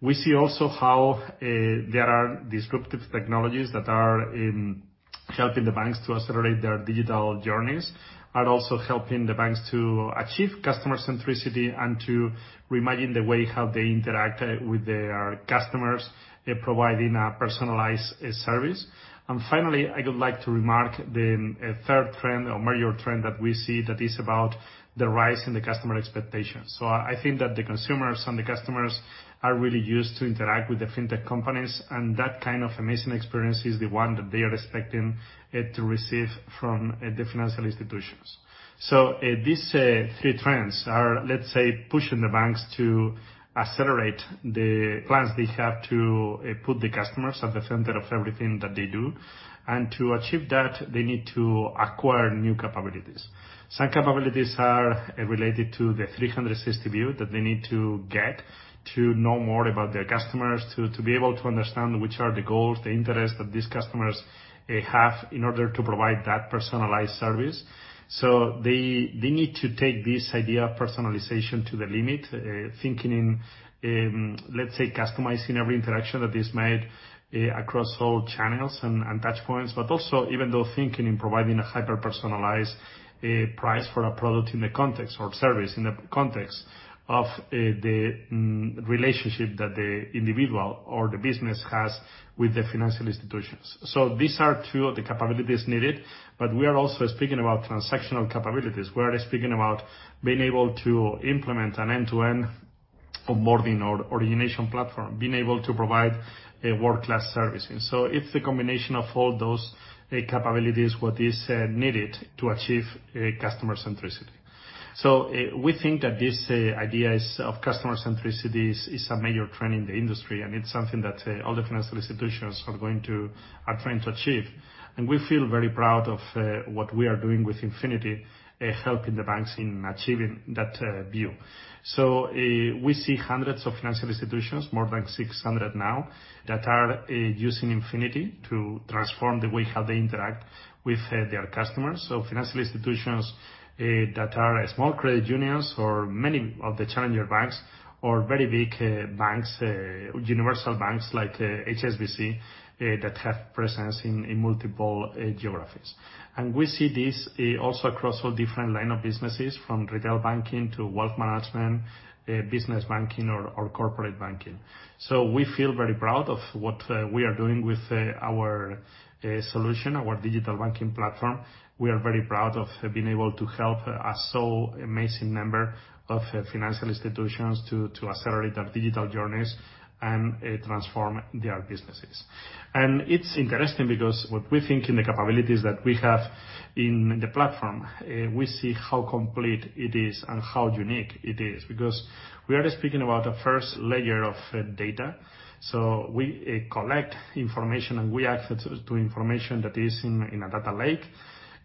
We see also how there are disruptive technologies that are helping the banks to accelerate their digital journeys and also helping the banks to achieve customer centricity and to reimagine the way how they interact with their customers providing a personalized service. Finally, I would like to remark the third trend or major trend that we see that is about the rise in the customer expectations. I think that the consumers and the customers are really used to interacting with the fintech companies, and that kind of amazing experience is the one that they are expecting to receive from the financial institutions. These three trends are, let's say, pushing the banks to accelerate the plans they have to put the customers at the center of everything that they do. To achieve that, they need to acquire new capabilities. Some capabilities are related to the 360-view that they need to get to know more about their customers, to be able to understand which are the goals, the interests that these customers have in order to provide that personalized service. They need to take this idea of personalization to the limit, thinking in, let's say, customizing every interaction that is made across all channels and touch points, but also even thinking in providing a hyper-personalized price for a product in the context or service in the context of the relationship that the individual or the business has with the financial institutions. These are two of the capabilities needed, but we are also speaking about transactional capabilities. We're speaking about being able to implement an end-to-end onboarding or origination platform, being able to provide world-class services. It's the combination of all those capabilities, what is needed to achieve customer centricity. We think that this idea of customer centricity is a major trend in the industry, and it's something that all the financial institutions are trying to achieve. And we feel very proud of what we are doing with Infinity, helping the banks in achieving that view. We see hundreds of financial institutions, more than 600 now, that are using Infinity to transform the way how they interact with their customers. Financial institutions that are small credit unions or many of the challenger banks, or very big banks, universal banks like HSBC, that have presence in multiple geographies. We see this also across all different line of businesses, from retail banking to wealth management, business banking or corporate banking. We feel very proud of what we are doing with our solution, our digital banking platform. We are very proud of being able to help so amazing number of financial institutions to accelerate their digital journeys and transform their businesses. It's interesting because what we think in the capabilities that we have in the platform, we see how complete it is and how unique it is, because we are speaking about the first layer of data. We collect information, and we access to information that is in a data lake,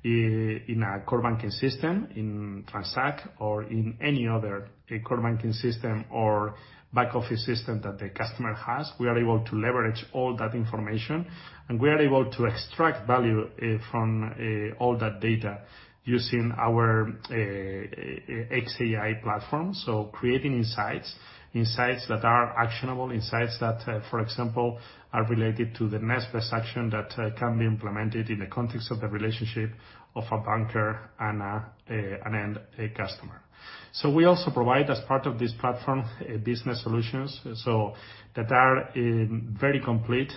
in a core banking system, in Temenos Transact or in any other core banking system or back office system that the customer has. We are able to leverage all that information, and we are able to extract value from all that data using our XAI platform. Creating insights that are actionable, insights that, for example, are related to the next best action that can be implemented in the context of the relationship of a banker and a customer. We also provide, as part of this platform, business solutions that are very complete,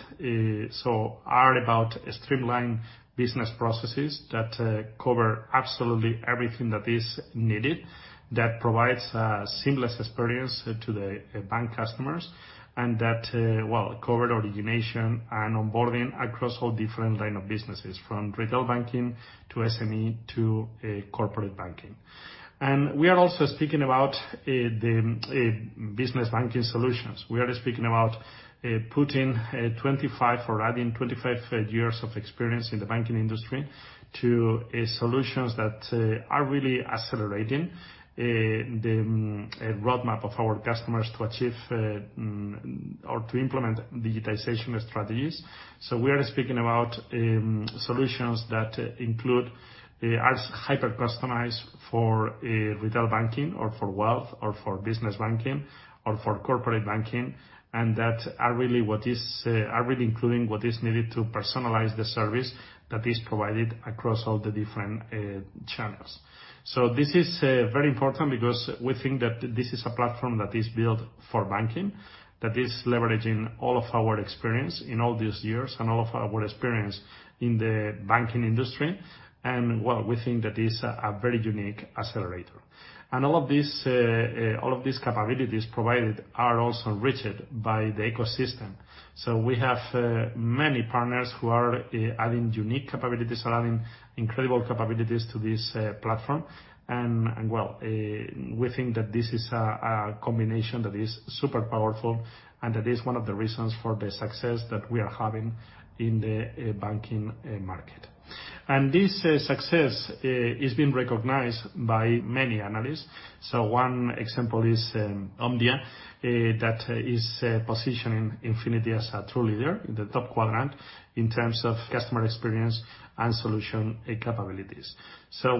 are about streamlined business processes that cover absolutely everything that is needed, that provides a seamless experience to the bank customers, and that cover origination and onboarding across all different lines of business, from retail banking to SME to corporate banking. We are also speaking about the business banking solutions. We are speaking about putting 25 or adding 25 years of experience in the banking industry to solutions that are really accelerating the roadmap of our customers to achieve or to implement digitization strategies. We are speaking about solutions that include, are hyper-customized for retail banking or for wealth or for business banking or for corporate banking, and that are really including what is needed to personalize the service that is provided across all the different channels. This is very important because we think that this is a platform that is built for banking, that is leveraging all of our experience in all these years and all of our experience in the banking industry. Well, we think that is a very unique accelerator. All of these capabilities provided are also enriched by the ecosystem. We have many partners who are adding unique capabilities, are adding incredible capabilities to this platform. Well, we think that this is a combination that is super powerful and that is one of the reasons for the success that we are having in the banking market. This success is being recognized by many analysts. One example is Omdia, that is positioning Infinity as a true leader in the top quadrant in terms of customer experience and solution capabilities.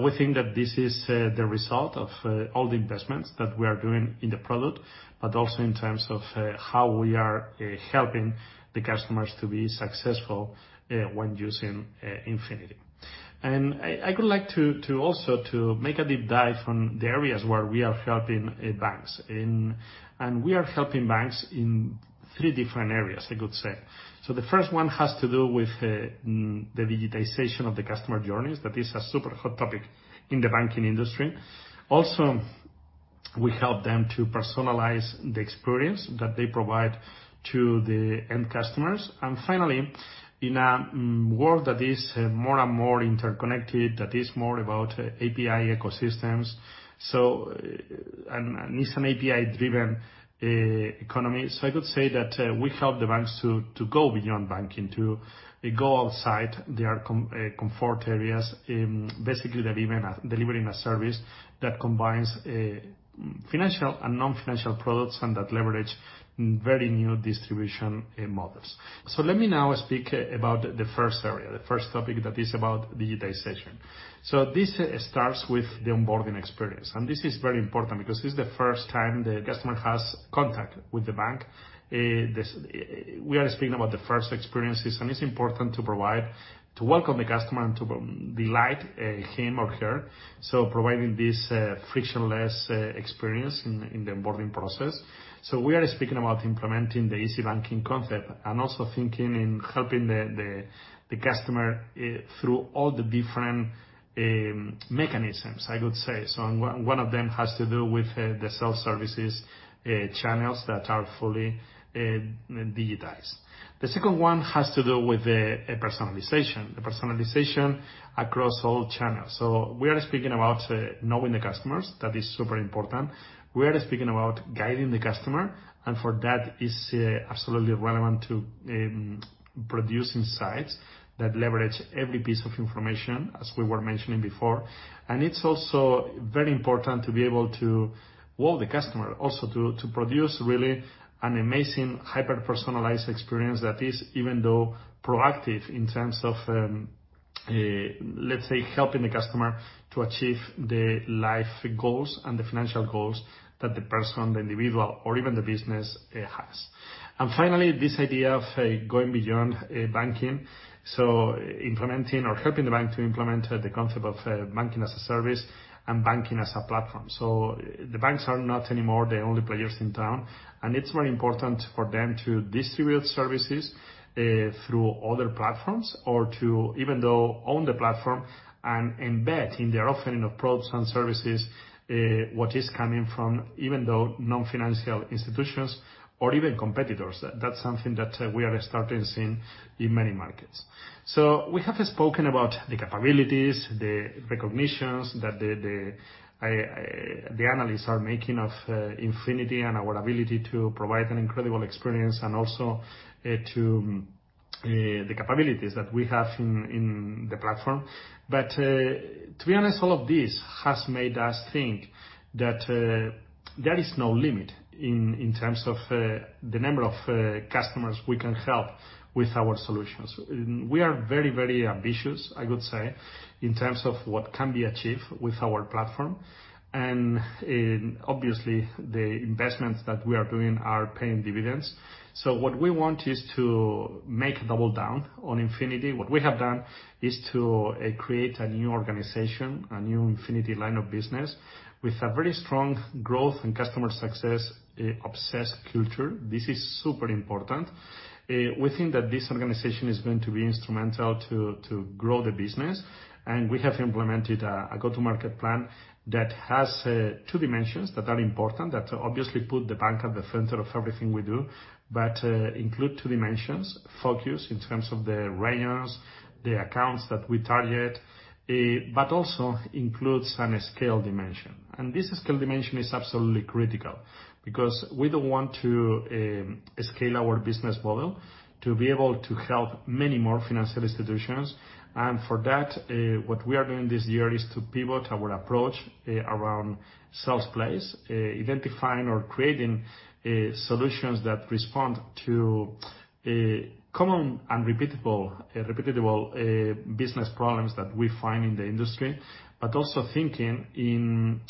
We think that this is the result of all the investments that we are doing in the product, but also in terms of how we are helping the customers to be successful when using Infinity. I could like to also to make a deep dive on the areas where we are helping banks in. We are helping banks in three different areas, I could say. The first one has to do with the digitization of the customer journeys. That is a super hot topic in the banking industry. Also, we help them to personalize the experience that they provide to the end customers. Finally, in a world that is more and more interconnected, that is more about API ecosystems, it's an API-driven economy. I could say that we help the banks to go beyond banking, to go outside their comfort areas, basically delivering a service that combines financial and non-financial products and that leverage very new distribution models. Let me now speak about the first area, the first topic that is about digitization. This starts with the onboarding experience, and this is very important because this is the first time the customer has contact with the bank. We are speaking about the first experiences, and it's important to provide, to welcome the customer and to delight him or her, so providing this frictionless experience in the onboarding process. We are speaking about implementing the easy banking concept and also thinking in helping the customer through all the different mechanisms, I could say. One of them has to do with the self-services channels that are fully digitized. The second one has to do with the personalization, the personalization across all channels. We are speaking about knowing the customers. That is super important. We are speaking about guiding the customer, and for that, it's absolutely relevant to produce insights that leverage every piece of information, as we were mentioning before. It's also very important to be able to wow the customer also to produce really an amazing hyper-personalized experience that is even though proactive in terms of, let's say, helping the customer to achieve their life goals and the financial goals that the person, the individual, or even the business has. Finally, this idea of going beyond banking, so implementing or helping the bank to implement the concept of banking as a service and banking as a platform. The banks are not anymore the only players in town, and it's very important for them to distribute services through other platforms or to even though own the platform and embed in their offering of products and services, what is coming from even though non-financial institutions or even competitors. That's something that we are starting to see in many markets. We have spoken about the capabilities, the recognitions that the analysts are making of Temenos Infinity and our ability to provide an incredible experience, and also the capabilities that we have in the platform. To be honest, all of this has made us think that there is no limit in terms of the number of customers we can help with our solutions. We are very, very ambitious, I would say, in terms of what can be achieved with our platform. Obviously, the investments that we are doing are paying dividends. What we want is to make double down on Temenos Infinity. What we have done is to create a new organization, a new Temenos Infinity line of business with a very strong growth and customer success-obsessed culture. This is super important. We think that this organization is going to be instrumental to grow the business, and we have implemented a go-to-market plan that has two dimensions that are important, that obviously put the bank at the center of everything we do, but include two dimensions, focus in terms of the ranges, the accounts that we target, but also includes a scale dimension. This scale dimension is absolutely critical because we don't want to scale our business model to be able to help many more financial institutions. For that, what we are doing this year is to pivot our approach around sales plays, identifying or creating solutions that respond to common and repeatable business problems that we find in the industry, but also thinking in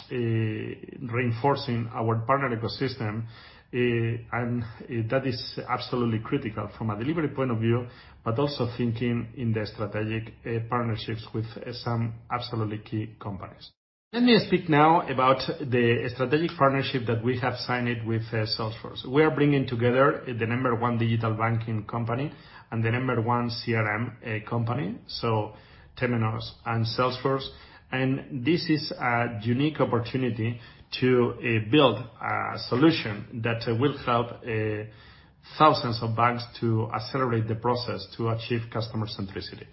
reinforcing our partner ecosystem, and that is absolutely critical from a delivery point of view, but also thinking in the strategic partnerships with some absolutely key companies. Let me speak now about the strategic partnership that we have signed with Salesforce. We are bringing together the number one digital banking company and the number one CRM company, so Temenos and Salesforce. This is a unique opportunity to build a solution that will help thousands of banks to accelerate the process to achieve customer centricity.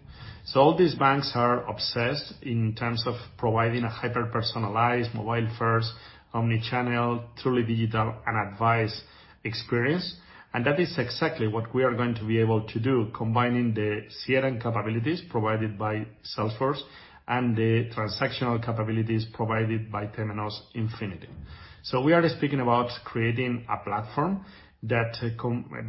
All these banks are obsessed in terms of providing a hyper-personalized, mobile-first, omnichannel, truly digital, and advice experience. That is exactly what we are going to be able to do, combining the CRM capabilities provided by Salesforce and the transactional capabilities provided by Temenos Infinity. We are speaking about creating a platform that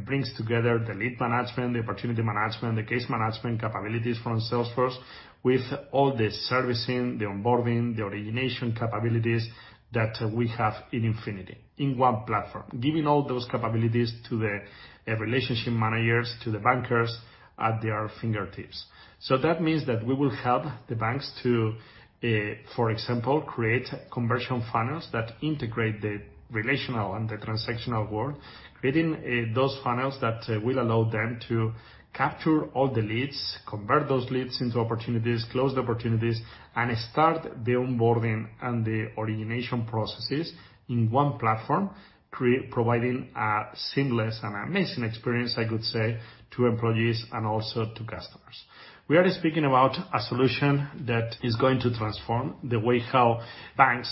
brings together the lead management, the opportunity management, the case management capabilities from Salesforce with all the servicing, the onboarding, the origination capabilities that we have in Infinity in one platform, giving all those capabilities to the relationship managers, to the bankers at their fingertips. That means that we will help the banks to, for example, create conversion funnels that integrate the relational and the transactional world, creating those funnels that will allow them to capture all the leads, convert those leads into opportunities, close the opportunities, and start the onboarding and the origination processes in one platform, providing a seamless and amazing experience, I could say, to employees and also to customers. We are speaking about a solution that is going to transform the way how banks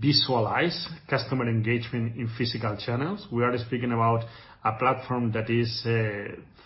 visualize customer engagement in physical channels. We are speaking about a platform that is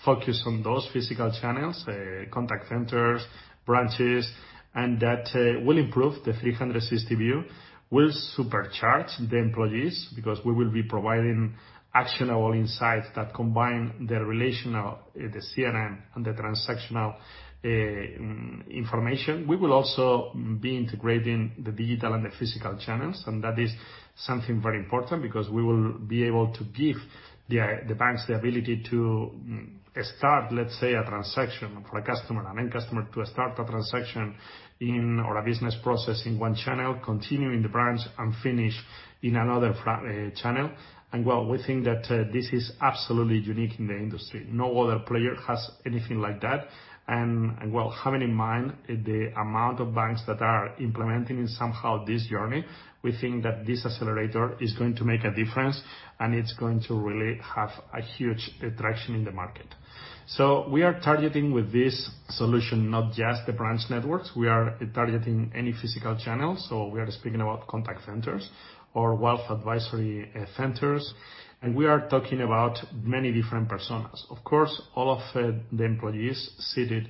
focused on those physical channels, contact centers, branches, and that will improve the 360 view, will supercharge the employees, because we will be providing actionable insights that combine the relational, the CRM, and the transactional information. We will also be integrating the digital and the physical channels, and that is something very important because we will be able to give the banks the ability to start, let's say, a transaction for a customer, an end customer, to start a transaction in, or a business process in one channel, continue in the branch and finish in another channel. Well, we think that this is absolutely unique in the industry. No other player has anything like that. Well, having in mind the amount of banks that are implementing in somehow this journey, we think that this accelerator is going to make a difference, and it's going to really have a huge attraction in the market. We are targeting with this solution, not just the branch networks, we are targeting any physical channel. We are speaking about contact centers or wealth advisory centers, and we are talking about many different personas. Of course, all of the employees seated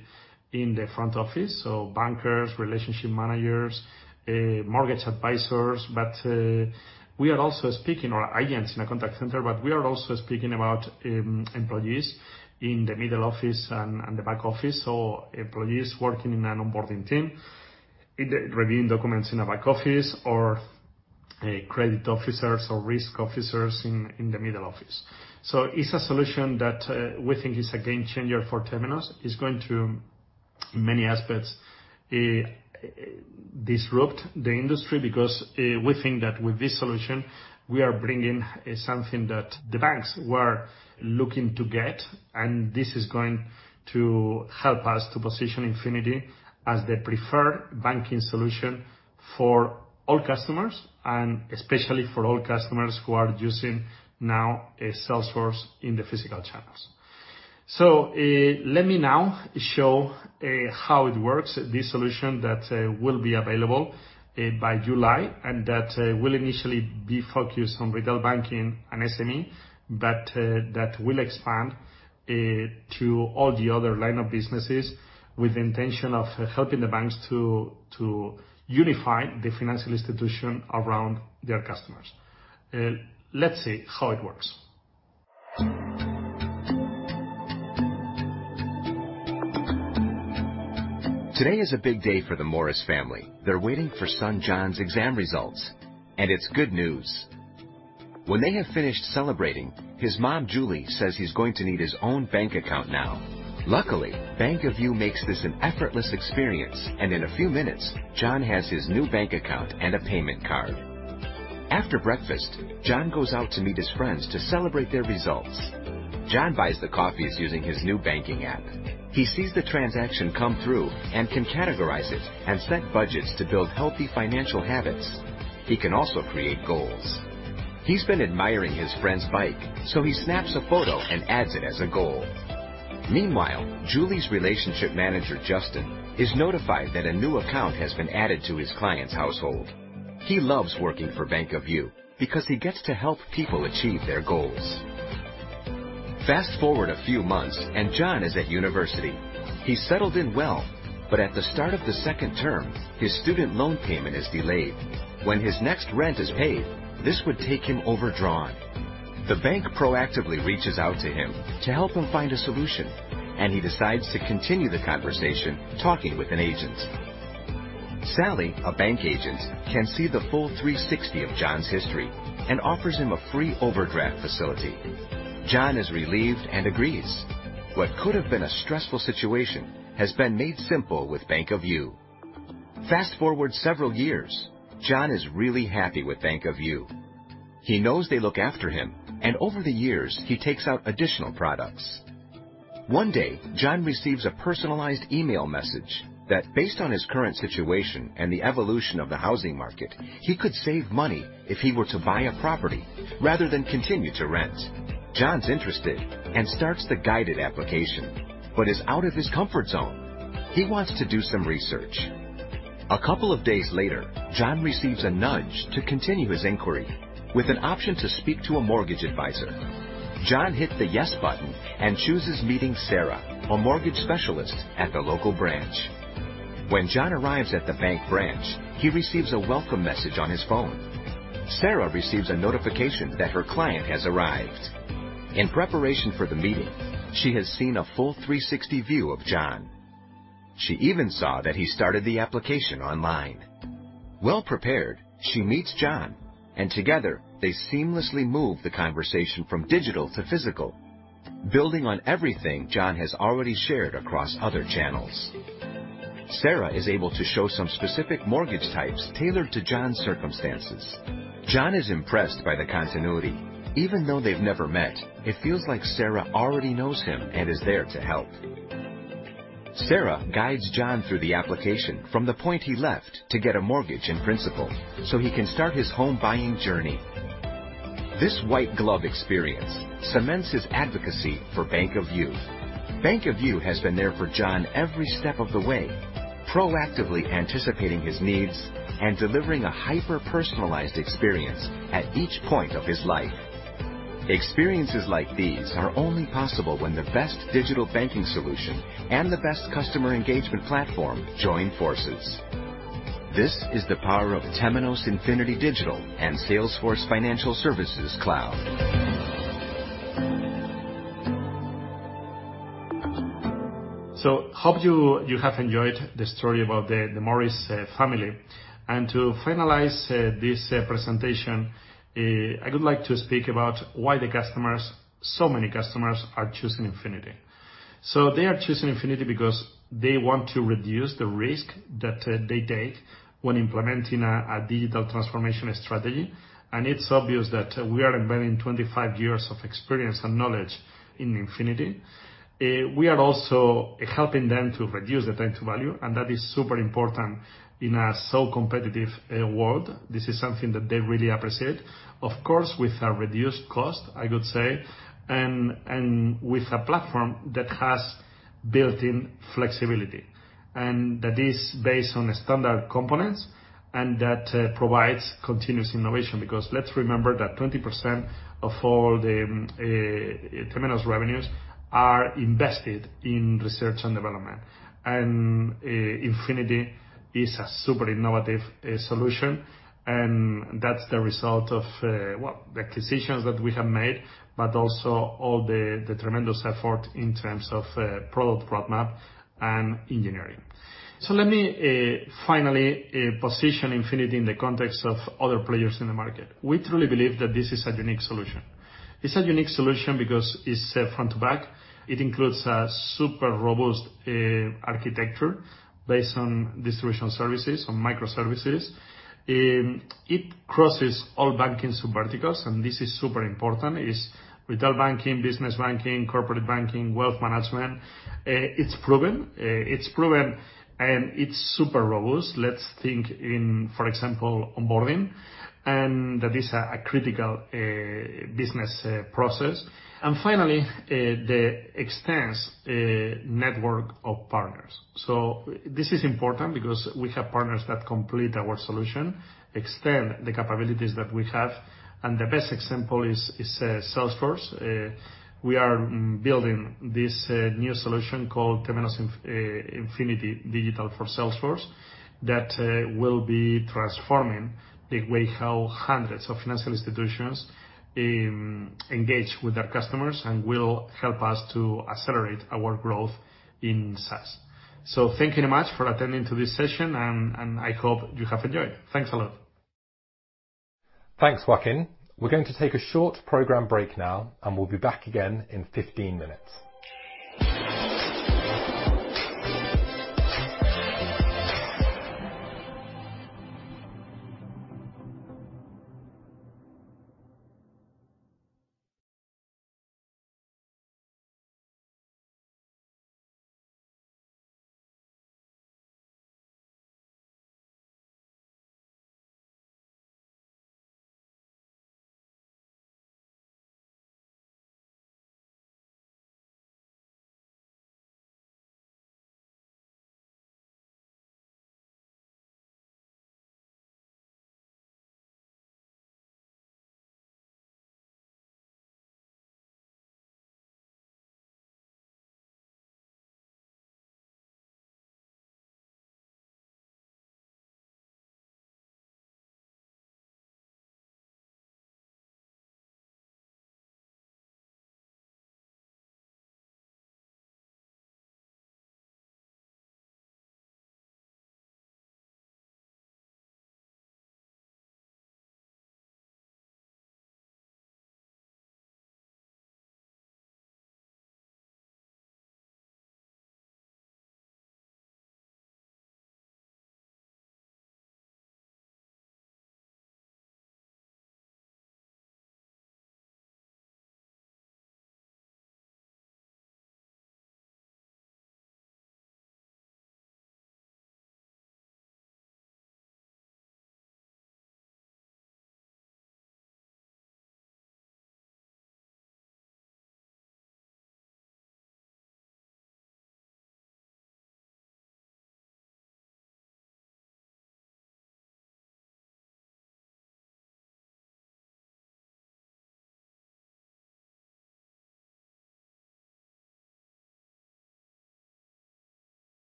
in the front office, so bankers, relationship managers, mortgage advisors, but we are also speaking or agents in a contact center. We are also speaking about employees in the middle office and the back office, so employees working in an onboarding team, reviewing documents in a back office or credit officers or risk officers in the middle office. It's a solution that we think is a game changer for Temenos. It's going to, in many aspects, disrupt the industry because we think that with this solution, we are bringing something that the banks were looking to get, and this is going to help us to position Infinity as the preferred banking solution for all customers and especially for all customers who are using now Salesforce in the physical channels. Let me now show how it works, this solution that will be available by July, and that will initially be focused on retail banking and SME, but that will expand to all the other line of businesses with the intention of helping the banks to unify the financial institution around their customers. Let's see how it works. Today is a big day for the Morris family. They're waiting for son John's exam results, and it's good news. When they have finished celebrating, his mom, Julie, says he's going to need his own bank account now. Luckily, Bank of You makes this an effortless experience, and in a few minutes, John has his new bank account and a payment card. After breakfast, John goes out to meet his friends to celebrate their results. John buys the coffees using his new banking app. He sees the transaction come through and can categorize it and set budgets to build healthy financial habits. He can also create goals. He's been admiring his friend's bike, so he snaps a photo and adds it as a goal. Meanwhile, Julie's relationship manager, Justin, is notified that a new account has been added to his client's household. He loves working for Bank of You because he gets to help people achieve their goals. Fast-forward a few months and John is at university. He's settled in well, but at the start of the second term, his student loan payment is delayed. When his next rent is paid, this would take him overdrawn. The bank proactively reaches out to him to help him find a solution, and he decides to continue the conversation, talking with an agent. Sally, a bank agent, can see the full 360 of John's history and offers him a free overdraft facility. John is relieved and agrees. What could have been a stressful situation has been made simple with Bank of You. Fast-forward several years. John is really happy with Bank of You. He knows they look after him, and over the years, he takes out additional products. One day, John receives a personalized email message that based on his current situation and the evolution of the housing market, he could save money if he were to buy a property rather than continue to rent. John's interested and starts the guided application but is out of his comfort zone. He wants to do some research. A couple of days later, John receives a nudge to continue his inquiry with an option to speak to a mortgage advisor. John hit the yes button and chooses meeting Sarah, a mortgage specialist at the local branch. When John arrives at the bank branch, he receives a welcome message on his phone. Sarah receives a notification that her client has arrived. In preparation for the meeting, she has seen a full 360 view of John. She even saw that he started the application online. Well prepared, she meets John, and together they seamlessly move the conversation from digital to physical, building on everything John has already shared across other channels. Sarah is able to show some specific mortgage types tailored to John's circumstances. John is impressed by the continuity. Even though they've never met, it feels like Sarah already knows him and is there to help. Sarah guides John through the application from the point he left to get a mortgage in principle so he can start his home buying journey. This white glove experience cements his advocacy for Bank of You. Bank of You has been there for John every step of the way, proactively anticipating his needs and delivering a hyper-personalized experience at each point of his life. Experiences like these are only possible when the best digital banking solution and the best customer engagement platform join forces. This is the power of Temenos Infinity Digital and Salesforce Financial Services Cloud. Hope you have enjoyed the story about the Morris family. To finalize this presentation, I would like to speak about why so many customers are choosing Infinity. They are choosing Infinity because they want to reduce the risk that they take when implementing a digital transformation strategy. It's obvious that we are embedding 25 years of experience and knowledge in Infinity. We are also helping them to reduce the time to value, and that is super important in a competitive world. This is something that they really appreciate. Of course, with a reduced cost, I could say, and with a platform that has built-in flexibility, and that is based on standard components, and that provides continuous innovation, because let's remember that 20% of all the Temenos revenues are invested in research and development. Infinity is a super innovative solution, and that's the result of the acquisitions that we have made, but also all the tremendous effort in terms of product roadmap and engineering. Let me finally position Temenos Infinity in the context of other players in the market. We truly believe that this is a unique solution. It's a unique solution because it's front to back. It includes a super robust architecture based on distribution services, on microservices. It crosses all banking sub verticals, and this is super important, is retail banking, business banking, corporate banking, wealth management. It's proven, and it's super robust. Let's think in, for example, onboarding, and that is a critical business process. Finally, the extensive network of partners. This is important because we have partners that complete our solution, extend the capabilities that we have, and the best example is Salesforce. We are building this new solution called Temenos Infinity Digital for Salesforce that will be transforming the way how hundreds of financial institutions engage with their customers and will help us to accelerate our growth in SaaS. Thank you very much for attending to this session, and I hope you have enjoyed. Thanks a lot. Thanks, Joaquin. We're going to take a short program break now, and we'll be back again in 15 minutes.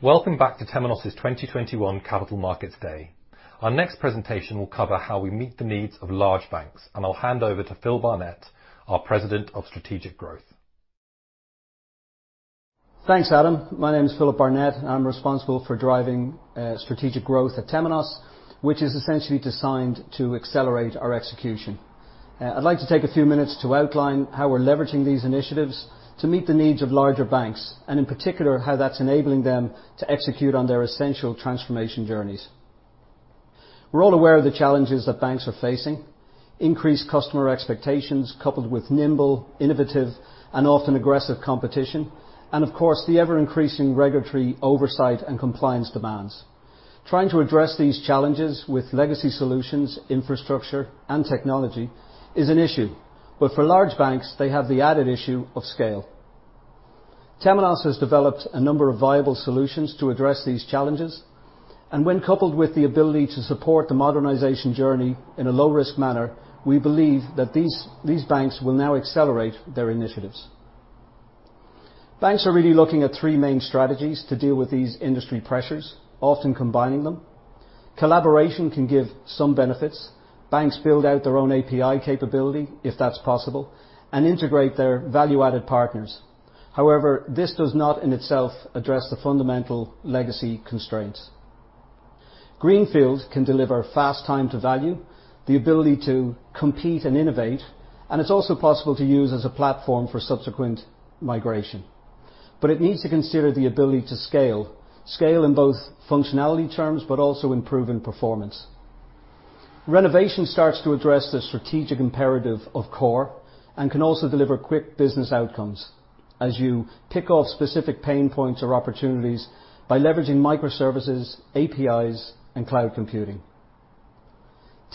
Welcome back to Temenos' 2021 Capital Markets Day. Our next presentation will cover how we meet the needs of large banks, and I'll hand over to Phil Barnett, our President of Strategic Growth. Thanks, Adam. My name is Philip Barnett, and I'm responsible for driving strategic growth at Temenos, which is essentially designed to accelerate our execution. I'd like to take a few minutes to outline how we're leveraging these initiatives to meet the needs of larger banks, and in particular, how that's enabling them to execute on their essential transformation journeys. We're all aware of the challenges that banks are facing: increased customer expectations coupled with nimble, innovative, and often aggressive competition, and of course, the ever-increasing regulatory oversight and compliance demands. Trying to address these challenges with legacy solutions, infrastructure, and technology is an issue, but for large banks, they have the added issue of scale. Temenos has developed a number of viable solutions to address these challenges. When coupled with the ability to support the modernization journey in a low-risk manner, we believe that these banks will now accelerate their initiatives. Banks are really looking at three main strategies to deal with these industry pressures, often combining them. Collaboration can give some benefits. Banks build out their own API capability, if that's possible, and integrate their value-added partners. However, this does not in itself address the fundamental legacy constraints. Greenfield can deliver fast time to value, the ability to compete and innovate, and it's also possible to use as a platform for subsequent migration. It needs to consider the ability to scale in both functionality terms, but also improve in performance. Renovation starts to address the strategic imperative of core and can also deliver quick business outcomes as you pick off specific pain points or opportunities by leveraging microservices, APIs, and cloud computing.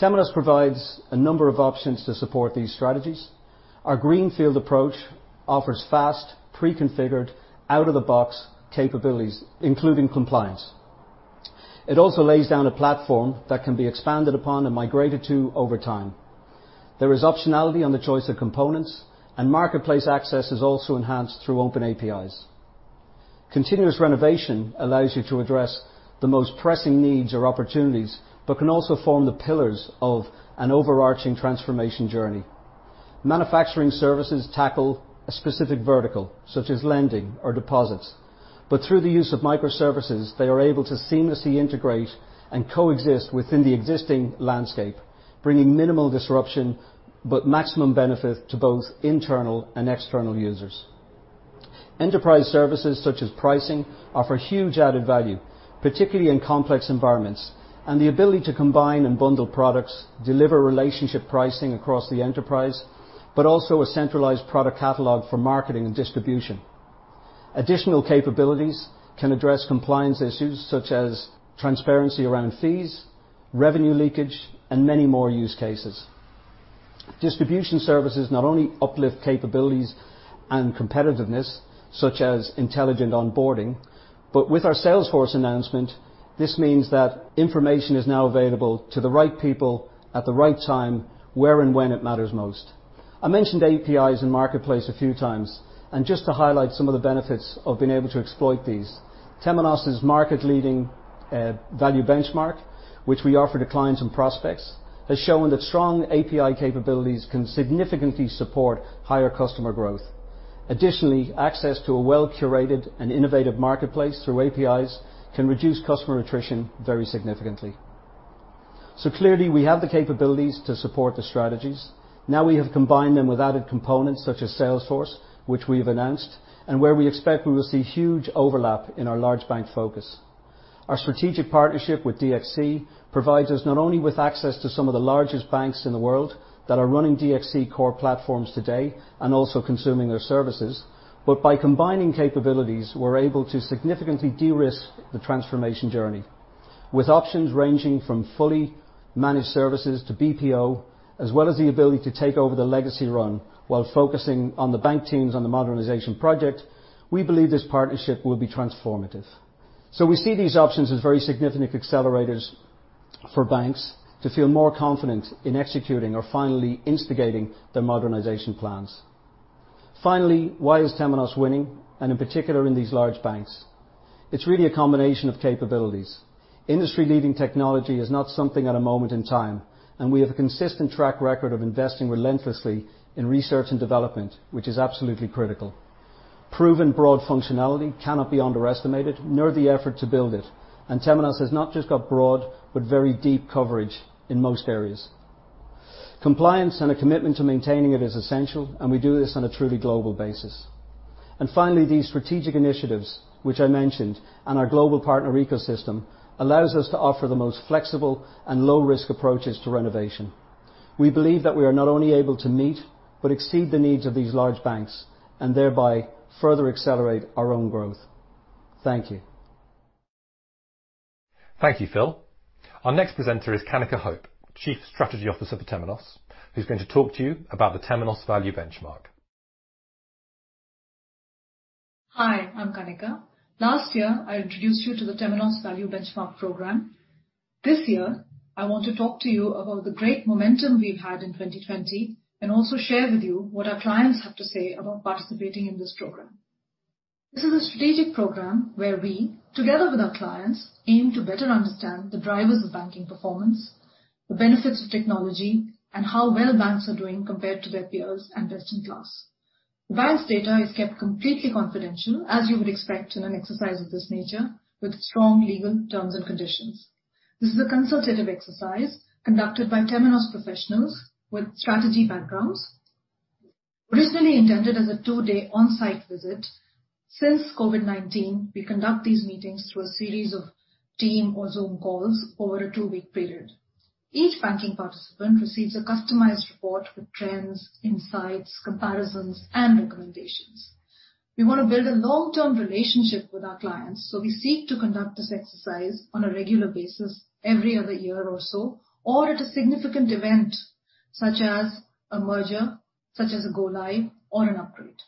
Temenos provides a number of options to support these strategies. Our greenfield approach offers fast, pre-configured, out-of-the-box capabilities, including compliance. It also lays down a platform that can be expanded upon and migrated to over time. There is optionality on the choice of components and marketplace access is also enhanced through open APIs. Continuous renovation allows you to address the most pressing needs or opportunities, but can also form the pillars of an overarching transformation journey. Manufacturing services tackle a specific vertical, such as lending or deposits. Through the use of microservices, they are able to seamlessly integrate and coexist within the existing landscape, bringing minimal disruption, but maximum benefit to both internal and external users. Enterprise services such as pricing offer huge added value, particularly in complex environments, and the ability to combine and bundle products, deliver relationship pricing across the enterprise, but also a centralized product catalog for marketing and distribution. Additional capabilities can address compliance issues such as transparency around fees, revenue leakage, and many more use cases. Distribution services not only uplift capabilities and competitiveness, such as intelligent onboarding, but with our Salesforce announcement, this means that information is now available to the right people at the right time, where and when it matters most. I mentioned APIs and marketplace a few times, and just to highlight some of the benefits of being able to exploit these, Temenos' market-leading value benchmark, which we offer to clients and prospects, has shown that strong API capabilities can significantly support higher customer growth. Additionally, access to a well-curated and innovative marketplace through APIs can reduce customer attrition very significantly. Clearly, we have the capabilities to support the strategies. Now we have combined them with added components such as Salesforce, which we've announced, and where we expect we will see huge overlap in our large bank focus. Our strategic partnership with DXC provides us not only with access to some of the largest banks in the world that are running DXC core platforms today and also consuming their services, but by combining capabilities, we're able to significantly de-risk the transformation journey. With options ranging from fully managed services to BPO, as well as the ability to take over the legacy run while focusing on the bank teams on the modernization project, we believe this partnership will be transformative. We see these options as very significant accelerators for banks to feel more confident in executing or finally instigating their modernization plans. Finally, why is Temenos winning, and in particular in these large banks? It's really a combination of capabilities. Industry-leading technology is not something at a moment in time, and we have a consistent track record of investing relentlessly in research and development, which is absolutely critical. Proven broad functionality cannot be underestimated, nor the effort to build it, and Temenos has not just got broad, but very deep coverage in most areas. Compliance and a commitment to maintaining it is essential, and we do this on a truly global basis. Finally, these strategic initiatives, which I mentioned, and our global partner ecosystem, allows us to offer the most flexible and low-risk approaches to renovation. We believe that we are not only able to meet but exceed the needs of these large banks, and thereby further accelerate our own growth. Thank you. Thank you, Phil. Our next presenter is Kanika Hope, Chief Strategy Officer for Temenos, who's going to talk to you about the Temenos Value Benchmark. Hi, I'm Kanika. Last year, I introduced you to the Temenos Value Benchmark program. This year, I want to talk to you about the great momentum we've had in 2020, and also share with you what our clients have to say about participating in this program. This is a strategic program where we, together with our clients, aim to better understand the drivers of banking performance, the benefits of technology, and how well banks are doing compared to their peers and best in class. The banks' data is kept completely confidential, as you would expect in an exercise of this nature, with strong legal terms and conditions. This is a consultative exercise conducted by Temenos professionals with strategy backgrounds. Originally intended as a two-day on-site visit, since COVID-19, we conduct these meetings through a series of Team or Zoom calls over a two-week period. Each banking participant receives a customized report with trends, insights, comparisons, and recommendations. We want to build a long-term relationship with our clients, so we seek to conduct this exercise on a regular basis every other year or so, or at a significant event such as a merger, such as a go-live, or an upgrade.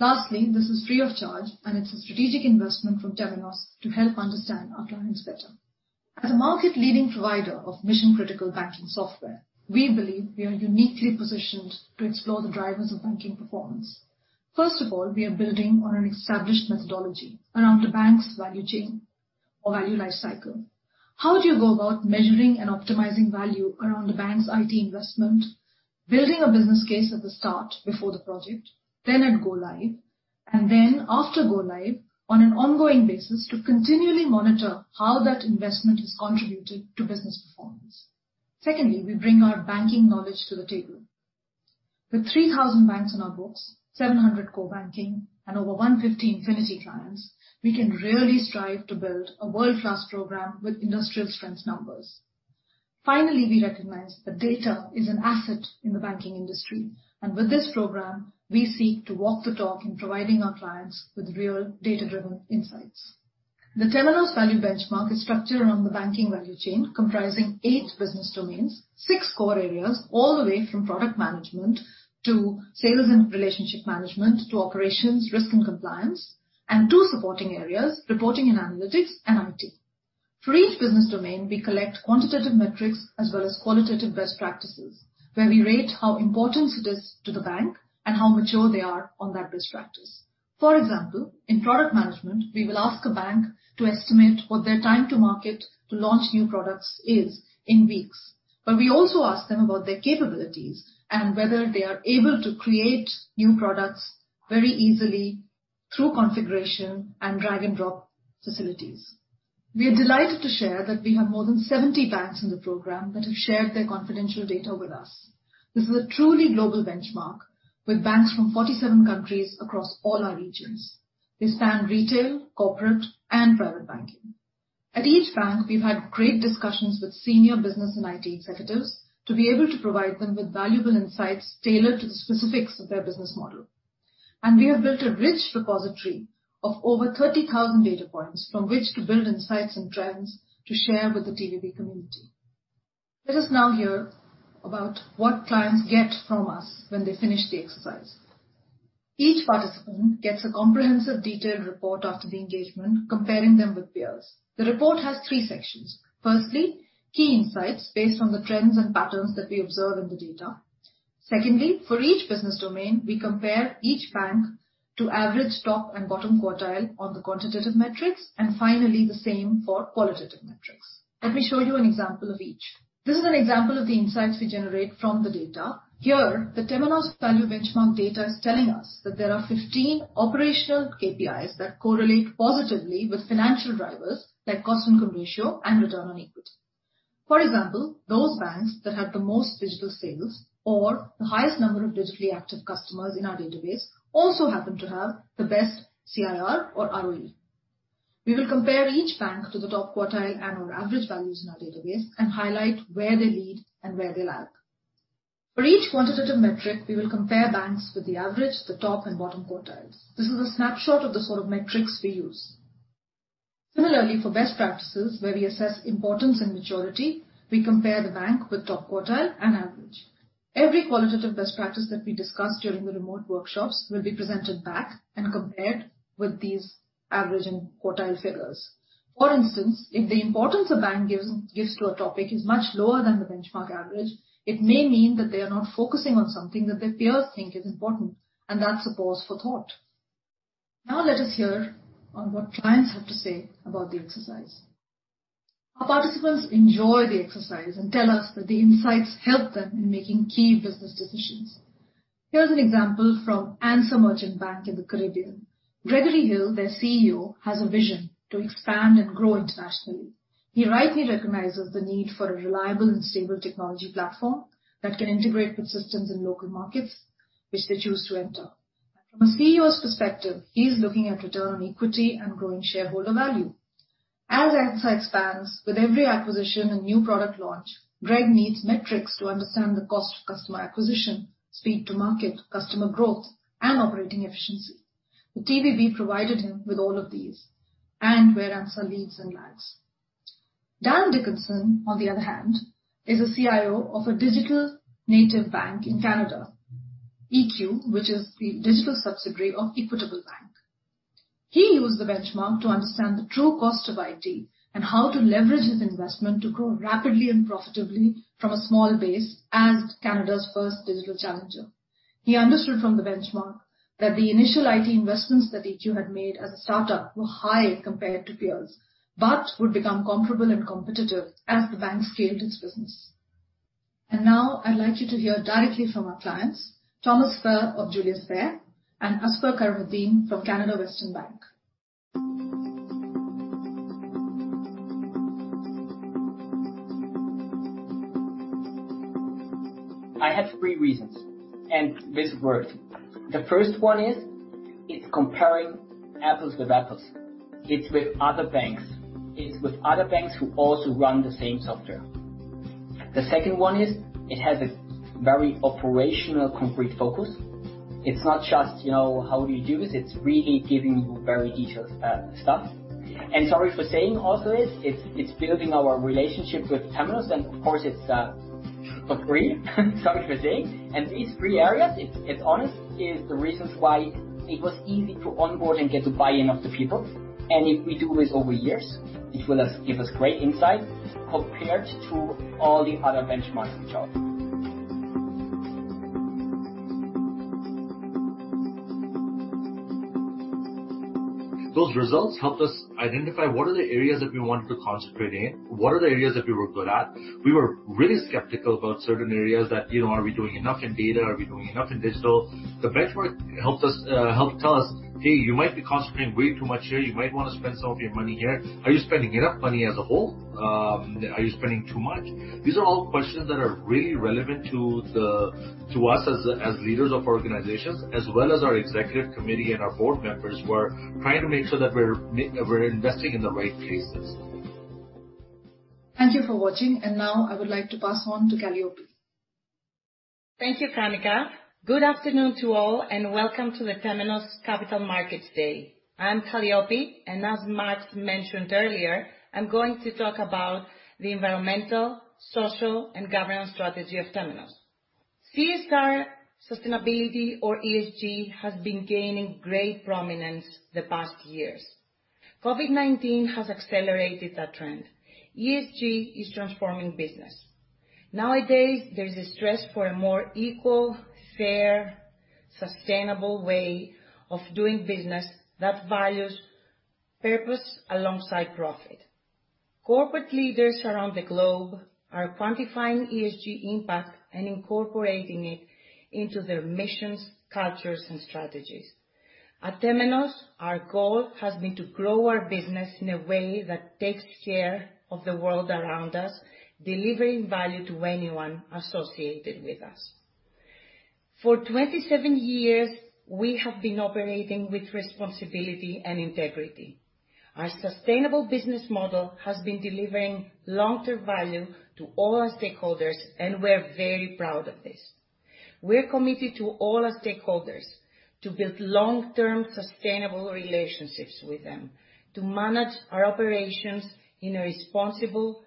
Lastly, this is free of charge, and it's a strategic investment from Temenos to help understand our clients better. As a market-leading provider of mission-critical banking software, we believe we are uniquely positioned to explore the drivers of banking performance. First of all, we are building on an established methodology around the bank's value chain or value lifecycle. How do you go about measuring and optimizing value around the bank's IT investment, building a business case at the start before the project, then at go-live, and then after go-live on an ongoing basis to continually monitor how that investment has contributed to business performance? Secondly, we bring our banking knowledge to the table. With 3,000 banks in our books, 700 core banking, and over 150 Infinity clients, we can really strive to build a world-class program with industrial-strength numbers. Finally, we recognize that data is an asset in the banking industry, and with this program, we seek to walk the talk in providing our clients with real data-driven insights. The Temenos Value Benchmark is structured around the banking value chain comprising eight business domains, six core areas, all the way from product management to sales and relationship management, to operations, risk and compliance, and two supporting areas, reporting and analytics and IT. For each business domain, we collect quantitative metrics as well as qualitative best practices, where we rate how important it is to the bank and how mature they are on that best practice. For example, in product management, we will ask a bank to estimate what their time to market to launch new products is in weeks. We also ask them about their capabilities and whether they are able to create new products very easily through configuration and drag-and-drop facilities. We are delighted to share that we have more than 70 banks in the program that have shared their confidential data with us. This is a truly global benchmark, with banks from 47 countries across all our regions. We span retail, corporate, and private banking. At each bank, we've had great discussions with senior business and IT executives to be able to provide them with valuable insights tailored to the specifics of their business model. We have built a rich repository of over 30,000 data points from which to build insights and trends to share with the TVB community. Let us now hear about what clients get from us when they finish the exercise. Each participant gets a comprehensive, detailed report after the engagement, comparing them with peers. The report has three sections. Firstly, key insights based on the trends and patterns that we observe in the data. Secondly, for each business domain, we compare each bank to average top and bottom quartile on the quantitative metrics, and finally, the same for qualitative metrics. Let me show you an example of each. This is an example of the insights we generate from the data. Here, the Temenos Value Benchmark data is telling us that there are 15 operational KPIs that correlate positively with financial drivers like cost-income ratio and return on equity. For example, those banks that have the most digital sales or the highest number of digitally active customers in our database also happen to have the best CIR or ROE. We will compare each bank to the top quartile and/or average values in our database and highlight where they lead and where they lag. For each quantitative metric, we will compare banks with the average, the top, and bottom quartiles. This is a snapshot of the sort of metrics we use. Similarly, for best practices, where we assess importance and maturity, we compare the bank with top quartile and average. Every qualitative best practice that we discuss during the remote workshops will be presented back and compared with these average and quartile figures. For instance, if the importance a bank gives to a topic is much lower than the benchmark average, it may mean that they are not focusing on something that their peers think is important, and that's a pause for thought. Now let us hear on what clients have to say about the exercise. Our participants enjoy the exercise and tell us that the insights help them in making key business decisions. Here's an example from ANSA Merchant Bank in the Caribbean. Gregory Hill, their CEO, has a vision to expand and grow internationally. He rightly recognizes the need for a reliable and stable technology platform that can integrate with systems in local markets which they choose to enter. From a CEO's perspective, he's looking at return on equity and growing shareholder value. As ANSA expands, with every acquisition and new product launch, Greg needs metrics to understand the cost of customer acquisition, speed to market, customer growth, and operating efficiency. The TVB provided him with all of these and where ANSA leads and lags. Dan Dickinson, on the other hand, is a CIO of a digital native bank in Canada, EQ Bank, which is the digital subsidiary of Equitable Bank. He used the benchmark to understand the true cost of IT and how to leverage his investment to grow rapidly and profitably from a small base as Canada's first digital challenger. He understood from the benchmark that the initial IT investments that EQ had made as a startup were high compared to peers, but would become comparable and competitive as the bank scaled its business. Now I'd like you to hear directly from our clients, Thomas Fehr of Julius Baer, and Azfar Karimuddin from Canadian Western Bank. I had three reasons. This worked. The first one is, it's comparing apples with apples. It's with other banks. It's with other banks who also run the same software. The second one is, it has a very operational, concrete focus. It's not just how we use, it's really giving you very detailed stuff. Sorry for saying also is, it's building our relationship with Temenos, and of course, it's for free. Sorry for saying. These three areas, it's honest, is the reasons why it was easy to onboard and get the buy-in of the people. If we do this over years, it will give us great insight compared to all the other benchmarks we tried. Those results helped us identify what are the areas that we wanted to concentrate in. What are the areas that we were good at? We were really skeptical about certain areas that, are we doing enough in data? Are we doing enough in digital? The benchmark helped tell us, Hey, you might be concentrating way too much here. You might want to spend some of your money here. Are you spending enough money as a whole? Are you spending too much? These are all questions that are really relevant to us as leaders of organizations, as well as our executive committee and our board members who are trying to make sure that we're investing in the right places. Thank you for watching. Now I would like to pass on to Kalliopi. Thank you, Kanika. Good afternoon to all, and welcome to the Temenos Capital Markets Day. I'm Kalliopi, and as Max mentioned earlier, I'm going to talk about the Environmental, Social, and Governance strategy of Temenos. CSR sustainability, or ESG, has been gaining great prominence the past years. COVID-19 has accelerated that trend. ESG is transforming business. Nowadays, there's a stress for a more equal, fair, sustainable way of doing business that values purpose alongside profit. Corporate leaders around the globe are quantifying ESG impact and incorporating it into their missions, cultures, and strategies. At Temenos, our goal has been to grow our business in a way that takes care of the world around us, delivering value to anyone associated with us. For 27 years, we have been operating with responsibility and integrity. Our sustainable business model has been delivering long-term value to all our stakeholders, and we're very proud of this. We're committed to all our stakeholders to build long-term sustainable relationships with them, to manage our operations in a responsible,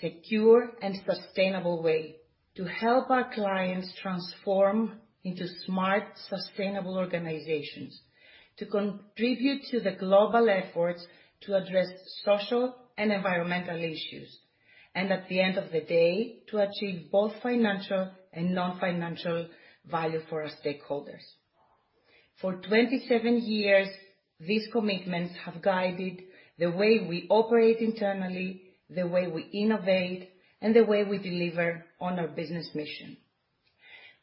secure, and sustainable way, to help our clients transform into smart, sustainable organizations, to contribute to the global efforts to address social and environmental issues. At the end of the day, to achieve both financial and non-financial value for our stakeholders. For 27 years, these commitments have guided the way we operate internally, the way we innovate, and the way we deliver on our business mission.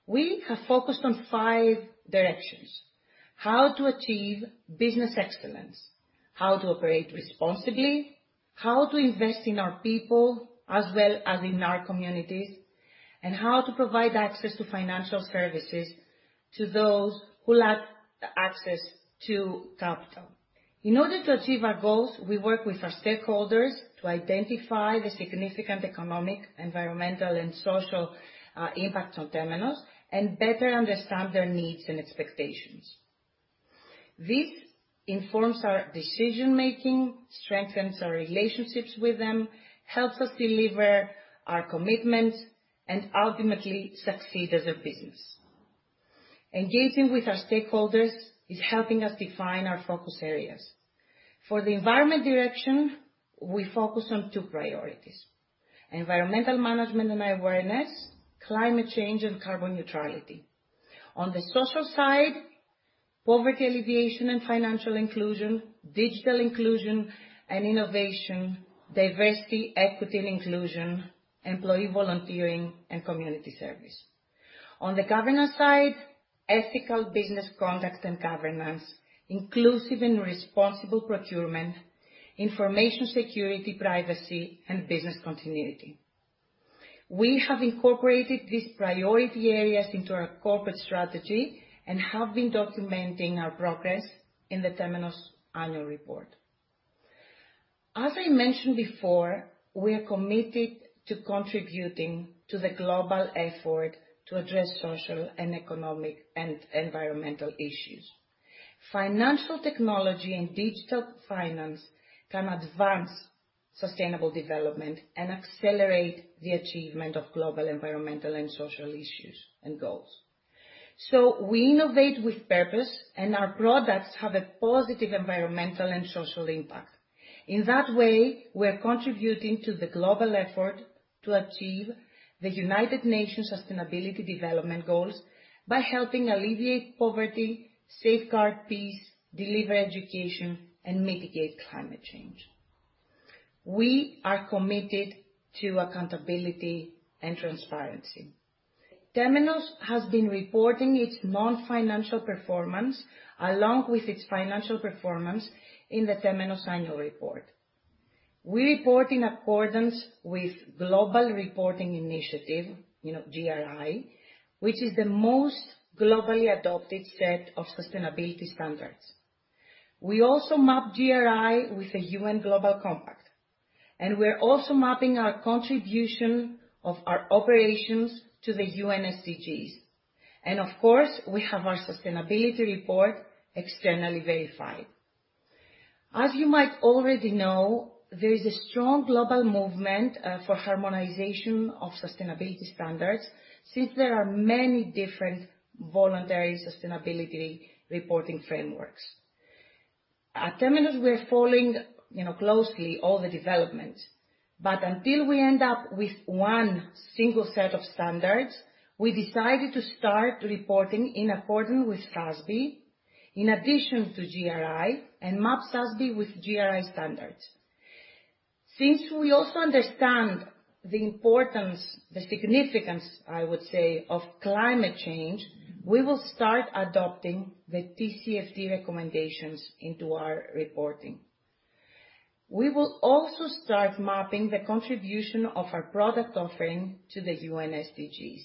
We have focused on five directions. How to achieve business excellence, how to operate responsibly, how to invest in our people as well as in our communities, and how to provide access to financial services to those who lack access to capital. In order to achieve our goals, we work with our stakeholders to identify the significant economic, environmental, and social impact on Temenos and better understand their needs and expectations. This informs our decision-making, strengthens our relationships with them, helps us deliver our commitments, and ultimately succeed as a business. Engaging with our stakeholders is helping us define our focus areas. For the environment direction, we focus on two priorities, environmental management and awareness, climate change, and carbon neutrality. On the social side, poverty alleviation and financial inclusion, digital inclusion and innovation, diversity, equity, and inclusion, employee volunteering, and community service. On the governance side, ethical business conduct and governance, inclusive and responsible procurement, information security, privacy, and business continuity. We have incorporated these priority areas into our corporate strategy and have been documenting our progress in the Temenos annual report. As I mentioned before, we are committed to contributing to the global effort to address social, and economic, and environmental issues. Financial technology and digital finance can advance sustainable development and accelerate the achievement of global environmental and social issues and goals. We innovate with purpose, and our products have a positive environmental and social impact. In that way, we are contributing to the global effort to achieve the United Nations Sustainable Development Goals by helping alleviate poverty, safeguard peace, deliver education, and mitigate climate change. We are committed to accountability and transparency. Temenos has been reporting its non-financial performance, along with its financial performance in the Temenos annual report. We report in accordance with Global Reporting Initiative, GRI, which is the most globally adopted set of sustainability standards. We also map GRI with the UN Global Compact, and we're also mapping our contribution of our operations to the UN SDGs. Of course, we have our sustainability report externally verified. As you might already know, there is a strong global movement for harmonization of sustainability standards since there are many different voluntary sustainability reporting frameworks. At Temenos, we are following closely all the developments. Until we end up with one single set of standards, we decided to start reporting in accordance with SASB, in addition to GRI, and map SASB with GRI Standards. Since we also understand the importance, the significance, I would say, of climate change, we will start adopting the TCFD recommendations into our reporting. We will also start mapping the contribution of our product offering to the UN SDGs.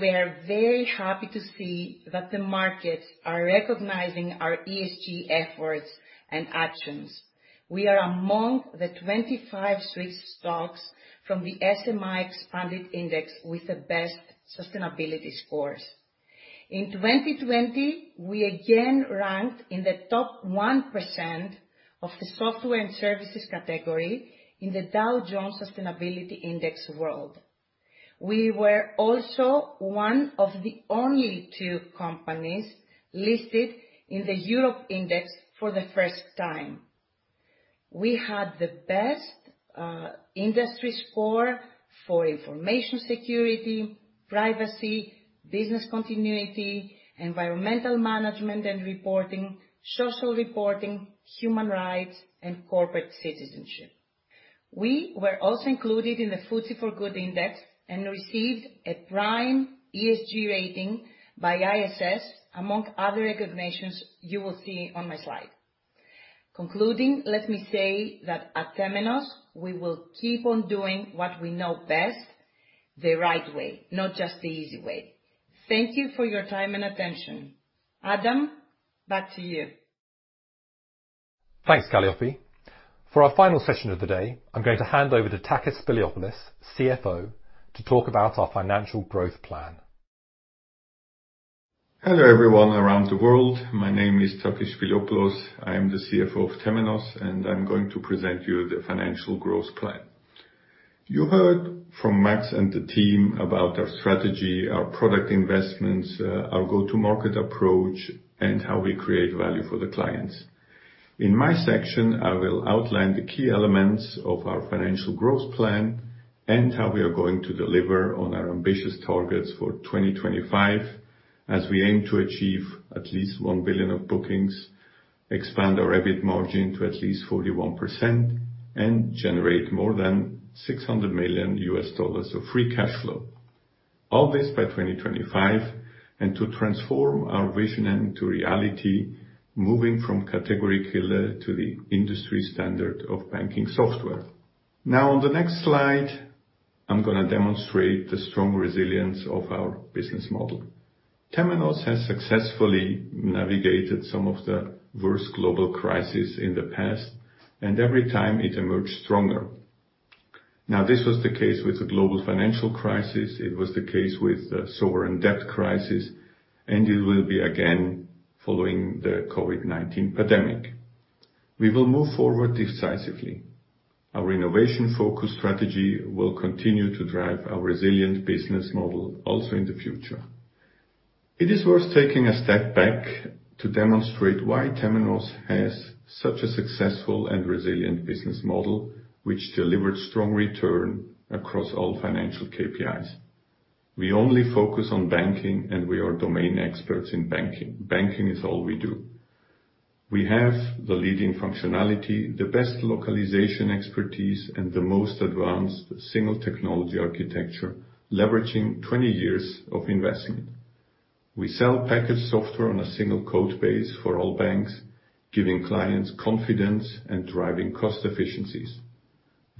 We are very happy to see that the markets are recognizing our ESG efforts and actions. We are among the 25 Swiss stocks from the SMI Expanded Index with the best sustainability scores. In 2020, we again ranked in the top 1% of the software and services category in the Dow Jones Sustainability Index World. We were also one of the only two companies listed in the Europe Index for the first time. We had the best industry score for information security, privacy, business continuity, environmental management and reporting, social reporting, human rights, and corporate citizenship. We were also included in the FTSE4Good Index and received a prime ESG rating by IBS, among other recognitions you will see on my slide. Concluding, let me say that at Temenos, we will keep on doing what we know best the right way, not just the easy way. Thank you for your time and attention. Adam, back to you. Thanks, Kalliopi. For our final session of the day, I'm going to hand over to Takis Spiliopoulos, CFO, to talk about our financial growth plan. Hello, everyone around the world. My name is Takis Spiliopoulos. I am the CFO of Temenos, and I'm going to present you the financial growth plan. You heard from Max and the team about our strategy, our product investments, our go-to-market approach, and how we create value for the clients. In my section, I will outline the key elements of our financial growth plan and how we are going to deliver on our ambitious targets for 2025 as we aim to achieve at least $1 billion of bookings, expand our EBIT margin to at least 41%, and generate more than $600 million of free cash flow, all this by 2025, and to transform our vision into reality, moving from category killer to the industry standard of banking software. Now, on the next slide, I'm going to demonstrate the strong resilience of our business model. Temenos has successfully navigated some of the worst global crises in the past, every time it emerged stronger. This was the case with the global financial crisis, it was the case with the sovereign debt crisis, and it will be again following the COVID-19 pandemic. We will move forward decisively. Our innovation-focused strategy will continue to drive our resilient business model also in the future. It is worth taking a step back to demonstrate why Temenos has such a successful and resilient business model, which delivered strong returns across all financial KPIs. We only focus on banking, and we are domain experts in banking. Banking is all we do. We have the leading functionality, the best localization expertise, and the most advanced single technology architecture, leveraging 20 years of investment. We sell packaged software on a single code base for all banks, giving clients confidence and driving cost efficiencies.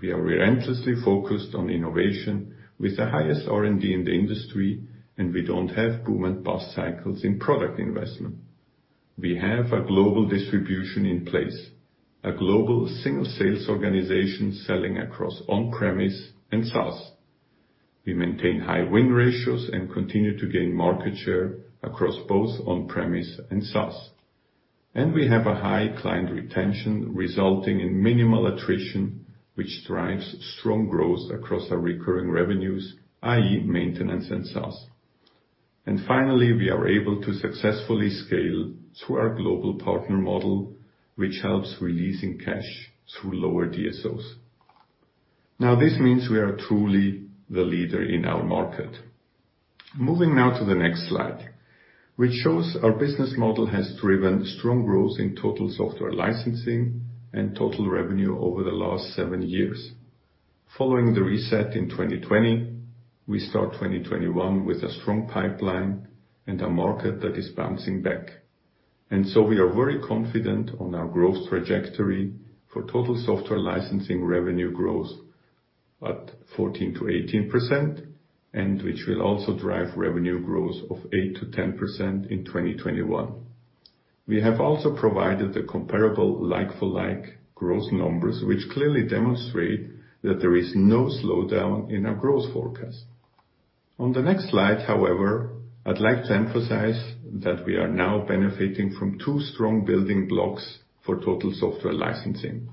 We are relentlessly focused on innovation with the highest R&D in the industry, and we don't have boom and bust cycles in product investment. We have a global distribution in place, a global single sales organization selling across on-premise and SaaS. We maintain high win ratios and continue to gain market share across both on-premise and SaaS. We have a high client retention resulting in minimal attrition, which drives strong growth across our recurring revenues, i.e., maintenance and SaaS. Finally, we are able to successfully scale through our global partner model, which helps releasing cash through lower DSOs. Now, this means we are truly the leader in our market. Moving now to the next slide, which shows our business model has driven strong growth in total software licensing and total revenue over the last seven years. Following the reset in 2020, we start 2021 with a strong pipeline and a market that is bouncing back. We are very confident on our growth trajectory for total software licensing revenue growth at 14%-18%, and which will also drive revenue growth of 8%-10% in 2021. We have also provided the comparable like-for-like growth numbers, which clearly demonstrate that there is no slowdown in our growth forecast. On the next slide, however, I'd like to emphasize that we are now benefiting from two strong building blocks for total software licensing.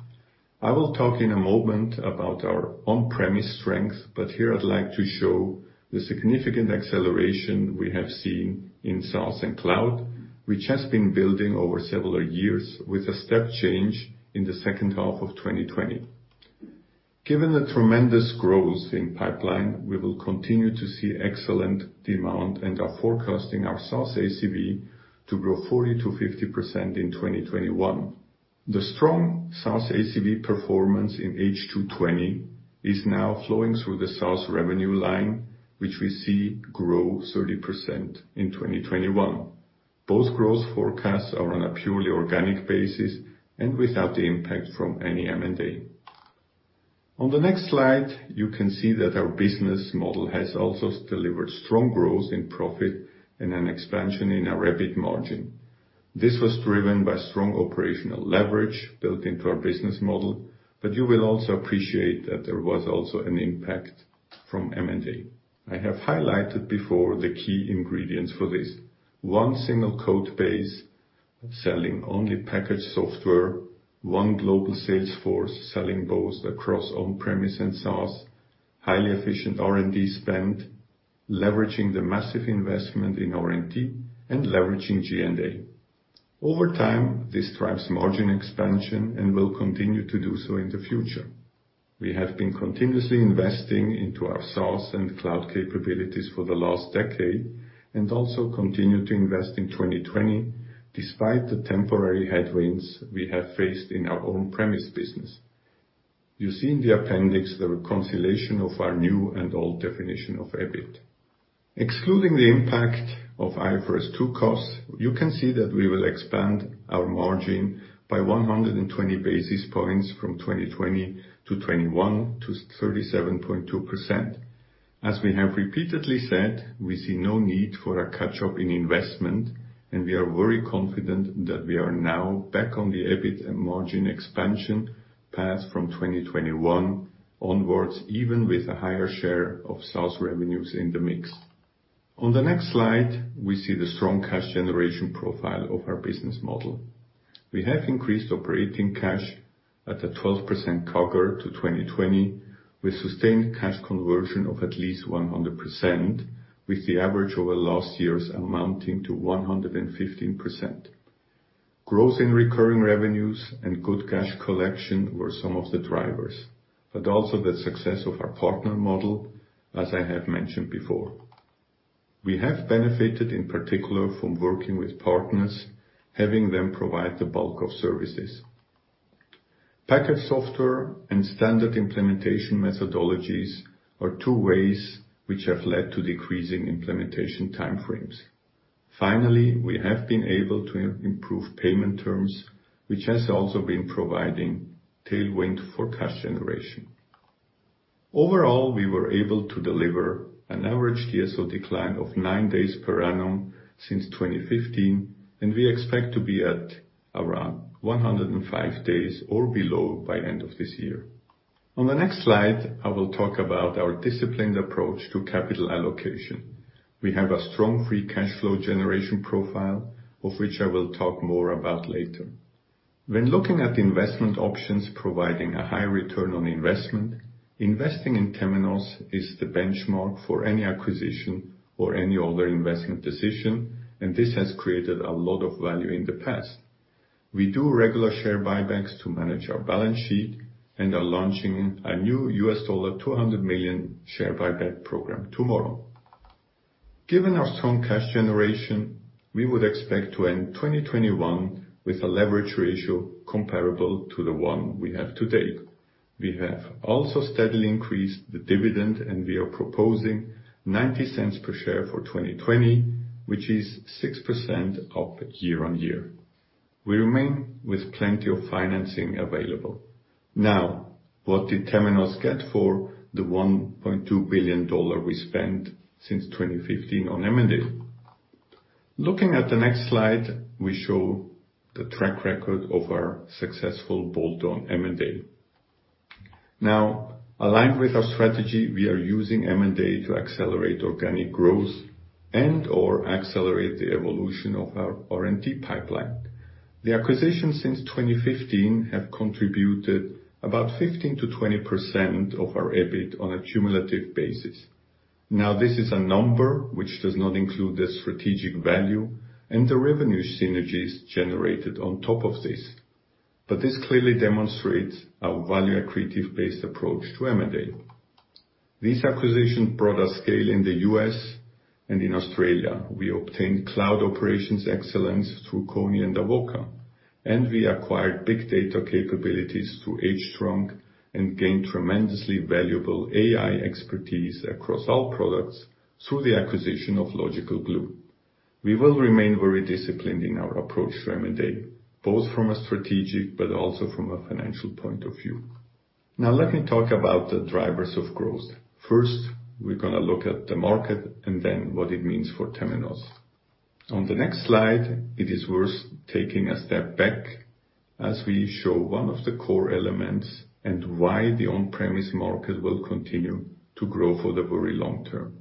I will talk in a moment about our on-premise strength, but here I'd like to show the significant acceleration we have seen in SaaS and cloud, which has been building over several years with a step change in the second half of 2020. Given the tremendous growth in pipeline, we will continue to see excellent demand and are forecasting our SaaS ACV to grow 40%-50% in 2021. The strong SaaS ACV performance in H2 2020 is now flowing through the SaaS revenue line, which we see grow 30% in 2021. Both growth forecasts are on a purely organic basis and without the impact from any M&A. On the next slide, you can see that our business model has also delivered strong growth in profit and an expansion in our EBIT margin. This was driven by strong operational leverage built into our business model, but you will also appreciate that there was also an impact from M&A. I have highlighted before the key ingredients for this. One single code base selling only packaged software, one global sales force selling both across on-premise and SaaS, highly efficient R&D spend, leveraging the massive investment in R&D, and leveraging G&A. Over time, this drives margin expansion and will continue to do so in the future. We have been continuously investing into our SaaS and cloud capabilities for the last decade and also continue to invest in 2020 despite the temporary headwinds we have faced in our on-premise business. You see in the appendix the reconciliation of our new and old definition of EBIT. Excluding the impact of IFRS 2 costs, you can see that we will expand our margin by 120 basis points from 2020 to 21 to 37.2%. As we have repeatedly said, we see no need for a catch-up in investment, and we are very confident that we are now back on the EBIT and margin expansion path from 2021 onwards, even with a higher share of SaaS revenues in the mix. On the next slide, we see the strong cash generation profile of our business model. We have increased operating cash at a 12% CAGR to 2020 with sustained cash conversion of at least 100%, with the average over last year's amounting to 115%. Growth in recurring revenues and good cash collection were some of the drivers, but also the success of our partner model, as I have mentioned before. We have benefited, in particular, from working with partners, having them provide the bulk of services. Packaged software and standard implementation methodologies are two ways which have led to decreasing implementation time frames. Finally, we have been able to improve payment terms, which has also been providing tailwind for cash generation. Overall, we were able to deliver an average DSO decline of nine days per annum since 2015, and we expect to be at around 105 days or below by end of this year. On the next slide, I will talk about our disciplined approach to capital allocation. We have a strong free cash flow generation profile, of which I will talk more about later. When looking at investment options providing a high return on investment, investing in Temenos is the benchmark for any acquisition or any other investment decision, and this has created a lot of value in the past. We do regular share buybacks to manage our balance sheet and are launching a new $200 million share buyback program tomorrow. Given our strong cash generation, we would expect to end 2021 with a leverage ratio comparable to the one we have today. We have also steadily increased the dividend. We are proposing $0.90 per share for 2020, which is 6% up year-on-year. We remain with plenty of financing available. What did Temenos get for the $1.2 billion we spent since 2015 on M&A? Looking at the next slide, we show the track record of our successful bolt-on M&A. Aligned with our strategy, we are using M&A to accelerate organic growth and/or accelerate the evolution of our R&D pipeline. The acquisitions since 2015 have contributed about 15%-20% of our EBIT on a cumulative basis. This is a number which does not include the strategic value and the revenue synergies generated on top of this. This clearly demonstrates our value-accretive-based approach to M&A. These acquisitions brought us scale in the U.S. and in Australia. We obtained cloud operations excellence through Kony and Avoka, and we acquired big data capabilities through hTrunk and gained tremendously valuable AI expertise across all products through the acquisition of Logical Glue. We will remain very disciplined in our approach to M&A, both from a strategic but also from a financial point of view. Let me talk about the drivers of growth. First, we're going to look at the market and then what it means for Temenos. On the next slide, it is worth taking a step back as we show one of the core elements and why the on-premise market will continue to grow for the very long term.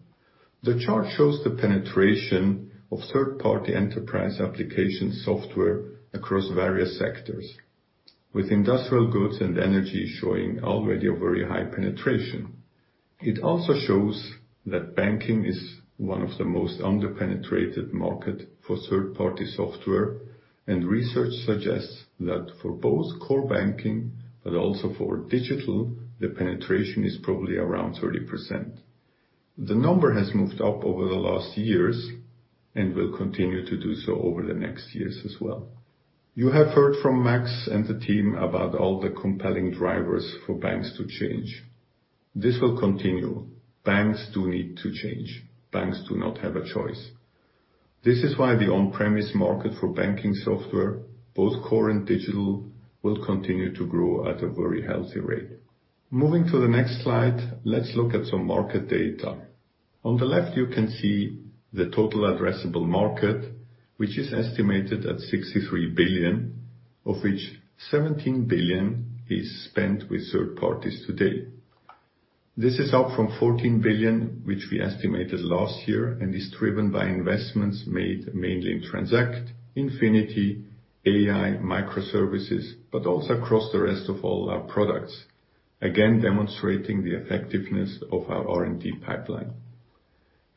The chart shows the penetration of third-party enterprise application software across various sectors, with industrial goods and energy showing already a very high penetration. It also shows that banking is one of the most under-penetrated market for third-party software, and research suggests that for both core banking but also for digital, the penetration is probably around 30%. The number has moved up over the last years and will continue to do so over the next years as well. You have heard from Max and the team about all the compelling drivers for banks to change. This will continue. Banks do need to change. Banks do not have a choice. This is why the on-premise market for banking software, both core and digital, will continue to grow at a very healthy rate. Moving to the next slide, let's look at some market data. On the left, you can see the total addressable market, which is estimated at $63 billion, of which $17 billion is spent with third parties today. This is up from $14 billion, which we estimated last year. Is driven by investments made mainly in Transact, Infinity, AI, microservices, but also across the rest of all our products. Again, demonstrating the effectiveness of our R&D pipeline.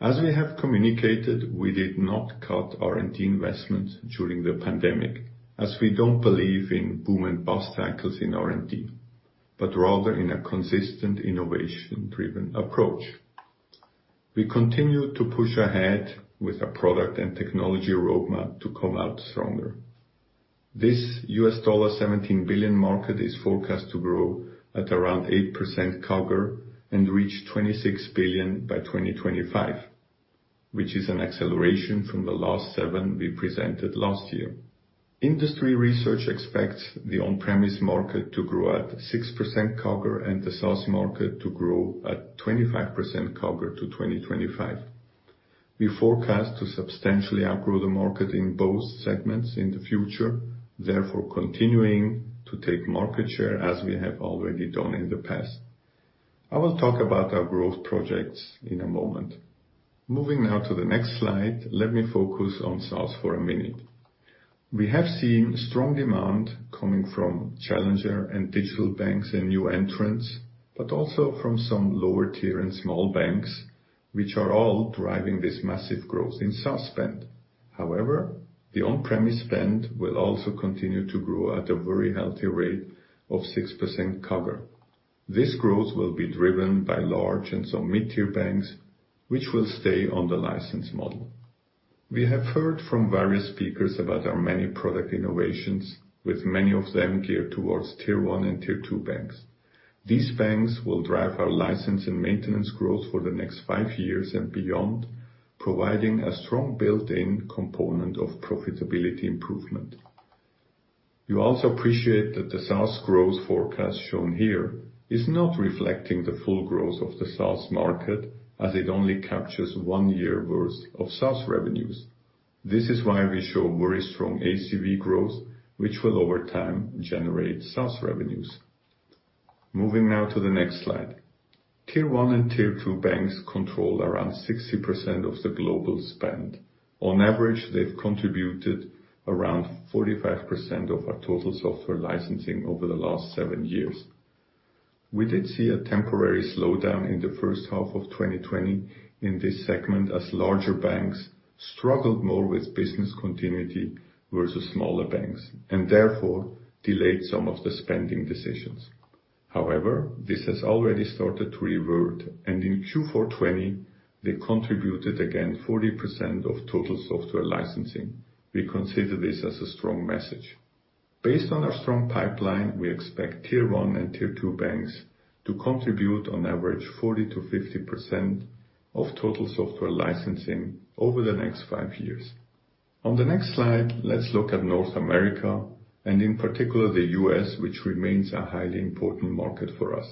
As we have communicated, we did not cut R&D investment during the pandemic. Rather, we don't believe in boom and bust cycles in R&D, but rather in a consistent, innovation-driven approach. We continue to push ahead with a product and technology roadmap to come out stronger. This $17 billion market is forecast to grow at around 8% CAGR and reach $26 billion by 2025, which is an acceleration from the last 7% we presented last year. Industry research expects the on-premise market to grow at 6% CAGR and the SaaS market to grow at 25% CAGR to 2025. We forecast to substantially outgrow the market in both segments in the future, therefore continuing to take market share as we have already done in the past. I will talk about our growth projects in a moment. Moving now to the next slide, let me focus on SaaS for a minute. We have seen strong demand coming from challenger and digital banks and new entrants, but also from some lower-tier and small banks, which are all driving this massive growth in SaaS spend. The on-premise spend will also continue to grow at a very healthy rate of 6% CAGR. This growth will be driven by large and some mid-tier banks, which will stay on the license model. We have heard from various speakers about our many product innovations, with many of them geared towards tier 1 and tier 2 banks. These banks will drive our license and maintenance growth for the next five years and beyond, providing a strong built-in component of profitability improvement. You also appreciate that the SaaS growth forecast shown here is not reflecting the full growth of the SaaS market, as it only captures one year worth of SaaS revenues. This is why we show very strong ACV growth, which will over time generate SaaS revenues. Moving now to the next slide. Tier 1 and tier 2 banks control around 60% of the global spend. On average, they've contributed around 45% of our total software licensing over the last seven years. We did see a temporary slowdown in the first half of 2020 in this segment, as larger banks struggled more with business continuity versus smaller banks, and therefore delayed some of the spending decisions. This has already started to revert, and in Q4 2020, they contributed again 40% of total software licensing. We consider this as a strong message. Based on our strong pipeline, we expect tier 1 and tier 2 banks to contribute on average 40%-50% of total software licensing over the next five years. On the next slide, let's look at North America, and in particular the U.S., which remains a highly important market for us.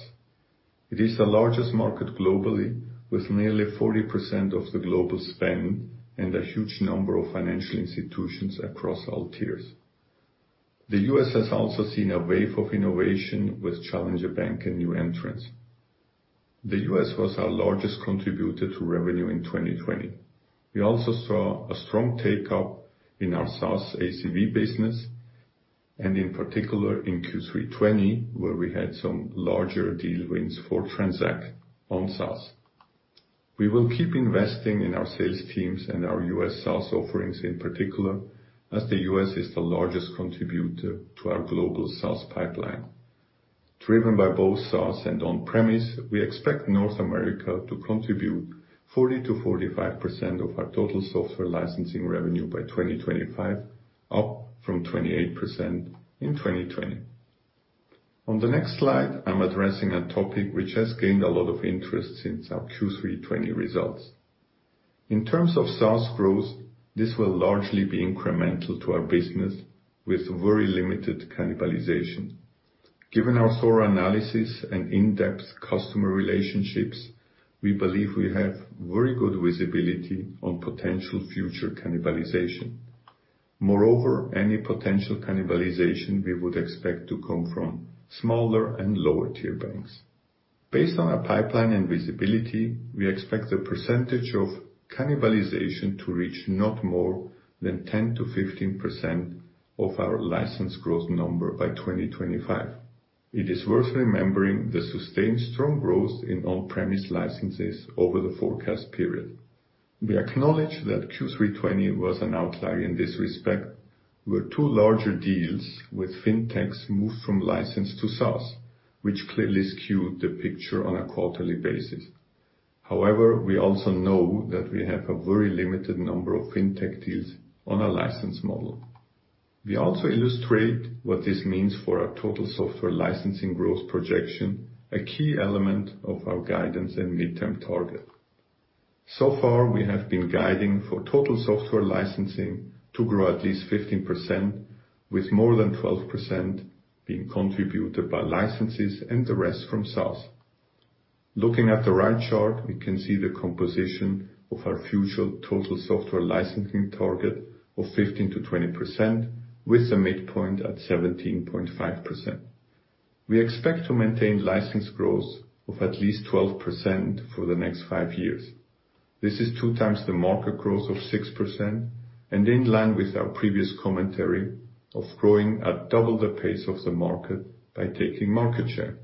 It is the largest market globally, with nearly 40% of the global spend and a huge number of financial institutions across all tiers. The U.S. has also seen a wave of innovation with challenger bank and new entrants. The U.S. was our largest contributor to revenue in 2020. We also saw a strong take-up in our SaaS ACV business, and in particular in Q3 2020, where we had some larger deal wins for Transact on SaaS. We will keep investing in our sales teams and our U.S. SaaS offerings in particular, as the U.S. is the largest contributor to our global SaaS pipeline. Driven by both SaaS and on-premise, we expect North America to contribute 40%-45% of our total software licensing revenue by 2025, up from 28% in 2020. On the next slide, I'm addressing a topic which has gained a lot of interest since our Q3 2020 results. In terms of SaaS growth, this will largely be incremental to our business, with very limited cannibalization. Given our thorough analysis and in-depth customer relationships, we believe we have very good visibility on potential future cannibalization. Moreover, any potential cannibalization we would expect to come from smaller and lower tier banks. Based on our pipeline and visibility, we expect the percentage of cannibalization to reach not more than 10%-15% of our license growth number by 2025. It is worth remembering the sustained strong growth in on-premise licenses over the forecast period. We acknowledge that Q3 2020 was an outlier in this respect, where two larger deals with FinTechs moved from license to SaaS, which clearly skewed the picture on a quarterly basis. However, we also know that we have a very limited number of FinTech deals on a license model. We also illustrate what this means for our total software licensing growth projection, a key element of our guidance and midterm target. So far, we have been guiding for total software licensing to grow at least 15%, with more than 12% being contributed by licenses and the rest from SaaS. Looking at the right chart, we can see the composition of our future total software licensing target of 15%-20%, with the midpoint at 17.5%. We expect to maintain license growth of at least 12% for the next five years. This is two times the market growth of 6%, and in line with our previous commentary of growing at double the pace of the market by taking market share.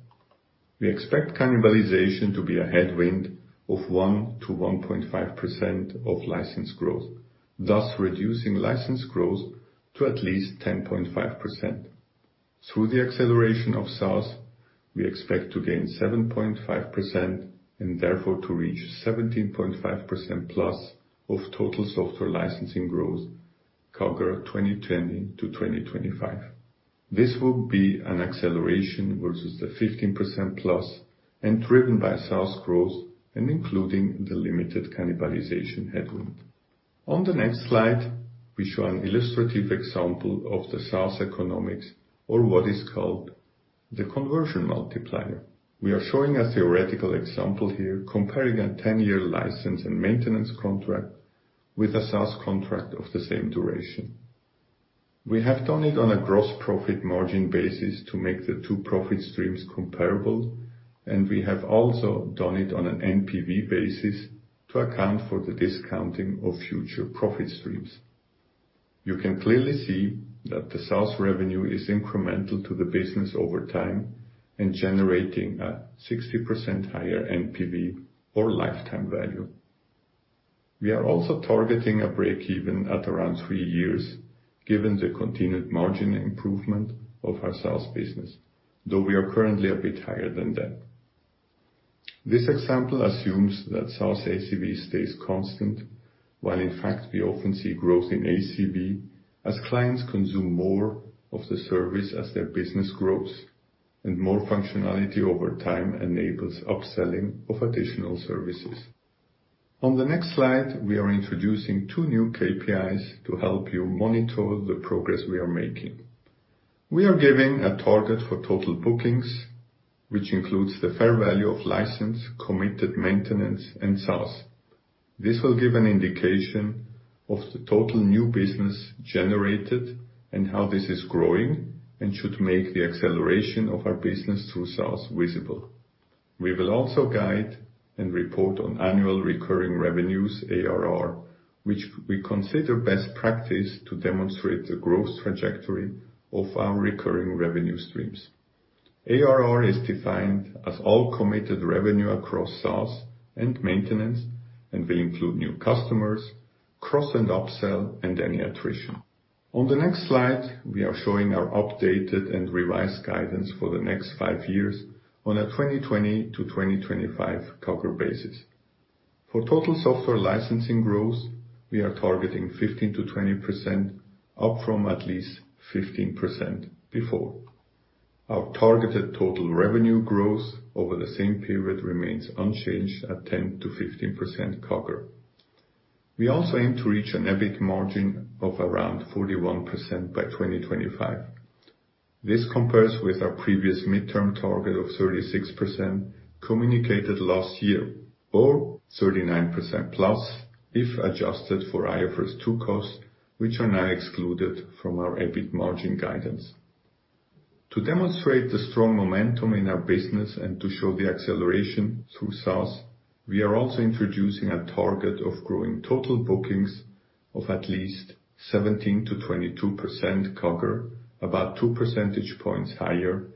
We expect cannibalization to be a headwind of 1%-1.5% of license growth, thus reducing license growth to at least 10.5%. Through the acceleration of SaaS, we expect to gain 7.5% and therefore to reach 17.5%+ of total software licensing growth, CAGR 2020 to 2025. This will be an acceleration versus the 15%+, and driven by SaaS growth, and including the limited cannibalization headwind. On the next slide, we show an illustrative example of the SaaS economics, or what is called the conversion multiplier. We are showing a theoretical example here, comparing a 10-year license and maintenance contract with a SaaS contract of the same duration. We have done it on a gross profit margin basis to make the two profit streams comparable, and we have also done it on an NPV basis to account for the discounting of future profit streams. You can clearly see that the SaaS revenue is incremental to the business over time, and generating a 60% higher NPV or lifetime value. We are also targeting a break-even at around three years, given the continued margin improvement of our SaaS business, though we are currently a bit higher than that. This example assumes that SaaS ACV stays constant, while in fact, we often see growth in ACV as clients consume more of the service as their business grows, and more functionality over time enables upselling of additional services. On the next slide, we are introducing two new KPIs to help you monitor the progress we are making. We are giving a target for total bookings, which includes the fair value of license, committed maintenance, and SaaS. This will give an indication of the total new business generated and how this is growing and should make the acceleration of our business through SaaS visible. We will also guide and report on annual recurring revenues, ARR, which we consider best practice to demonstrate the growth trajectory of our recurring revenue streams. ARR is defined as all committed revenue across SaaS and maintenance and will include new customers, cross and upsell, and any attrition. On the next slide, we are showing our updated and revised guidance for the next five years on a 2020 to 2025 coverage basis. For total software licensing growth, we are targeting 15%-20% up from at least 15% before. Our targeted total revenue growth over the same period remains unchanged at 10%-15% coverage. We also aim to reach an EBIT margin of around 41% by 2025. This compares with our previous midterm target of 36% communicated last year or 39%+ if adjusted for IFRS 2 costs, which are now excluded from our EBIT margin guidance. To demonstrate the strong momentum in our business and to show the acceleration through SaaS, we are also introducing a target of growing total bookings of at least 17%-22% coverage, about two percentage points higher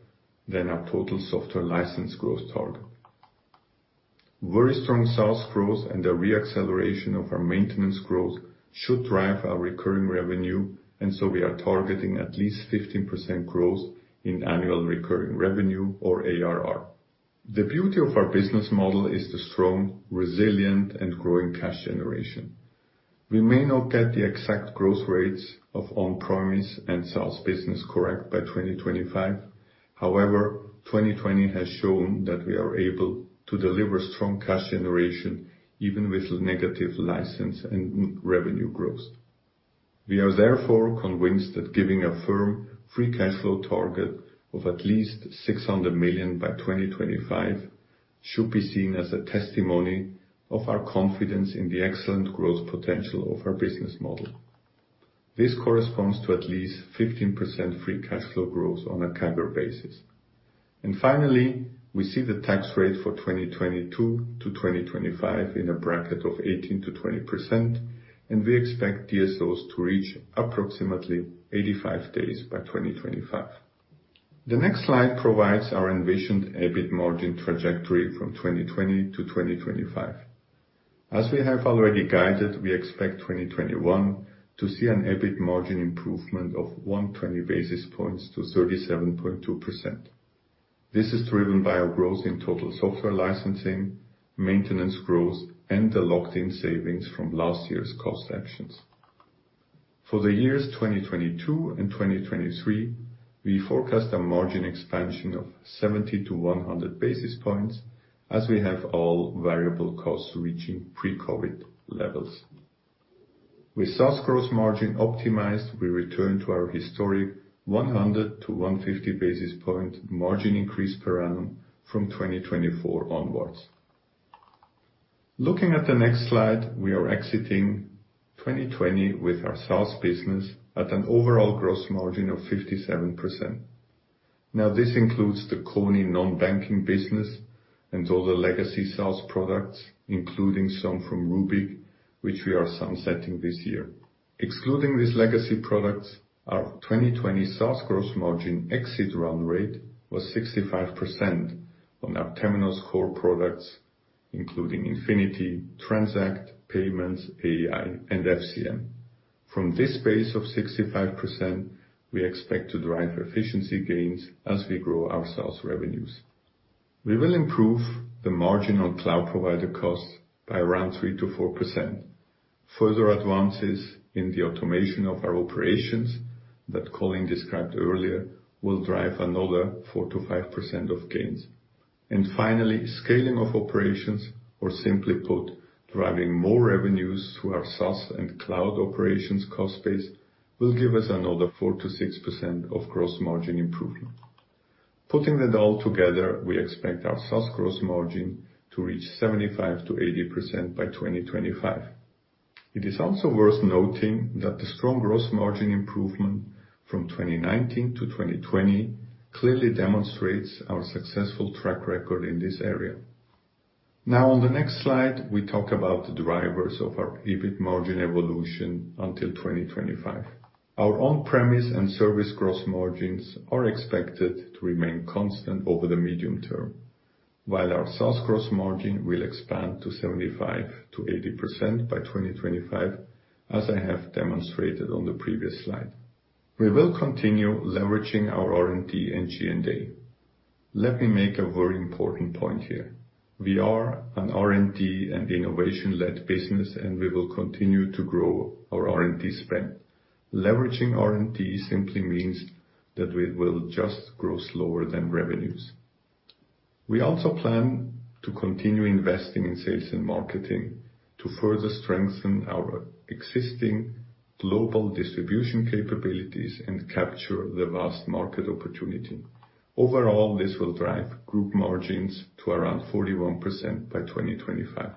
than our total software license growth target. Very strong SaaS growth and the re-acceleration of our maintenance growth should drive our recurring revenue, and so we are targeting at least 15% growth in annual recurring revenue or ARR. The beauty of our business model is the strong, resilient, and growing cash generation. We may not get the exact growth rates of on-premise and SaaS business correct by 2025. However, 2020 has shown that we are able to deliver strong cash generation even with negative license and revenue growth. We are therefore convinced that giving a firm free cash flow target of at least $600 million by 2025 should be seen as a testimony of our confidence in the excellent growth potential of our business model. This corresponds to at least 15% free cash flow growth on a coverage basis. Finally, we see the tax rate for 2022 to 2025 in a bracket of 18%-20%, and we expect DSOs to reach approximately 85 days by 2025. The next slide provides our envisioned EBIT margin trajectory from 2020 to 2025. As we have already guided, we expect 2021 to see an EBIT margin improvement of 120 basis points to 37.2%. This is driven by our growth in total software licensing, maintenance growth, and the locked-in savings from last year's cost actions. For the years 2022 and 2023, we forecast a margin expansion of 70-100 basis points as we have all variable costs reaching pre-COVID levels. With SaaS gross margin optimized, we return to our historic 100-150 basis point margin increase per annum from 2024 onwards. Looking at the next slide, we are exiting 2020 with our SaaS business at an overall gross margin of 57%. This includes the Kony non-banking business and all the legacy SaaS products, including some from Rubik, which we are sunsetting this year. Excluding these legacy products, our 2020 SaaS gross margin exit run rate was 65% on our Temenos Core products, including Temenos Infinity, Temenos Transact, Temenos Payments, AI, and FCM. From this base of 65%, we expect to drive efficiency gains as we grow our SaaS revenues. We will improve the margin on cloud provider costs by around 3%-4%. Further advances in the automation of our operations that Colin described earlier will drive another 4%-5% of gains. Finally, scaling of operations, or simply put, driving more revenues through our SaaS and cloud operations cost base will give us another 4%-6% of gross margin improvement. Putting it all together, we expect our SaaS gross margin to reach 75%-80% by 2025. It is also worth noting that the strong gross margin improvement from 2019 to 2020 clearly demonstrates our successful track record in this area. On the next slide, we talk about the drivers of our EBIT margin evolution until 2025. Our on-premise and service gross margins are expected to remain constant over the medium term. While our SaaS gross margin will expand to 75%-80% by 2025, as I have demonstrated on the previous slide. We will continue leveraging our R&D and G&A. Let me make a very important point here. We are an R&D and innovation-led business, and we will continue to grow our R&D spend. Leveraging R&D simply means that we will just grow slower than revenues. We also plan to continue investing in sales and marketing to further strengthen our existing global distribution capabilities and capture the vast market opportunity. Overall, this will drive group margins to around 41% by 2025.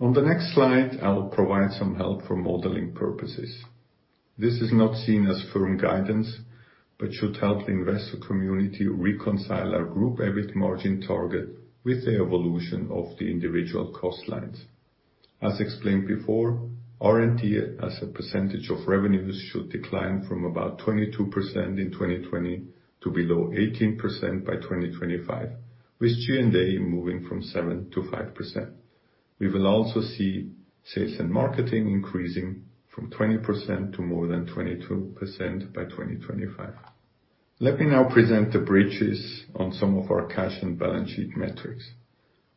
On the next slide, I will provide some help for modeling purposes. This is not seen as firm guidance, but should help the investor community reconcile our group EBIT margin target with the evolution of the individual cost lines. As explained before, R&D as a percentage of revenues should decline from about 22% in 2020 to below 18% by 2025, with G&A moving from 7%-5%. We will also see sales and marketing increasing from 20% to more than 22% by 2025. Let me now present the bridges on some of our cash and balance sheet metrics.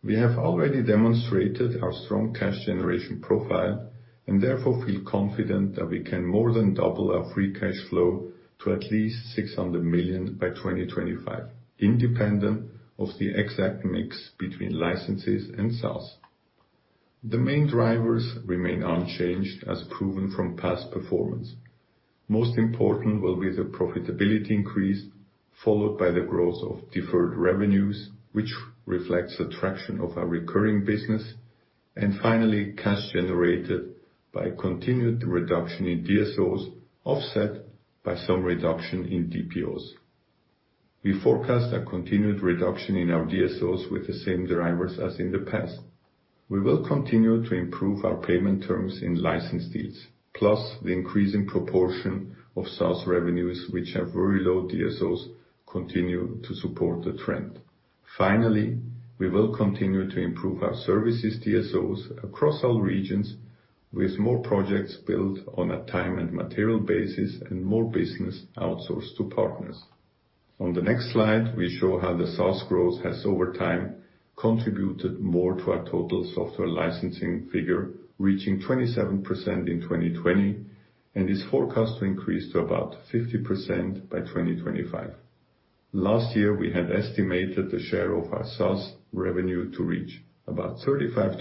We have already demonstrated our strong cash generation profile and therefore feel confident that we can more than double our free cash flow to at least $600 million by 2025, independent of the exact mix between licenses and SaaS. The main drivers remain unchanged, as proven from past performance. Most important will be the profitability increase, followed by the growth of deferred revenues, which reflects attraction of our recurring business, and finally, cash generated by a continued reduction in DSOs, offset by some reduction in DPOs. We forecast a continued reduction in our DSOs with the same drivers as in the past. We will continue to improve our payment terms in license deals. Plus, the increasing proportion of SaaS revenues, which have very low DSOs, continue to support the trend. Finally, we will continue to improve our services DSOs across all regions, with more projects built on a time and material basis and more business outsourced to partners. On the next slide, we show how the SaaS growth has, over time, contributed more to our total software licensing figure, reaching 27% in 2020, and is forecast to increase to about 50% by 2025. Last year, we had estimated the share of our SaaS revenue to reach about 35%-40%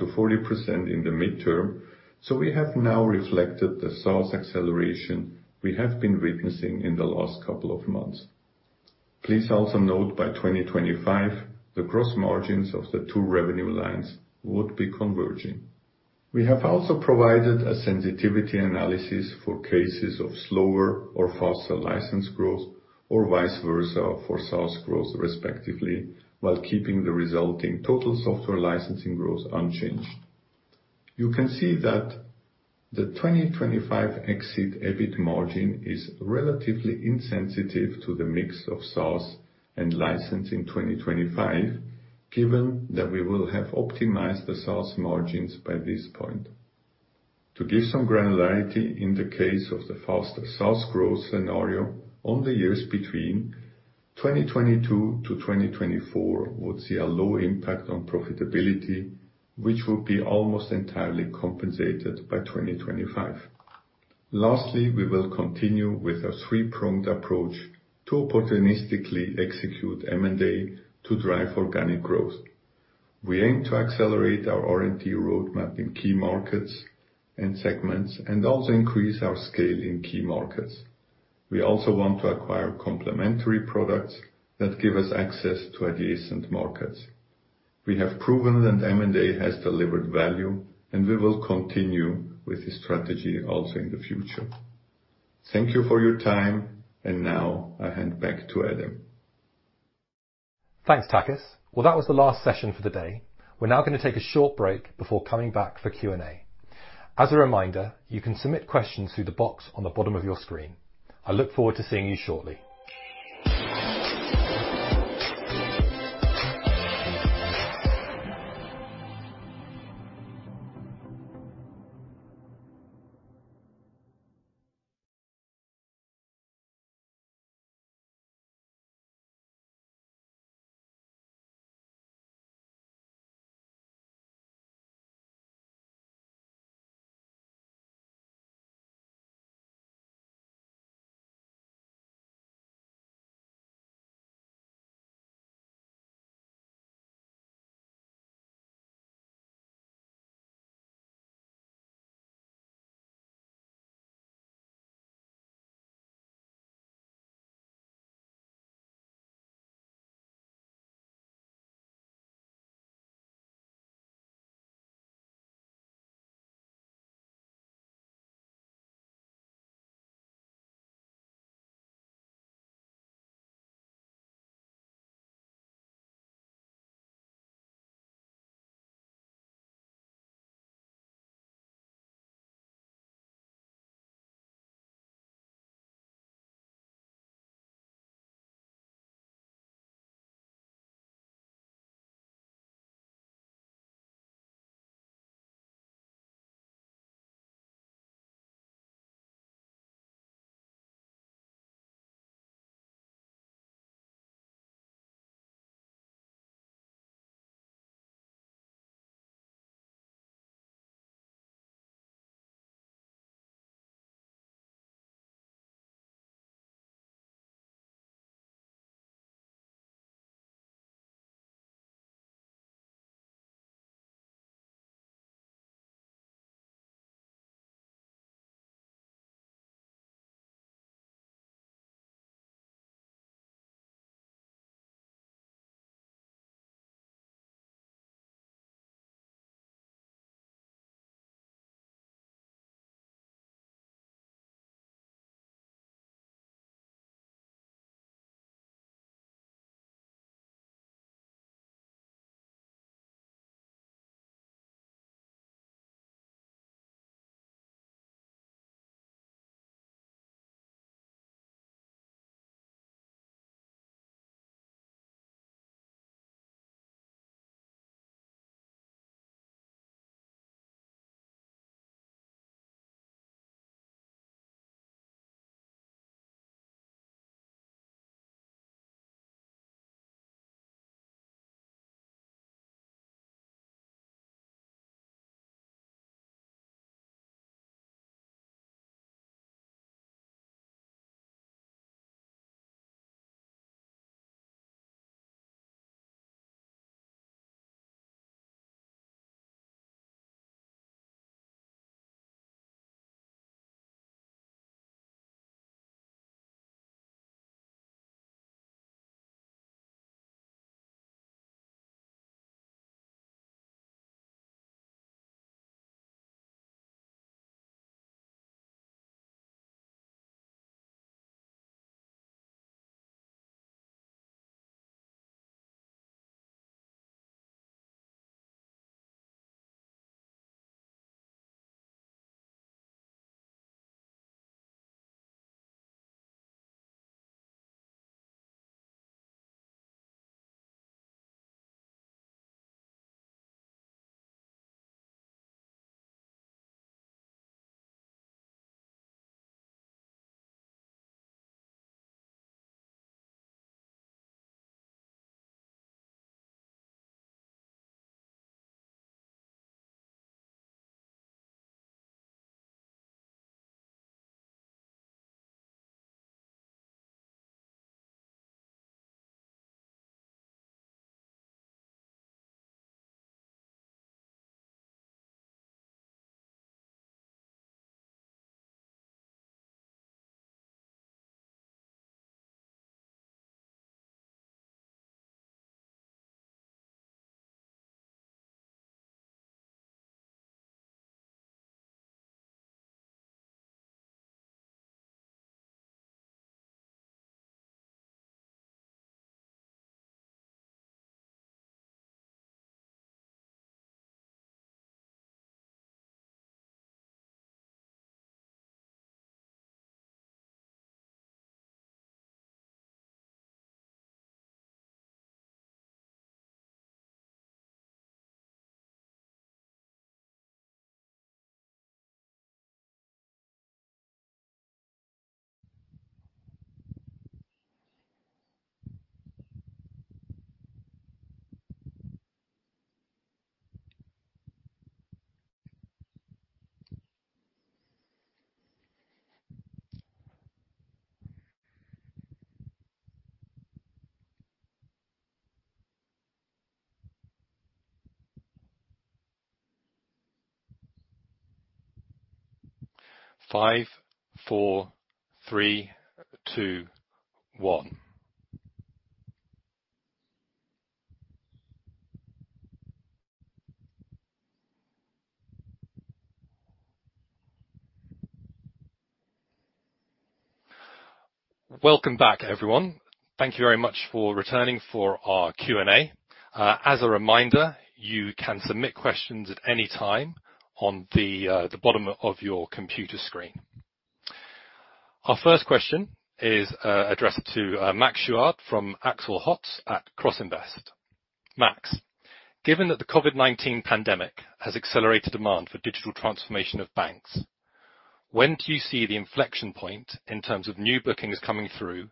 in the midterm, so we have now reflected the SaaS acceleration we have been witnessing in the last couple of months. Please also note, by 2025, the gross margins of the two revenue lines would be converging. We have also provided a sensitivity analysis for cases of slower or faster license growth, or vice versa for SaaS growth, respectively, while keeping the resulting total software licensing growth unchanged. You can see that the 2025 expected EBIT margin is relatively insensitive to the mix of SaaS and licensing 2025, given that we will have optimized the SaaS margins by this point. To give some granularity in the case of the faster SaaS growth scenario, only years between 2022 to 2024 would see a low impact on profitability, which will be almost entirely compensated by 2025. Lastly, we will continue with our three-pronged approach to opportunistically execute M&A to drive organic growth. We aim to accelerate our R&D roadmap in key markets and segments, and also increase our scale in key markets. We also want to acquire complementary products that give us access to adjacent markets. We have proven that M&A has delivered value, and we will continue with this strategy also in the future. Thank you for your time, and now I hand back to Adam. Thanks, Takis. That was the last session for the day. We're now going to take a short break before coming back for Q&A. As a reminder, you can submit questions through the box on the bottom of your screen. I look forward to seeing you shortly. Welcome back, everyone. Thank you very much for returning for our Q&A. As a reminder, you can submit questions at any time on the bottom of your computer screen. Our first question is addressed to Max Chuard from Axel Hotz at Crossinvest. Max, given that the COVID-19 pandemic has accelerated demand for digital transformation of banks, when do you see the inflection point in terms of new bookings coming through,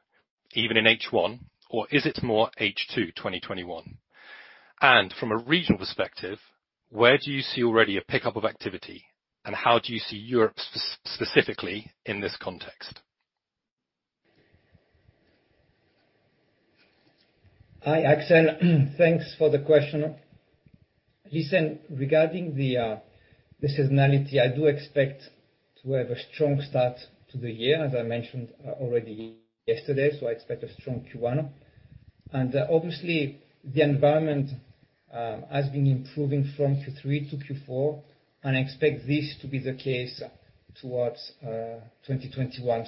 even in H1? Or is it more H2 2021? And from a regional perspective, where do you see already a pickup of activity, and how do you see Europe specifically in this context? Hi, Axel. Thanks for the question. Listen, regarding the seasonality, I do expect to have a strong start to the year, as I mentioned already yesterday, so I expect a strong Q1. Obviously, the environment has been improving from Q3 to Q4, and I expect this to be the case towards 2021.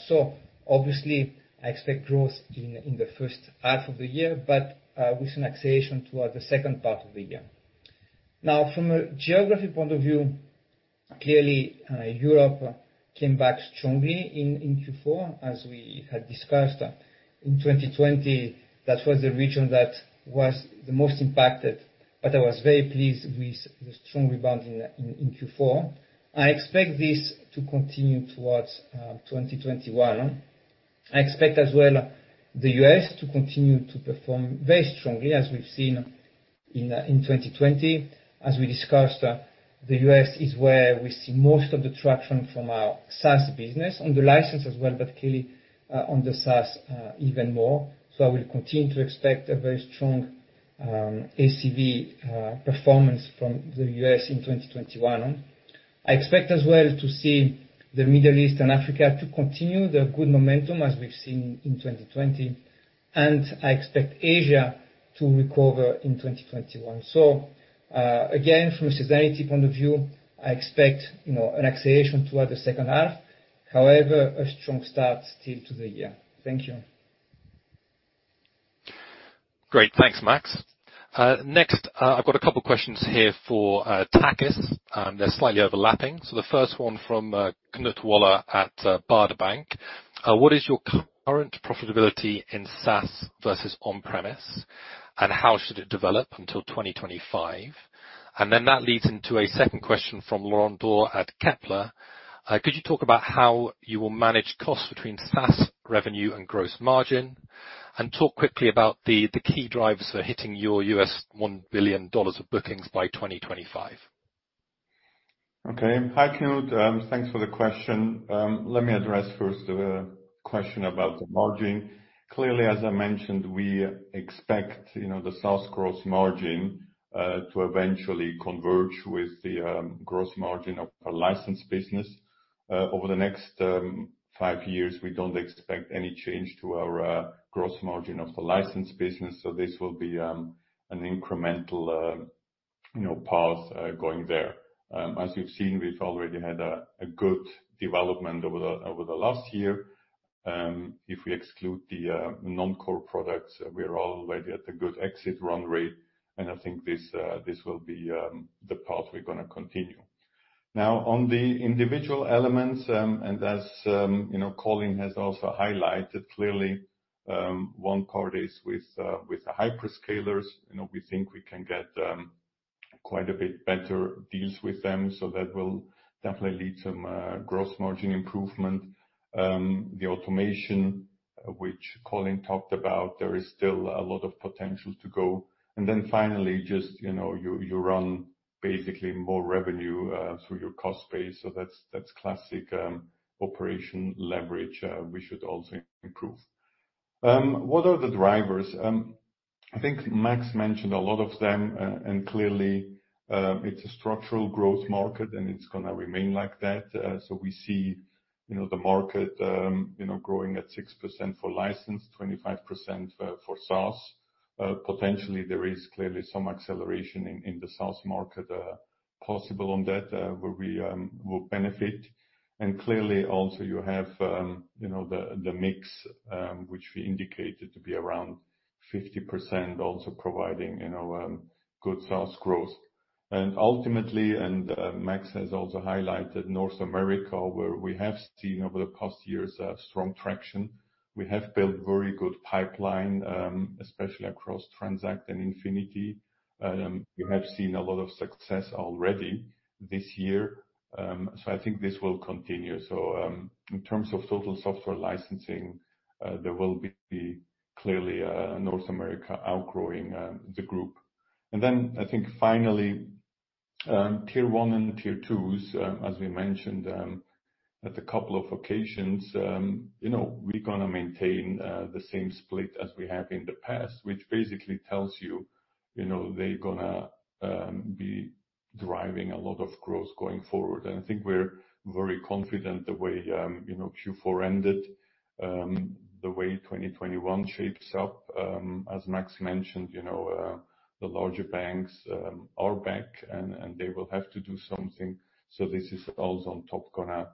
Obviously, I expect growth in the first half of the year, but with an acceleration towards the second part of the year. Now, from a geography point of view, clearly, Europe came back strongly in Q4, as we had discussed. In 2020, that was the region that was the most impacted, but I was very pleased with the strong rebound in Q4. I expect this to continue towards 2021. I expect as well the U.S. to continue to perform very strongly as we've seen in 2020. As we discussed, the U.S. is where we see most of the traction from our SaaS business, on the license as well, but clearly on the SaaS even more. I will continue to expect a very strong ACV performance from the U.S. in 2021. I expect as well to see the Middle East and Africa to continue the good momentum as we've seen in 2020, and I expect Asia to recover in 2021. Again, from a seasonality point of view, I expect an acceleration throughout the second half. However, a strong start still to the year. Thank you. Great. Thanks, Max. Next, I've got a couple questions here for Takis. They're slightly overlapping. The first one from Knut Woller at Baader Bank. What is your current profitability in SaaS versus on-premise, and how should it develop until 2025? That leads into a second question from Laurent Daure at Kepler Cheuvreux. Could you talk about how you will manage costs between SaaS revenue and gross margin? Talk quickly about the key drivers for hitting your $1 billion of bookings by 2025. Okay. Hi, Knut. Thanks for the question. Let me address first the question about the margin. Clearly, as I mentioned, we expect the SaaS gross margin to eventually converge with the gross margin of our licensed business. Over the next five years, we don't expect any change to our gross margin of the licensed business. This will be an incremental path going there. As you've seen, we've already had a good development over the last year. If we exclude the non-core products, we're already at a good exit run rate. I think this will be the path we're going to continue. On the individual elements, as Colin has also highlighted, clearly one part is with the hyperscalers. We think we can get quite a bit better deals with them. That will definitely lead to gross margin improvement. The automation, which Colin talked about, there is still a lot of potential to go. Then finally, you run basically more revenue through your cost base, so that's classic operation leverage we should also improve. What are the drivers? I think Max mentioned a lot of them, and clearly it's a structural growth market and it's going to remain like that. We see the market growing at 6% for licensed, 25% for SaaS. Potentially, there is clearly some acceleration in the SaaS market possible on that where we will benefit. Clearly also you have the mix, which we indicated to be around 50% also providing good SaaS growth. Ultimately, and Max has also highlighted North America, where we have seen over the past years a strong traction. We have built very good pipeline, especially across Transact and Infinity. We have seen a lot of success already this year. I think this will continue. In terms of total software licensing, there will be clearly North America outgrowing the group. I think finally, Tier 1 and Tier 2s, as we mentioned at a couple of occasions, we're going to maintain the same split as we have in the past, which basically tells you they're going to be driving a lot of growth going forward. I think we're very confident the way Q4 ended, the way 2021 shapes up. As Max mentioned, the larger banks are back, and they will have to do something. This is also on top going to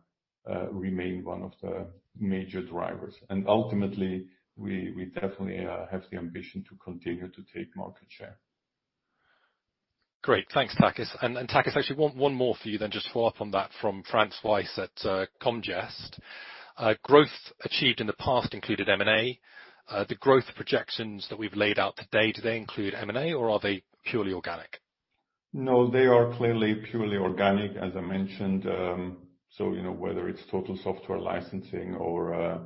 remain one of the major drivers. Ultimately, we definitely have the ambition to continue to take market share. Great. Thanks, Takis. Takis, actually one more for you then just to follow up on that from Franz Weis at Comgest. Growth achieved in the past included M&A. The growth projections that we've laid out today, do they include M&A or are they purely organic? No, they are clearly purely organic, as I mentioned. Whether it's total software licensing or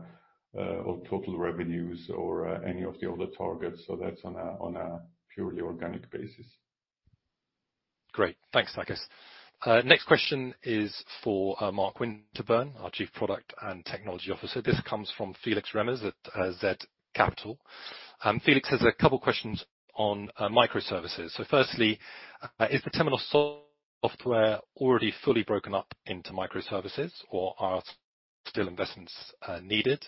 total revenues or any of the other targets, so that's on a purely organic basis. Great. Thanks, Takis. Next question is for Mark Winterburn, our Chief Product and Technology Officer. This comes from Felix Remmers at zCapital. Felix has a couple questions on microservices. Firstly, is the Temenos software already fully broken up into microservices or are still investments needed?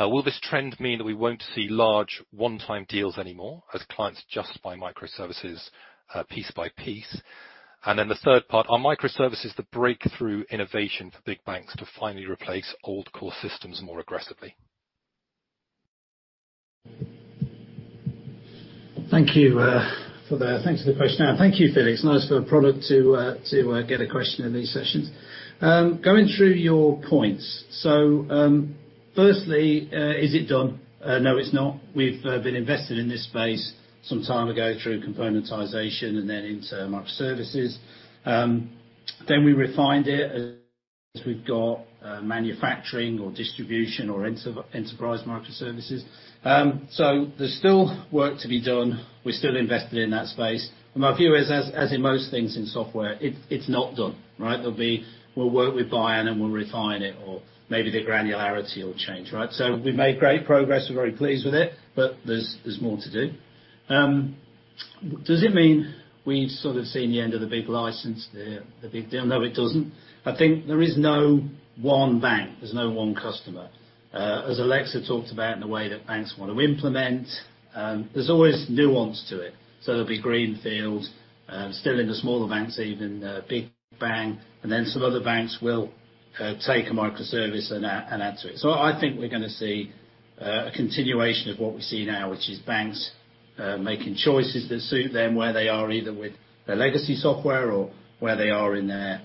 Will this trend mean that we won't see large one-time deals anymore as clients just buy microservices piece by piece? Then the third part, are microservices the breakthrough innovation for big banks to finally replace old core systems more aggressively? Thank you for that. Thank you for the question. Thank you, Felix. Nice for a product to get a question in these sessions. Going through your points. Firstly, is it done? No, it's not. We've been invested in this space some time ago through componentization and then into microservices. We refined it as we've got manufacturing or distribution or enterprise microservices. There's still work to be done. We're still invested in that space. My view is, as in most things in software, it's not done, right? We'll work with buy-in, and we'll refine it or maybe the granularity will change, right? We've made great progress. We're very pleased with it, but there's more to do. Does it mean we've sort of seen the end of the big license, the big deal? No, it doesn't. I think there is no one bank, there's no one customer. As Alexa talked about, and the way that banks want to implement, there's always nuance to it. There'll be greenfields, still into smaller banks, even a big bang, and then some other banks will take a microservice and add to it. I think we're going to see a continuation of what we see now, which is banks making choices that suit them where they are either with their legacy software or where they are in their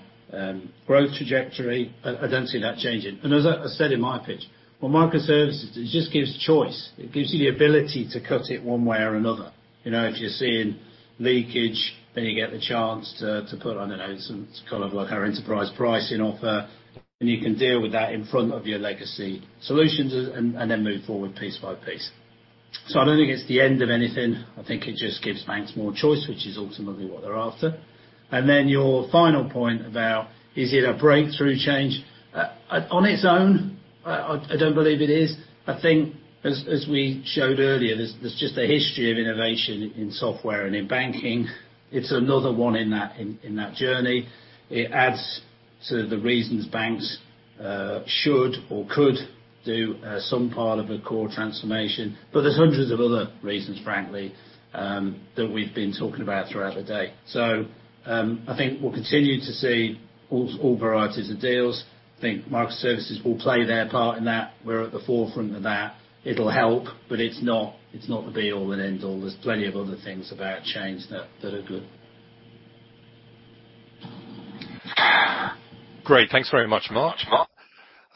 growth trajectory. I don't see that changing. As I said in my pitch, with microservices, it just gives choice. It gives you the ability to cut it one way or another. If you're seeing leakage, then you get the chance to put, I don't know, some kind of our Enterprise Pricing offer, and you can deal with that in front of your legacy solutions and then move forward piece by piece. I don't think it's the end of anything. I think it just gives banks more choice, which is ultimately what they're after. Your final point about, is it a breakthrough change? On its own, I don't believe it is. I think as we showed earlier, there's just a history of innovation in software and in banking. It's another one in that journey. It adds to the reasons banks should or could do some part of a core transformation. There's hundreds of other reasons, frankly, that we've been talking about throughout the day. I think we'll continue to see all varieties of deals. I think microservices will play their part in that. We're at the forefront of that. It'll help, but it's not the be all and end all. There's plenty of other things about change that are good. Great. Thanks very much, Mark.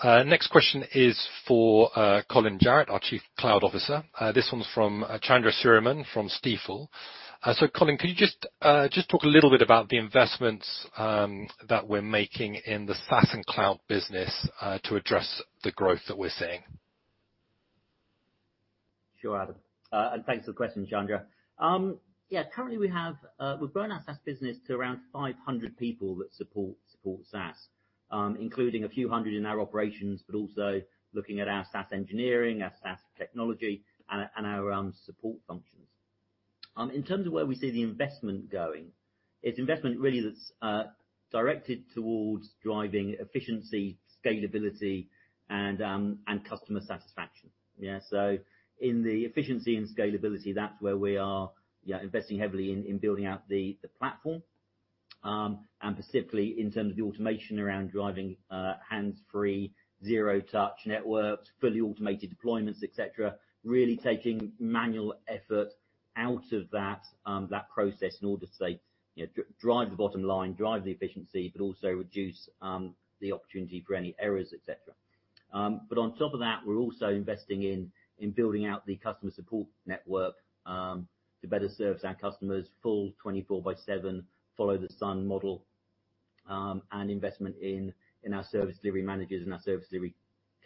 Next question is for Colin Jarrett, our Chief Cloud Officer. This one's from Chandra Sriraman from Stifel. Colin, could you just talk a little bit about the investments that we're making in the SaaS and cloud business to address the growth that we're seeing? Sure, Adam. Thanks for the question, Chandra. Currently we've grown our SaaS business to around 500 people that support SaaS, including a few hundred in our operations, but also looking at our SaaS engineering, our SaaS technology, and our support functions. In terms of where we see the investment going, it's investment really that's directed towards driving efficiency, scalability and customer satisfaction. So in the efficiency and scalability, that's where we are investing heavily in building out the platform, and specifically in terms of the automation around driving hands-free, zero touch networks, fully automated deployments, et cetera. Really taking manual effort out of that process in order to, say, drive the bottom line, drive the efficiency, but also reduce the opportunity for any errors, et cetera. On top of that, we're also investing in building out the customer support network to better service our customers full 24-by-7, follow the sun model, and investment in our service delivery managers and our service delivery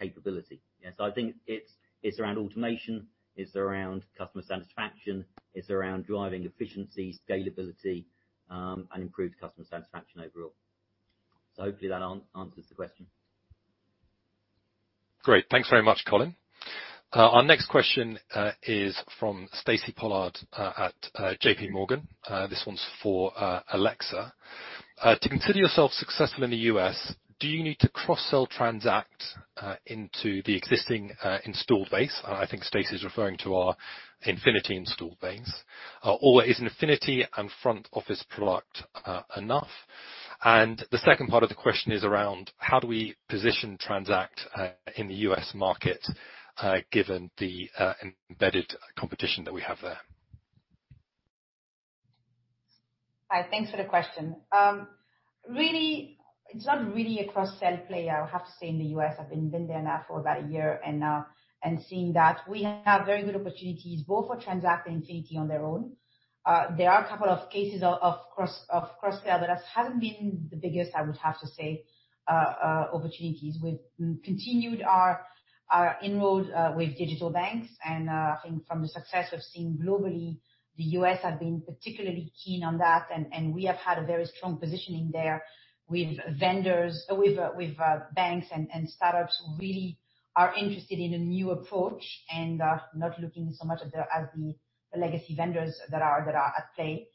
capability. I think it's around automation, it's around customer satisfaction, it's around driving efficiency, scalability, and improved customer satisfaction overall. Hopefully that answers the question. Great. Thanks very much, Colin. Our next question is from Stacy Pollard at JPMorgan. This one's for Alexa. To consider yourself successful in the U.S., do you need to cross-sell Transact into the existing installed base? I think Stacy's referring to our Infinity installed base. Or is an Infinity and front office product enough? The second part of the question is around how do we position Transact in the U.S. market given the embedded competition that we have there? Hi, thanks for the question. It's not really a cross-sell play, I have to say, in the U.S. I've been there now for about a year and seeing that. We have very good opportunities both for Transact and Infinity on their own. There are a couple of cases of cross-sell. That hasn't been the biggest, I would have to say, opportunities. We've continued our inroad with digital banks. I think from the success we've seen globally, the U.S. have been particularly keen on that. We have had a very strong positioning there with vendors, with banks and startups who really are interested in a new approach and are not looking so much as the legacy vendors that are at play.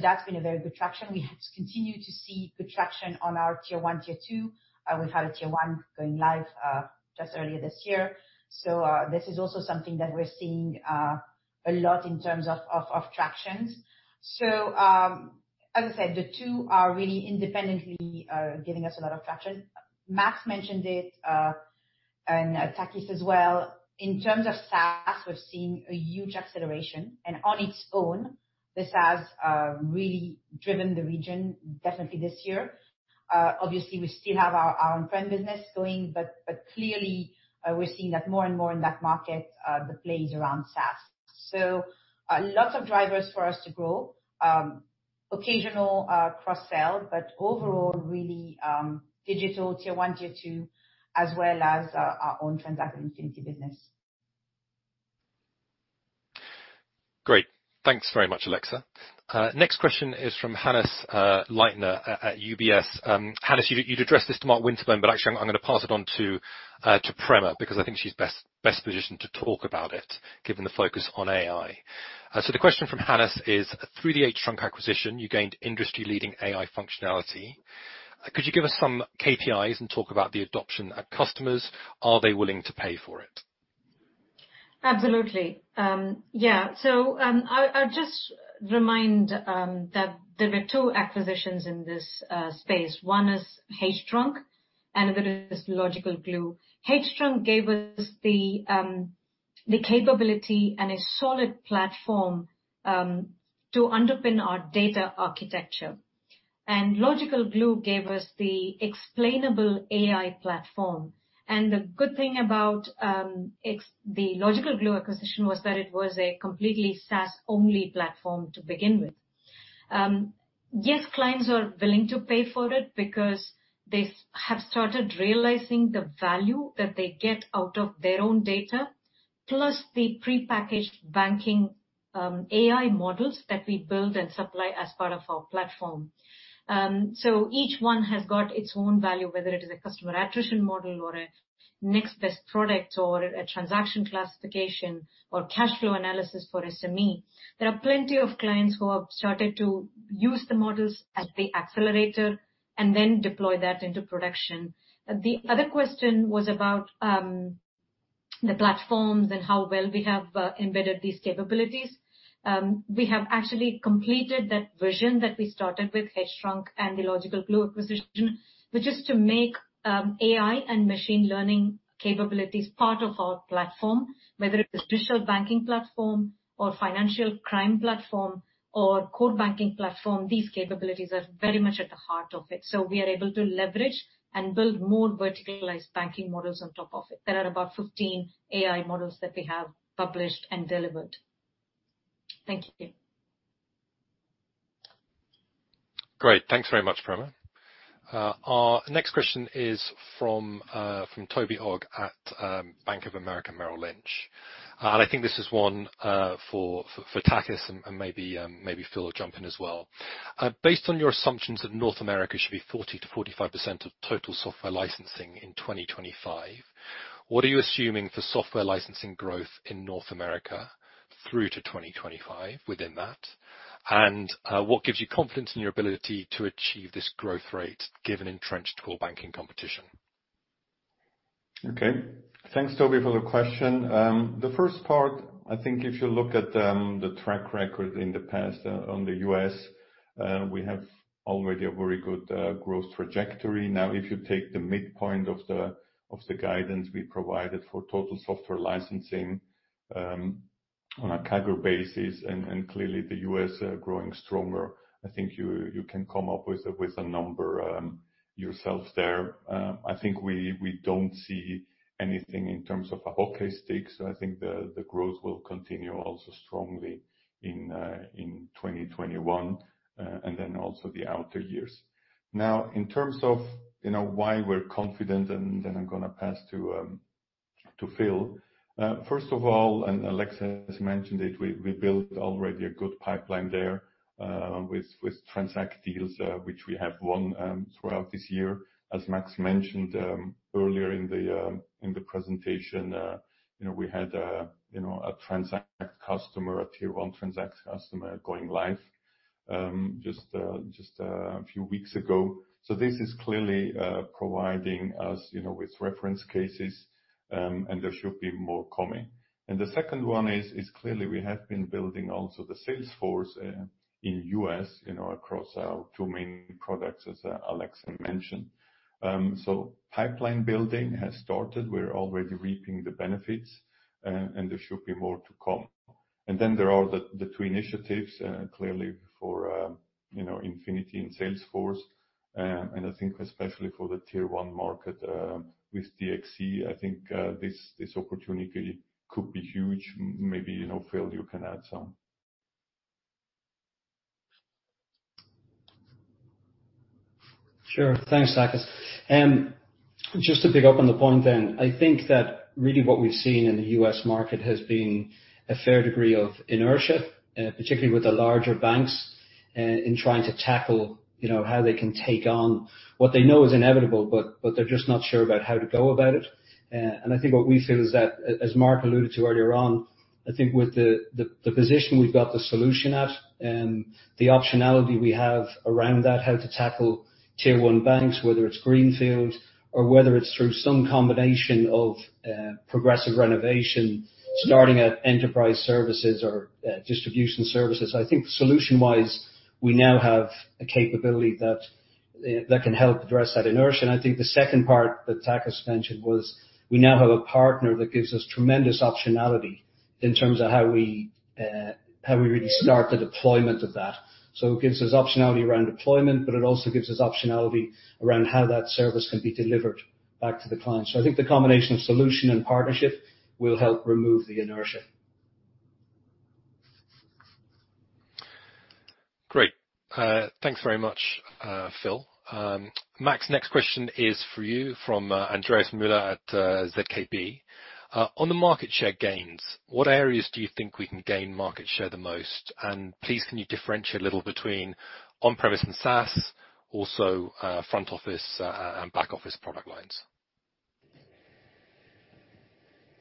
That's been a very good traction. We have continued to see good traction on our tier 1, tier 2. We've had a tier 1 going live just earlier this year. This is also something that we're seeing a lot in terms of tractions. As I said, the two are really independently giving us a lot of traction. Max mentioned it, and Takis as well. In terms of SaaS, we've seen a huge acceleration. On its own, the SaaS really driven the region definitely this year. Obviously, we still have our on-prem business going, but clearly we're seeing that more and more in that market, the plays around SaaS. Lots of drivers for us to grow. Occasional cross-sell, but overall really digital tier 1, tier 2, as well as our own Transact and Infinity business. Great. Thanks very much, Alexa. Next question is from Hannes Leitner at UBS. Hannes, you'd addressed this to Mark Winterburn, but actually I'm going to pass it on to Prema because I think she's best positioned to talk about it given the focus on AI. The question from Hannes is: through the hTrunk acquisition you gained industry-leading AI functionality. Could you give us some KPIs and talk about the adoption of customers? Are they willing to pay for it? Absolutely. Yeah. I'll just remind that there were two acquisitions in this space. One is hTrunk and the other is Logical Glue. hTrunk gave us the capability and a solid platform to underpin our data architecture, and Logical Glue gave us the Explainable AI platform. The good thing about the Logical Glue acquisition was that it was a completely SaaS-only platform to begin with. Yes, clients are willing to pay for it because they have started realizing the value that they get out of their own data plus the prepackaged banking AI models that we build and supply as part of our platform. Each one has got its own value whether it is a customer attrition model or a next best product or a transaction classification or cash flow analysis for SME. There are plenty of clients who have started to use the models as the accelerator and then deploy that into production. The other question was about the platforms and how well we have embedded these capabilities. We have actually completed that vision that we started with hTrunk and the Logical Glue acquisition, which is to make AI and machine learning capabilities part of our platform. Whether it's a digital banking platform or financial crime platform or core banking platform, these capabilities are very much at the heart of it. We are able to leverage and build more verticalized banking models on top of it. There are about 15 AI models that we have published and delivered. Thank you. Great. Thanks very much, Prema. Our next question is from Toby Ogg at Bank of America Merrill Lynch. I think this is one for Takis and maybe Phil will jump in as well. Based on your assumptions that North America should be 40%-45% of total software licensing in 2025, what are you assuming for software licensing growth in North America through to 2025 within that? What gives you confidence in your ability to achieve this growth rate given entrenched core banking competition? Thanks, Toby, for the question. The first part, I think if you look at the track record in the past on the U.S., we have already a very good growth trajectory. If you take the midpoint of the guidance we provided for total software licensing on a CAGR basis, and clearly the U.S. growing stronger, I think you can come up with a number yourself there. I think we don't see anything in terms of a hockey stick. I think the growth will continue also strongly in 2021, and then also the outer years. In terms of why we're confident and then I'm going to pass to Phil. First of all, and Alexa has mentioned it, we built already a good pipeline there with Transact deals which we have won throughout this year. As Max mentioned earlier in the presentation, we had a Transact customer, a tier 1 Transact customer going live just a few weeks ago. This is clearly providing us with reference cases, and there should be more coming. The second one is clearly we have been building also the sales force in U.S. across our two main products, as Alexa mentioned. Pipeline building has started. We're already reaping the benefits, and there should be more to come. There are the two initiatives, clearly for Infinity and Salesforce. I think especially for the tier 1 market with DXC, I think this opportunity could be huge. Maybe Phil, you can add some. Sure. Thanks, Takis. Just to pick up on the point, I think that really what we've seen in the U.S. market has been a fair degree of inertia, particularly with the larger banks, in trying to tackle how they can take on what they know is inevitable, but they're just not sure about how to go about it. I think what we feel is that, as Mark alluded to earlier on, I think with the position we've got the solution at and the optionality we have around that, how to tackle tier 1 banks, whether it's greenfield or whether it's through some combination of progressive renovation starting at enterprise services or distribution services. I think solution-wise, we now have a capability that can help address that inertia. I think the second part that Takis mentioned was we now have a partner that gives us tremendous optionality in terms of how we really start the deployment of that. It gives us optionality around deployment, but it also gives us optionality around how that service can be delivered back to the client. I think the combination of solution and partnership will help remove the inertia. Great. Thanks very much, Phil. Max, next question is for you from Andreas Müller at ZKB. On the market share gains, what areas do you think we can gain market share the most? Please, can you differentiate a little between on-premise and SaaS, also front office and back office product lines?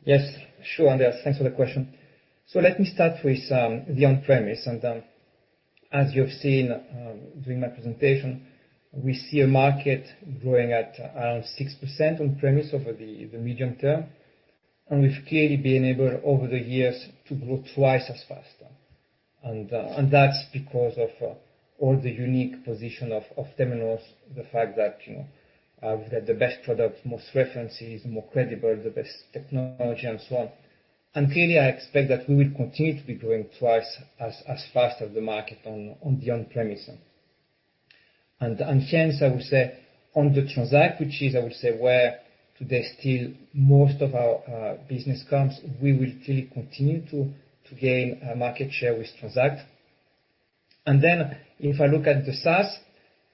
Yes. Sure, Andreas, thanks for the question. Let me start with the on-premise. As you've seen during my presentation, we see a market growing at around 6% on-premise over the medium term, and we've clearly been able, over the years, to grow twice as fast. That's because of all the unique position of Temenos, the fact that we've got the best product, most references, more credible, the best technology, and so on. Clearly, I expect that we will continue to be growing twice as fast as the market on the on-premise. Hence, I would say on the Transact, which is I would say where today still most of our business comes, we will clearly continue to gain market share with Transact. If I look at the SaaS,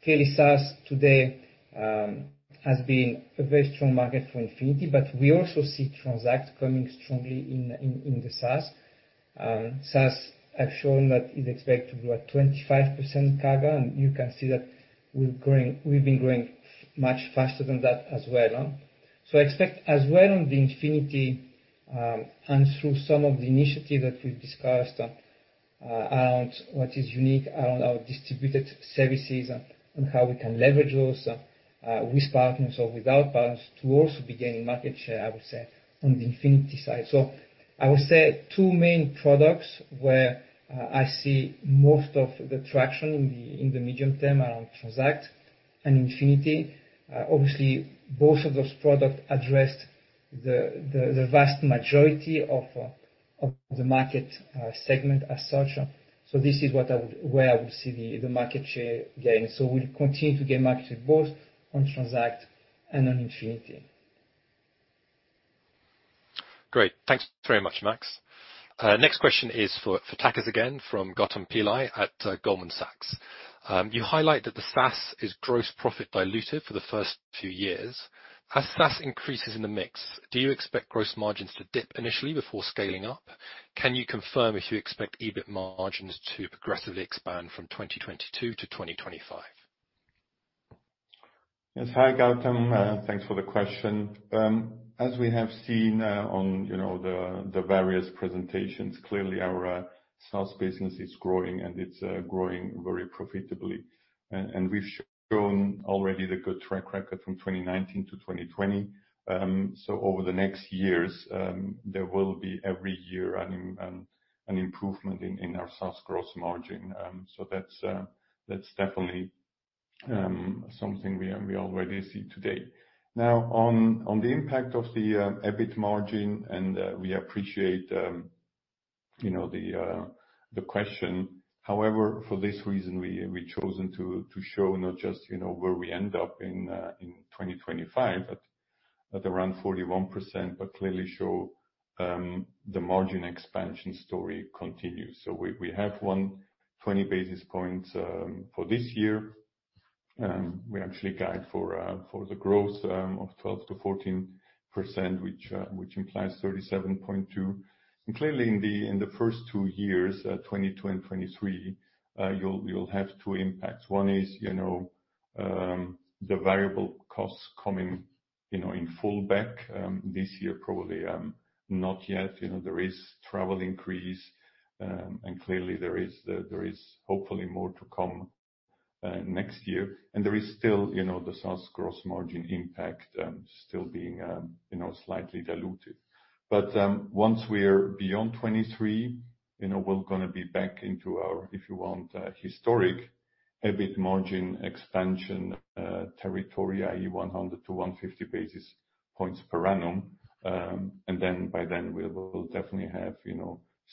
clearly SaaS today has been a very strong market for Infinity, but we also see Transact coming strongly in the SaaS. SaaS, I've shown that is expected to grow at 25% CAGR, and you can see that we've been growing much faster than that as well. I expect as well on the Infinity, and through some of the initiatives that we've discussed around what is unique around our distributed services and how we can leverage those with partners or without partners to also be gaining market share, I would say, on the Infinity side. I would say two main products where I see most of the traction in the medium term around Transact and Infinity. Obviously, both of those products address the vast majority of the market segment as such. This is where I would see the market share gain. We'll continue to gain market share both on Transact and on Infinity. Great. Thanks very much, Max. Next question is for Takis again from Gautam Pillai at Goldman Sachs. You highlight that the SaaS is gross profit dilutive for the first few years. As SaaS increases in the mix, do you expect gross margins to dip initially before scaling up? Can you confirm if you expect EBIT margins to progressively expand from 2022 to 2025? Yes. Hi, Gautam. Thanks for the question. We have seen on the various presentations, clearly our SaaS business is growing, and it's growing very profitably. We've shown already the good track record from 2019 to 2020. Over the next years, there will be every year an improvement in our SaaS gross margin. That's definitely something we already see today. Now, on the impact of the EBIT margin, and we appreciate the question. However, for this reason, we've chosen to show not just where we end up in 2025 at around 41%, but clearly show the margin expansion story continues. We have 120 basis points for this year. We actually guide for the growth of 12%-14%, which implies 37.2%. Clearly in the first two years, 2022 and 2023, you'll have two impacts. One is the variable costs coming in full back. This year, probably not yet. There is travel increase, clearly, there is hopefully more to come next year. There is still the SaaS gross margin impact still being slightly diluted. Once we're beyond 2023, we're going to be back into our, if you want, historic EBIT margin expansion territory, i.e., 100 to 150 basis points per annum. By then we will definitely have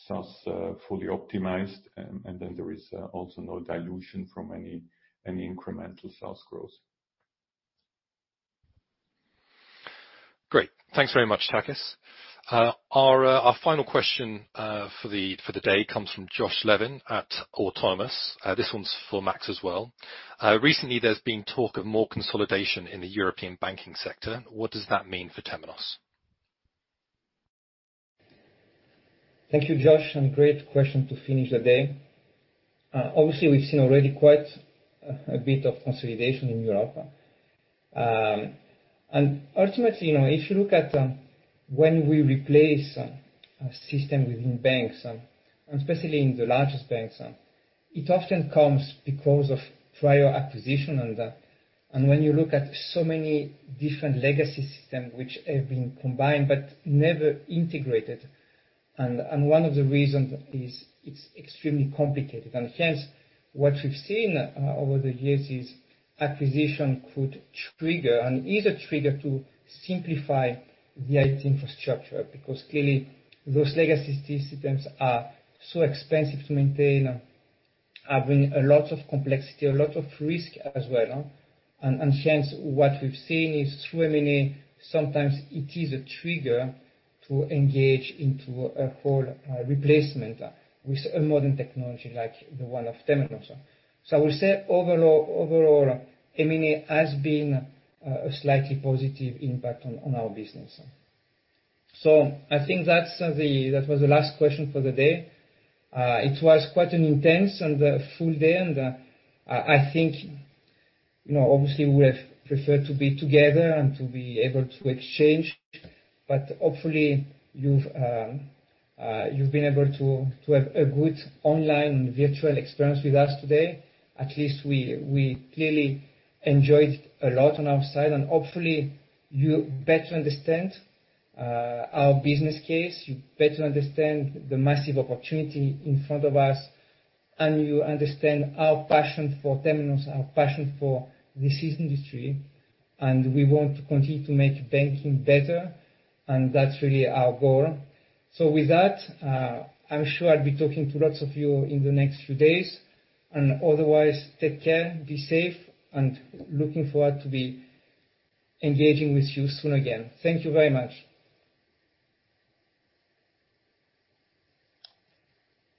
SaaS fully optimized, and then there is also no dilution from any incremental SaaS growth. Great. Thanks very much, Takis. Our final question for the day comes from Josh Levin at Autonomous. This one's for Max as well. Recently, there's been talk of more consolidation in the European banking sector. What does that mean for Temenos? Thank you, Josh. Great question to finish the day. Obviously, we've seen already quite a bit of consolidation in Europe. Ultimately, if you look at when we replace a system within banks, and especially in the largest banks, it often comes because of prior acquisition. When you look at so many different legacy systems which have been combined but never integrated, and one of the reasons is it's extremely complicated. Hence, what we've seen over the years is acquisition could trigger, and is a trigger to simplify the IT infrastructure. Clearly those legacy systems are so expensive to maintain, having a lot of complexity, a lot of risk as well. Hence, what we've seen is through M&A, sometimes it is a trigger to engage into a whole replacement with a modern technology like the one of Temenos. I would say overall, M&A has been a slightly positive impact on our business. I think that was the last question for the day. It was quite an intense and a full day, and I think, obviously we have preferred to be together and to be able to exchange. Hopefully you've been able to have a good online virtual experience with us today. At least we clearly enjoyed a lot on our side, and hopefully you better understand our business case, you better understand the massive opportunity in front of us, and you understand our passion for Temenos, our passion for this industry, and we want to continue to make banking better, and that's really our goal. With that, I'm sure I'll be talking to lots of you in the next few days. Otherwise, take care, be safe, and looking forward to be engaging with you soon again. Thank you very much.